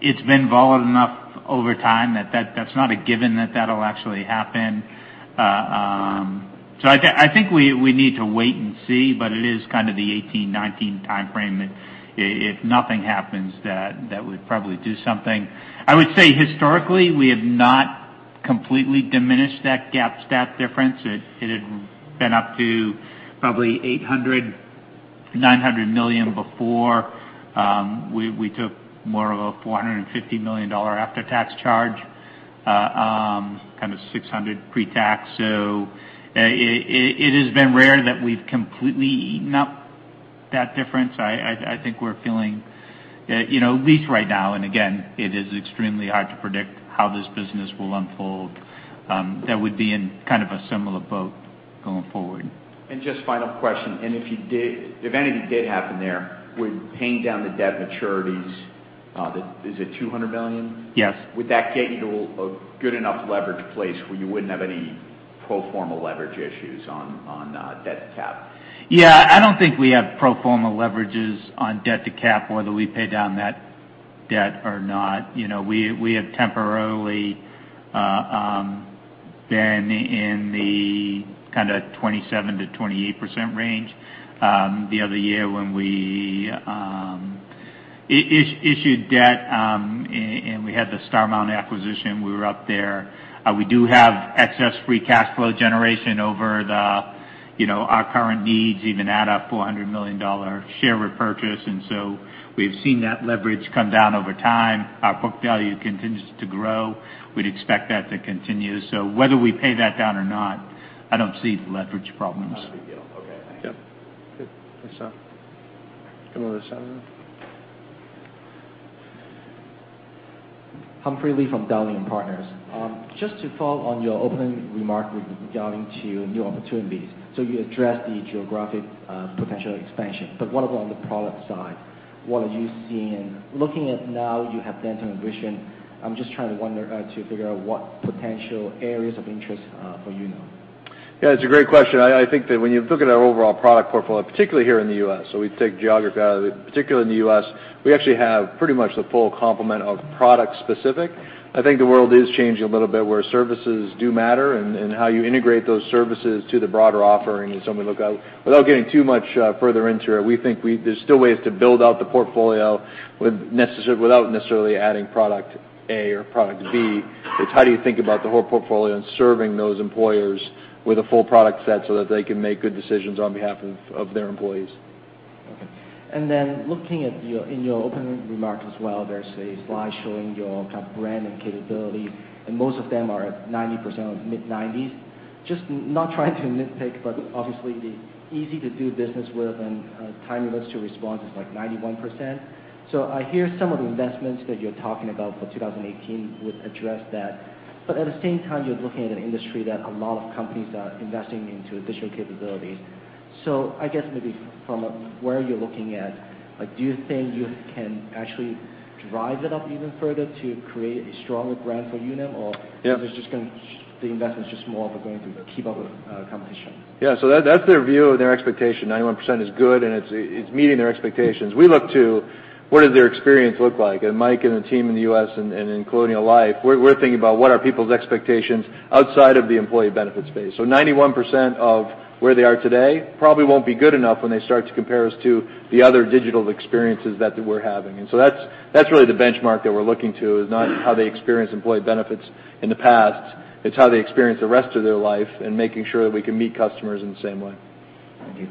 It's been volatile enough over time that's not a given that will actually happen. I think we need to wait and see, but it is kind of the 2018, 2019 timeframe. If nothing happens, that would probably do something. I would say historically, we have not completely diminished that GAAP/STAT difference. It had been up to probably $800 million, $900 million before we took more of a $450 million after-tax charge, kind of $600 pre-tax. It has been rare that we've completely eaten up that difference. I think we're feeling, at least right now, and again, it is extremely hard to predict how this business will unfold, that we'd be in kind of a similar boat going forward. Just final question, and if anything did happen there, would paying down the debt maturities, is it $200 million? Yes. Would that get you to a good enough leverage place where you wouldn't have any pro forma leverage issues on debt to cap? Yeah. I don't think we have pro forma leverages on debt to cap, whether we pay down that debt or not. We have temporarily been in the kind of 27%-28% range. The other year when we issued debt, we had the Starmount acquisition, we were up there. We do have excess free cash flow generation over our current needs, even at a $400 million share repurchase. Our book value continues to grow. We'd expect that to continue. Whether we pay that down or not, I don't see leverage problems. Not a big deal. Okay. Thank you. Yep. Good. Thanks, Sean. Come over this side now. Humphrey Lee from Dowling & Partners. Just to follow on your opening remark regarding to new opportunities. You addressed the geographic potential expansion, but what about on the product side? What are you seeing? Looking at now you have dental and vision, I'm just trying to figure out what potential areas of interest are for Unum. Yeah, it's a great question. I think that when you look at our overall product portfolio, particularly here in the U.S., we take geography out of it. Particularly in the U.S., we actually have pretty much the full complement of product-specific. I think the world is changing a little bit where services do matter, and how you integrate those services to the broader offering is something to look at. Without getting too much further into it, we think there's still ways to build out the portfolio without necessarily adding product A or product B. It's how do you think about the whole portfolio and serving those employers with a full product set so that they can make good decisions on behalf of their employees. Okay. Looking in your opening remarks as well, there's a slide showing your kind of brand and capability, and most of them are at 90% or mid-90s. Just not trying to nitpick, but obviously the easy to do business with and timeliness to response is like 91%. I hear some of the investments that you're talking about for 2018 would address that. At the same time, you're looking at an industry that a lot of companies are investing into additional capabilities. I guess maybe from where you're looking at, do you think you can actually drive it up even further to create a stronger brand for Unum? Yeah. The investment's just more of a going to keep up with competition? That's their view and their expectation. 91% is good, and it's meeting their expectations. We look to what does their experience look like? Mike and the team in the U.S. and in Colonial Life, we're thinking about what are people's expectations outside of the employee benefits space. 91% of where they are today probably won't be good enough when they start to compare us to the other digital experiences that we're having. That's really the benchmark that we're looking to, is not how they experienced employee benefits in the past. It's how they experience the rest of their life and making sure that we can meet customers in the same way. Thank you.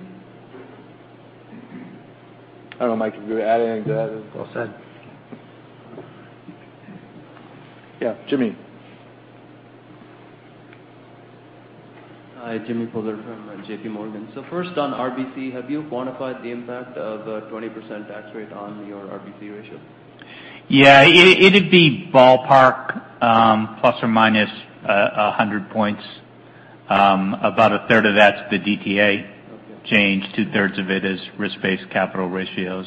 I don't know, Mike, if you could add anything to that. All set. Yeah, Jimmy. Hi, Jimmy Bhullar from J.P. Morgan. First on RBC, have you quantified the impact of a 20% tax rate on your RBC ratio? Yeah. It'd be ballpark, ±100 points. About a third of that's the DTA change. Two-thirds of it is risk-based capital ratios.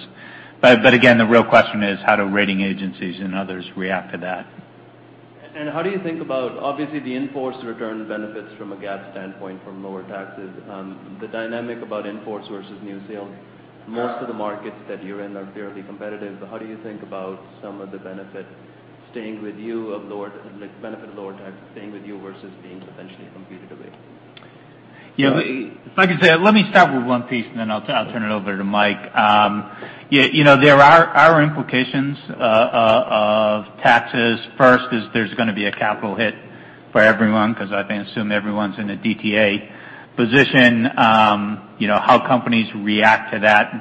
Again, the real question is how do rating agencies and others react to that? How do you think about, obviously, the in-force return benefits from a GAAP standpoint from lower taxes? The dynamic about in-force versus new sales, most of the markets that you're in are fairly competitive, how do you think about some of the benefit of lower taxes staying with you versus being potentially competed away? Like I said, let me start with one piece, then I'll turn it over to Mike. There are implications of taxes. First is there's going to be a capital hit for everyone because I assume everyone's in a DTA position. How companies react to that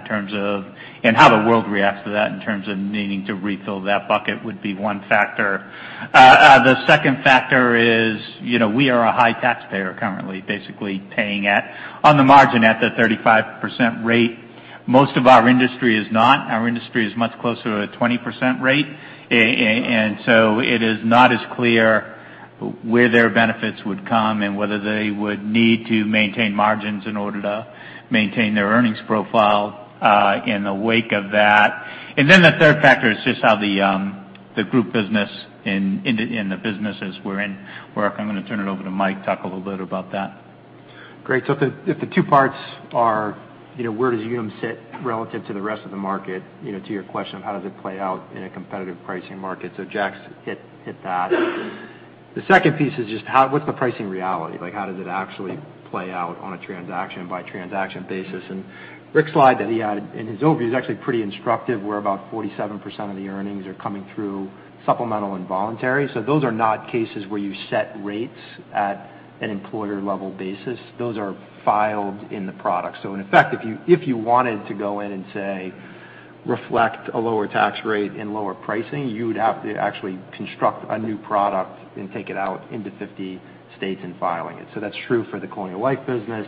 and how the world reacts to that in terms of needing to refill that bucket would be one factor. The second factor is we are a high taxpayer currently, basically paying on the margin at the 35% rate. Most of our industry is not. Our industry is much closer to a 20% rate. It is not as clear where their benefits would come and whether they would need to maintain margins in order to maintain their earnings profile in the wake of that. The third factor is just how the group business and the businesses we're in work. I'm going to turn it over to Mike to talk a little bit about that. Great. If the two parts are where does Unum sit relative to the rest of the market, to your question of how does it play out in a competitive pricing market? Jack hit that. The second piece is just what's the pricing reality? How does it actually play out on a transaction-by-transaction basis? Rick's slide that he had in his overview is actually pretty instructive, where about 47% of the earnings are coming through supplemental and voluntary. Those are not cases where you set rates at an employer-level basis. Those are filed in the product. In effect, if you wanted to go in and say, reflect a lower tax rate and lower pricing, you would have to actually construct a new product and take it out into 50 states and filing it. That's true for the Colonial Life business,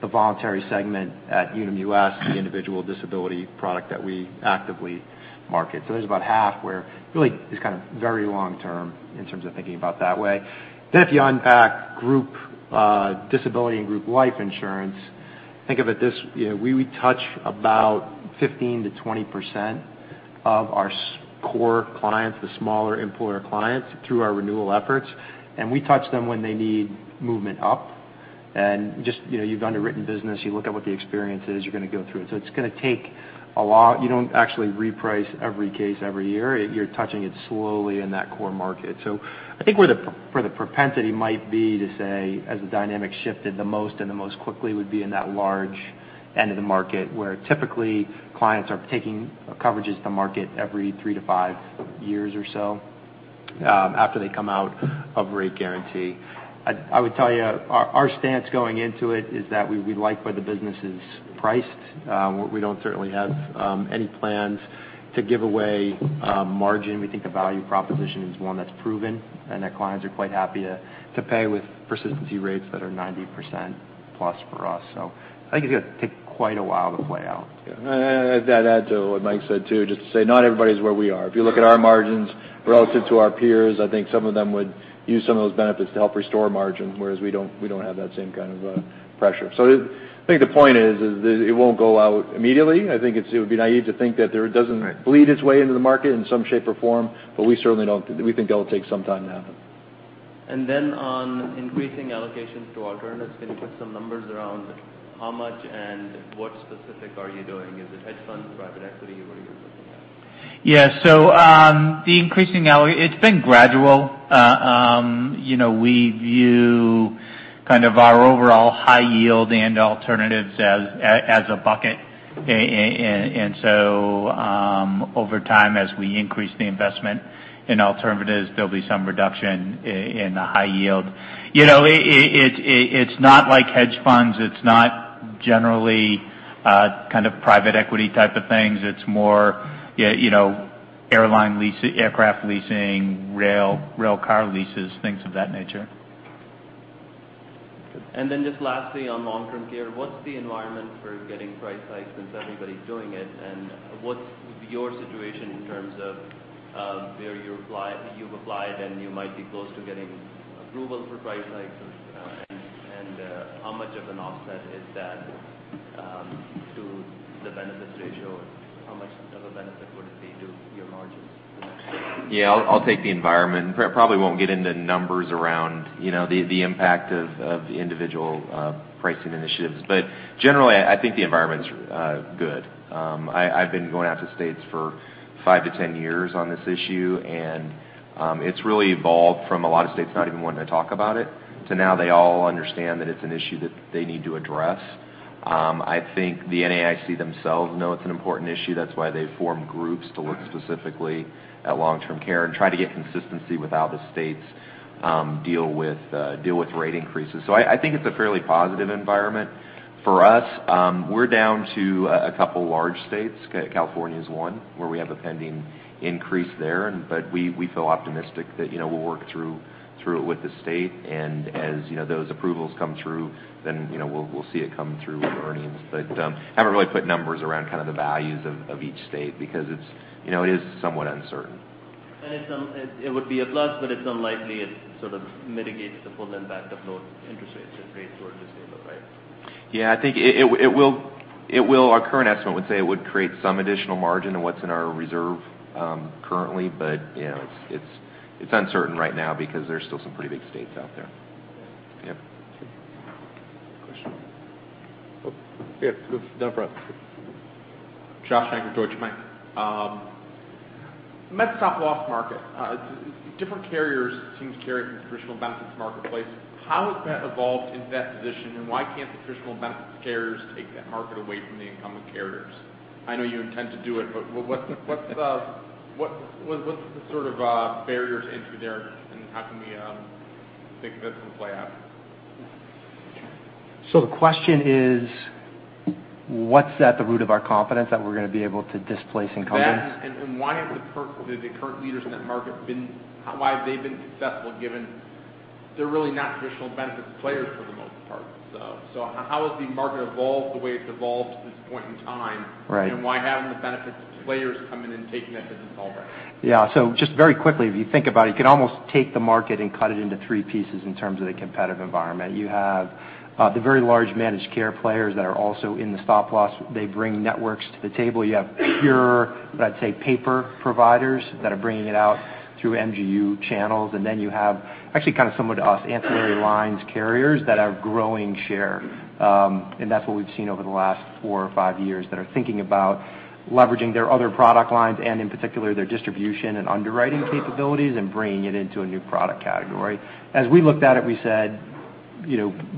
the voluntary segment at Unum US, the individual disability product that we actively market. There's about half where really it's kind of very long term in terms of thinking about that way. If you unpack group disability and group life insurance, think of it this, we touch about 15%-20% of our core clients, the smaller employer clients, through our renewal efforts. We touch them when they need movement up and just you've underwritten business, you look at what the experience is, you're going to go through it. It's going to take a lot. You don't actually reprice every case, every year. You're touching it slowly in that core market. I think where the propensity might be to say as the dynamic shifted the most and the most quickly would be in that large end of the market, where typically clients are taking coverages to market every 3-5 years or so after they come out of rate guarantee. I would tell you our stance going into it is that we like where the business is priced. We don't certainly have any plans to give away margin. We think the value proposition is one that's proven and that clients are quite happy to pay with persistency rates that are 90% plus for us. I think it's going to take quite a while to play out. To add to what Mike said, too, just to say, not everybody is where we are. If you look at our margins relative to our peers, I think some of them would use some of those benefits to help restore margins, whereas we don't have that same kind of pressure. I think the point is that it won't go out immediately. I think it would be naive to think that there doesn't bleed its way into the market in some shape or form, but we certainly don't. We think that'll take some time to happen. On increasing allocations to alternatives, can you put some numbers around how much and what specific are you doing? Is it hedge funds, private equity? What are you looking at? It's been gradual. We view our overall high yield and alternatives as a bucket. Over time, as we increase the investment in alternatives, there'll be some reduction in the high yield. It's not like hedge funds. It's not generally private equity type of things. It's more airline leasing, aircraft leasing, rail car leases, things of that nature. Just lastly, on long-term care, what's the environment for getting price hikes since everybody's doing it? What's your situation in terms of where you've applied and you might be close to getting approval for price hikes and how much of an offset is that to the benefits ratio and how much of a benefit would it be to your margins? Yeah, I'll take the environment. Probably won't get into numbers around the impact of the individual pricing initiatives. Generally, I think the environment's good. I've been going out to states for five to 10 years on this issue, it's really evolved from a lot of states not even wanting to talk about it to now they all understand that it's an issue that they need to address. I think the NAIC themselves know it's an important issue. That's why they formed groups to look specifically at long-term care and try to get consistency with how the states deal with rate increases. I think it's a fairly positive environment. For us, we're down to a couple large states. California is one where we have a pending increase there, we feel optimistic that we'll work through it with the state. As those approvals come through, we'll see it come through with earnings. I haven't really put numbers around the values of each state because it is somewhat uncertain. It would be a plus, it's unlikely it sort of mitigates the full impact of low interest rates and rates where it just came up, right? I think our current estimate would say it would create some additional margin in what's in our reserve currently. It's uncertain right now because there's still some pretty big states out there. Question. Down front. Josh Shanker, Deutsche Bank. Med Stop Loss market. Different carriers seem to carry from the traditional benefits marketplace. How has that evolved in that position, and why can't the traditional benefits carriers take that market away from the incumbent carriers? I know you intend to do it, but what's the sort of barriers into there, and how can we think of it from play out? The question is, what's at the root of our confidence that we're going to be able to displace incumbents? Why have the current leaders in that market why have they been successful given they're really not traditional benefits players for the most part? How has the market evolved the way it's evolved to this point in time? Right. Why haven't the benefits players come in and taken that business already? Just very quickly, if you think about it, you can almost take the market and cut it into three pieces in terms of the competitive environment. You have the very large managed care players that are also in the Stop Loss. They bring networks to the table. You have pure, let's say, paper providers that are bringing it out through MGU channels. Then you have actually kind of similar to us, ancillary lines carriers that are growing share. That's what we've seen over the last four or five years that are thinking about leveraging their other product lines and in particular their distribution and underwriting capabilities and bringing it into a new product category. As we looked at it, we said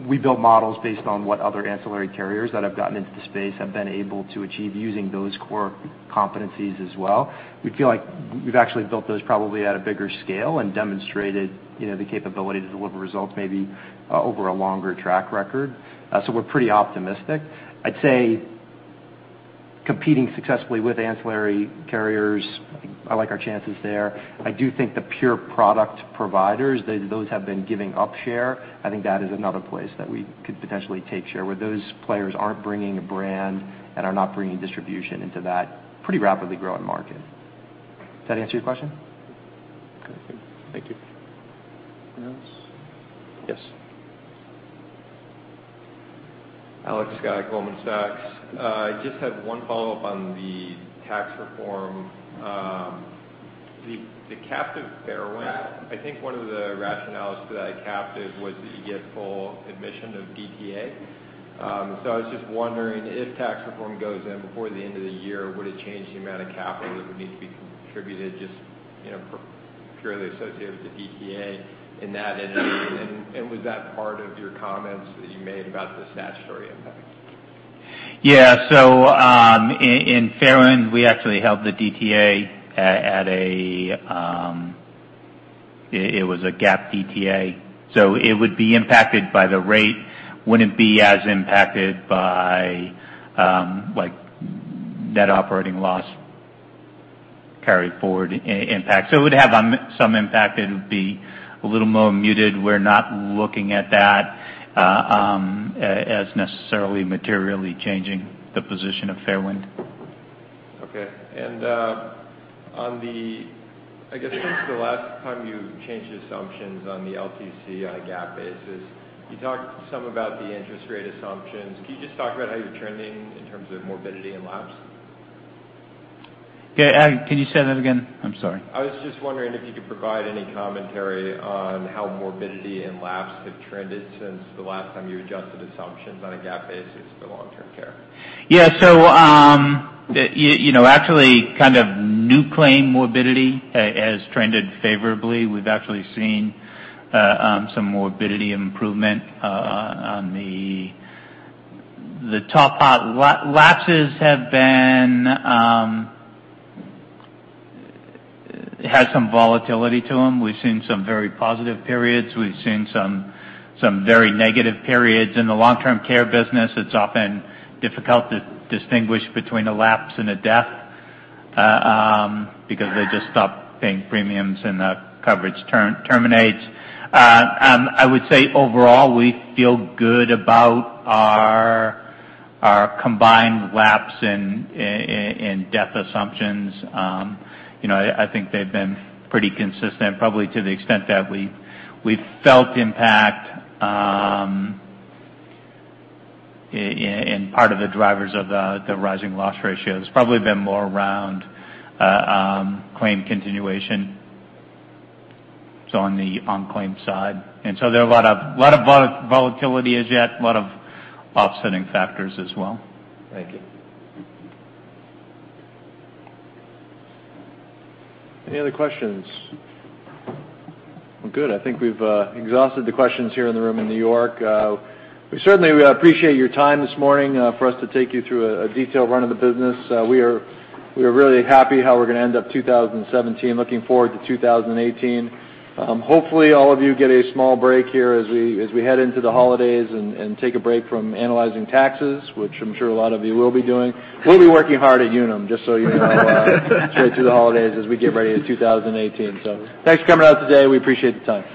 We build models based on what other ancillary carriers that have gotten into the space have been able to achieve using those core competencies as well. We feel like we've actually built those probably at a bigger scale and demonstrated the capability to deliver results maybe over a longer track record. We're pretty optimistic. I'd say competing successfully with ancillary carriers, I like our chances there. I do think the pure product providers, those have been giving up share. I think that is another place that we could potentially take share, where those players aren't bringing a brand and are not bringing distribution into that pretty rapidly growing market. Does that answer your question? Perfect. Thank you. Anyone else? Yes. Alex Scott, Goldman Sachs. I just had one follow-up on the tax reform. The captive Fairwind, I think one of the rationales for that captive was that you get full admission of DTA. I was just wondering, if tax reform goes in before the end of the year, would it change the amount of capital that would need to be contributed just purely associated with the DTA in that? Was that part of your comments that you made about the statutory impact? Yeah. In Fairwind, we actually held the DTA. It was a GAAP DTA. It would be impacted by the rate. Wouldn't be as impacted by net operating loss carryforward impact. It would have some impact. It would be a little more muted. We're not looking at that as necessarily materially changing the position of Fairwind. Okay. On the, I guess since the last time you changed the assumptions on the LTC on a GAAP basis, you talked some about the interest rate assumptions. Can you just talk about how you're trending in terms of morbidity and lapse? Okay. Can you say that again? I'm sorry. I was just wondering if you could provide any commentary on how morbidity and lapse have trended since the last time you adjusted assumptions on a GAAP basis for long-term care. Yeah. Actually new claim morbidity has trended favorably. We've actually seen some morbidity improvement on the top part. Lapses have had some volatility to them. We've seen some very positive periods. We've seen some very negative periods. In the long-term care business, it's often difficult to distinguish between a lapse and a death, because they just stop paying premiums and the coverage terminates. I would say overall, we feel good about our combined lapse and death assumptions. I think they've been pretty consistent, probably to the extent that we felt impact in part of the drivers of the rising loss ratio. It's probably been more around claim continuation, so on the unclaimed side. There are a lot of volatility as yet, a lot of offsetting factors as well. Thank you. Any other questions? Well, good. I think we've exhausted the questions here in the room in New York. We certainly appreciate your time this morning for us to take you through a detailed run of the business. We are really happy how we're going to end up 2017. Looking forward to 2018. Hopefully, all of you get a small break here as we head into the holidays and take a break from analyzing taxes, which I'm sure a lot of you will be doing. We'll be working hard at Unum, just so you know straight through the holidays as we get ready in 2018. Thanks for coming out today. We appreciate the time.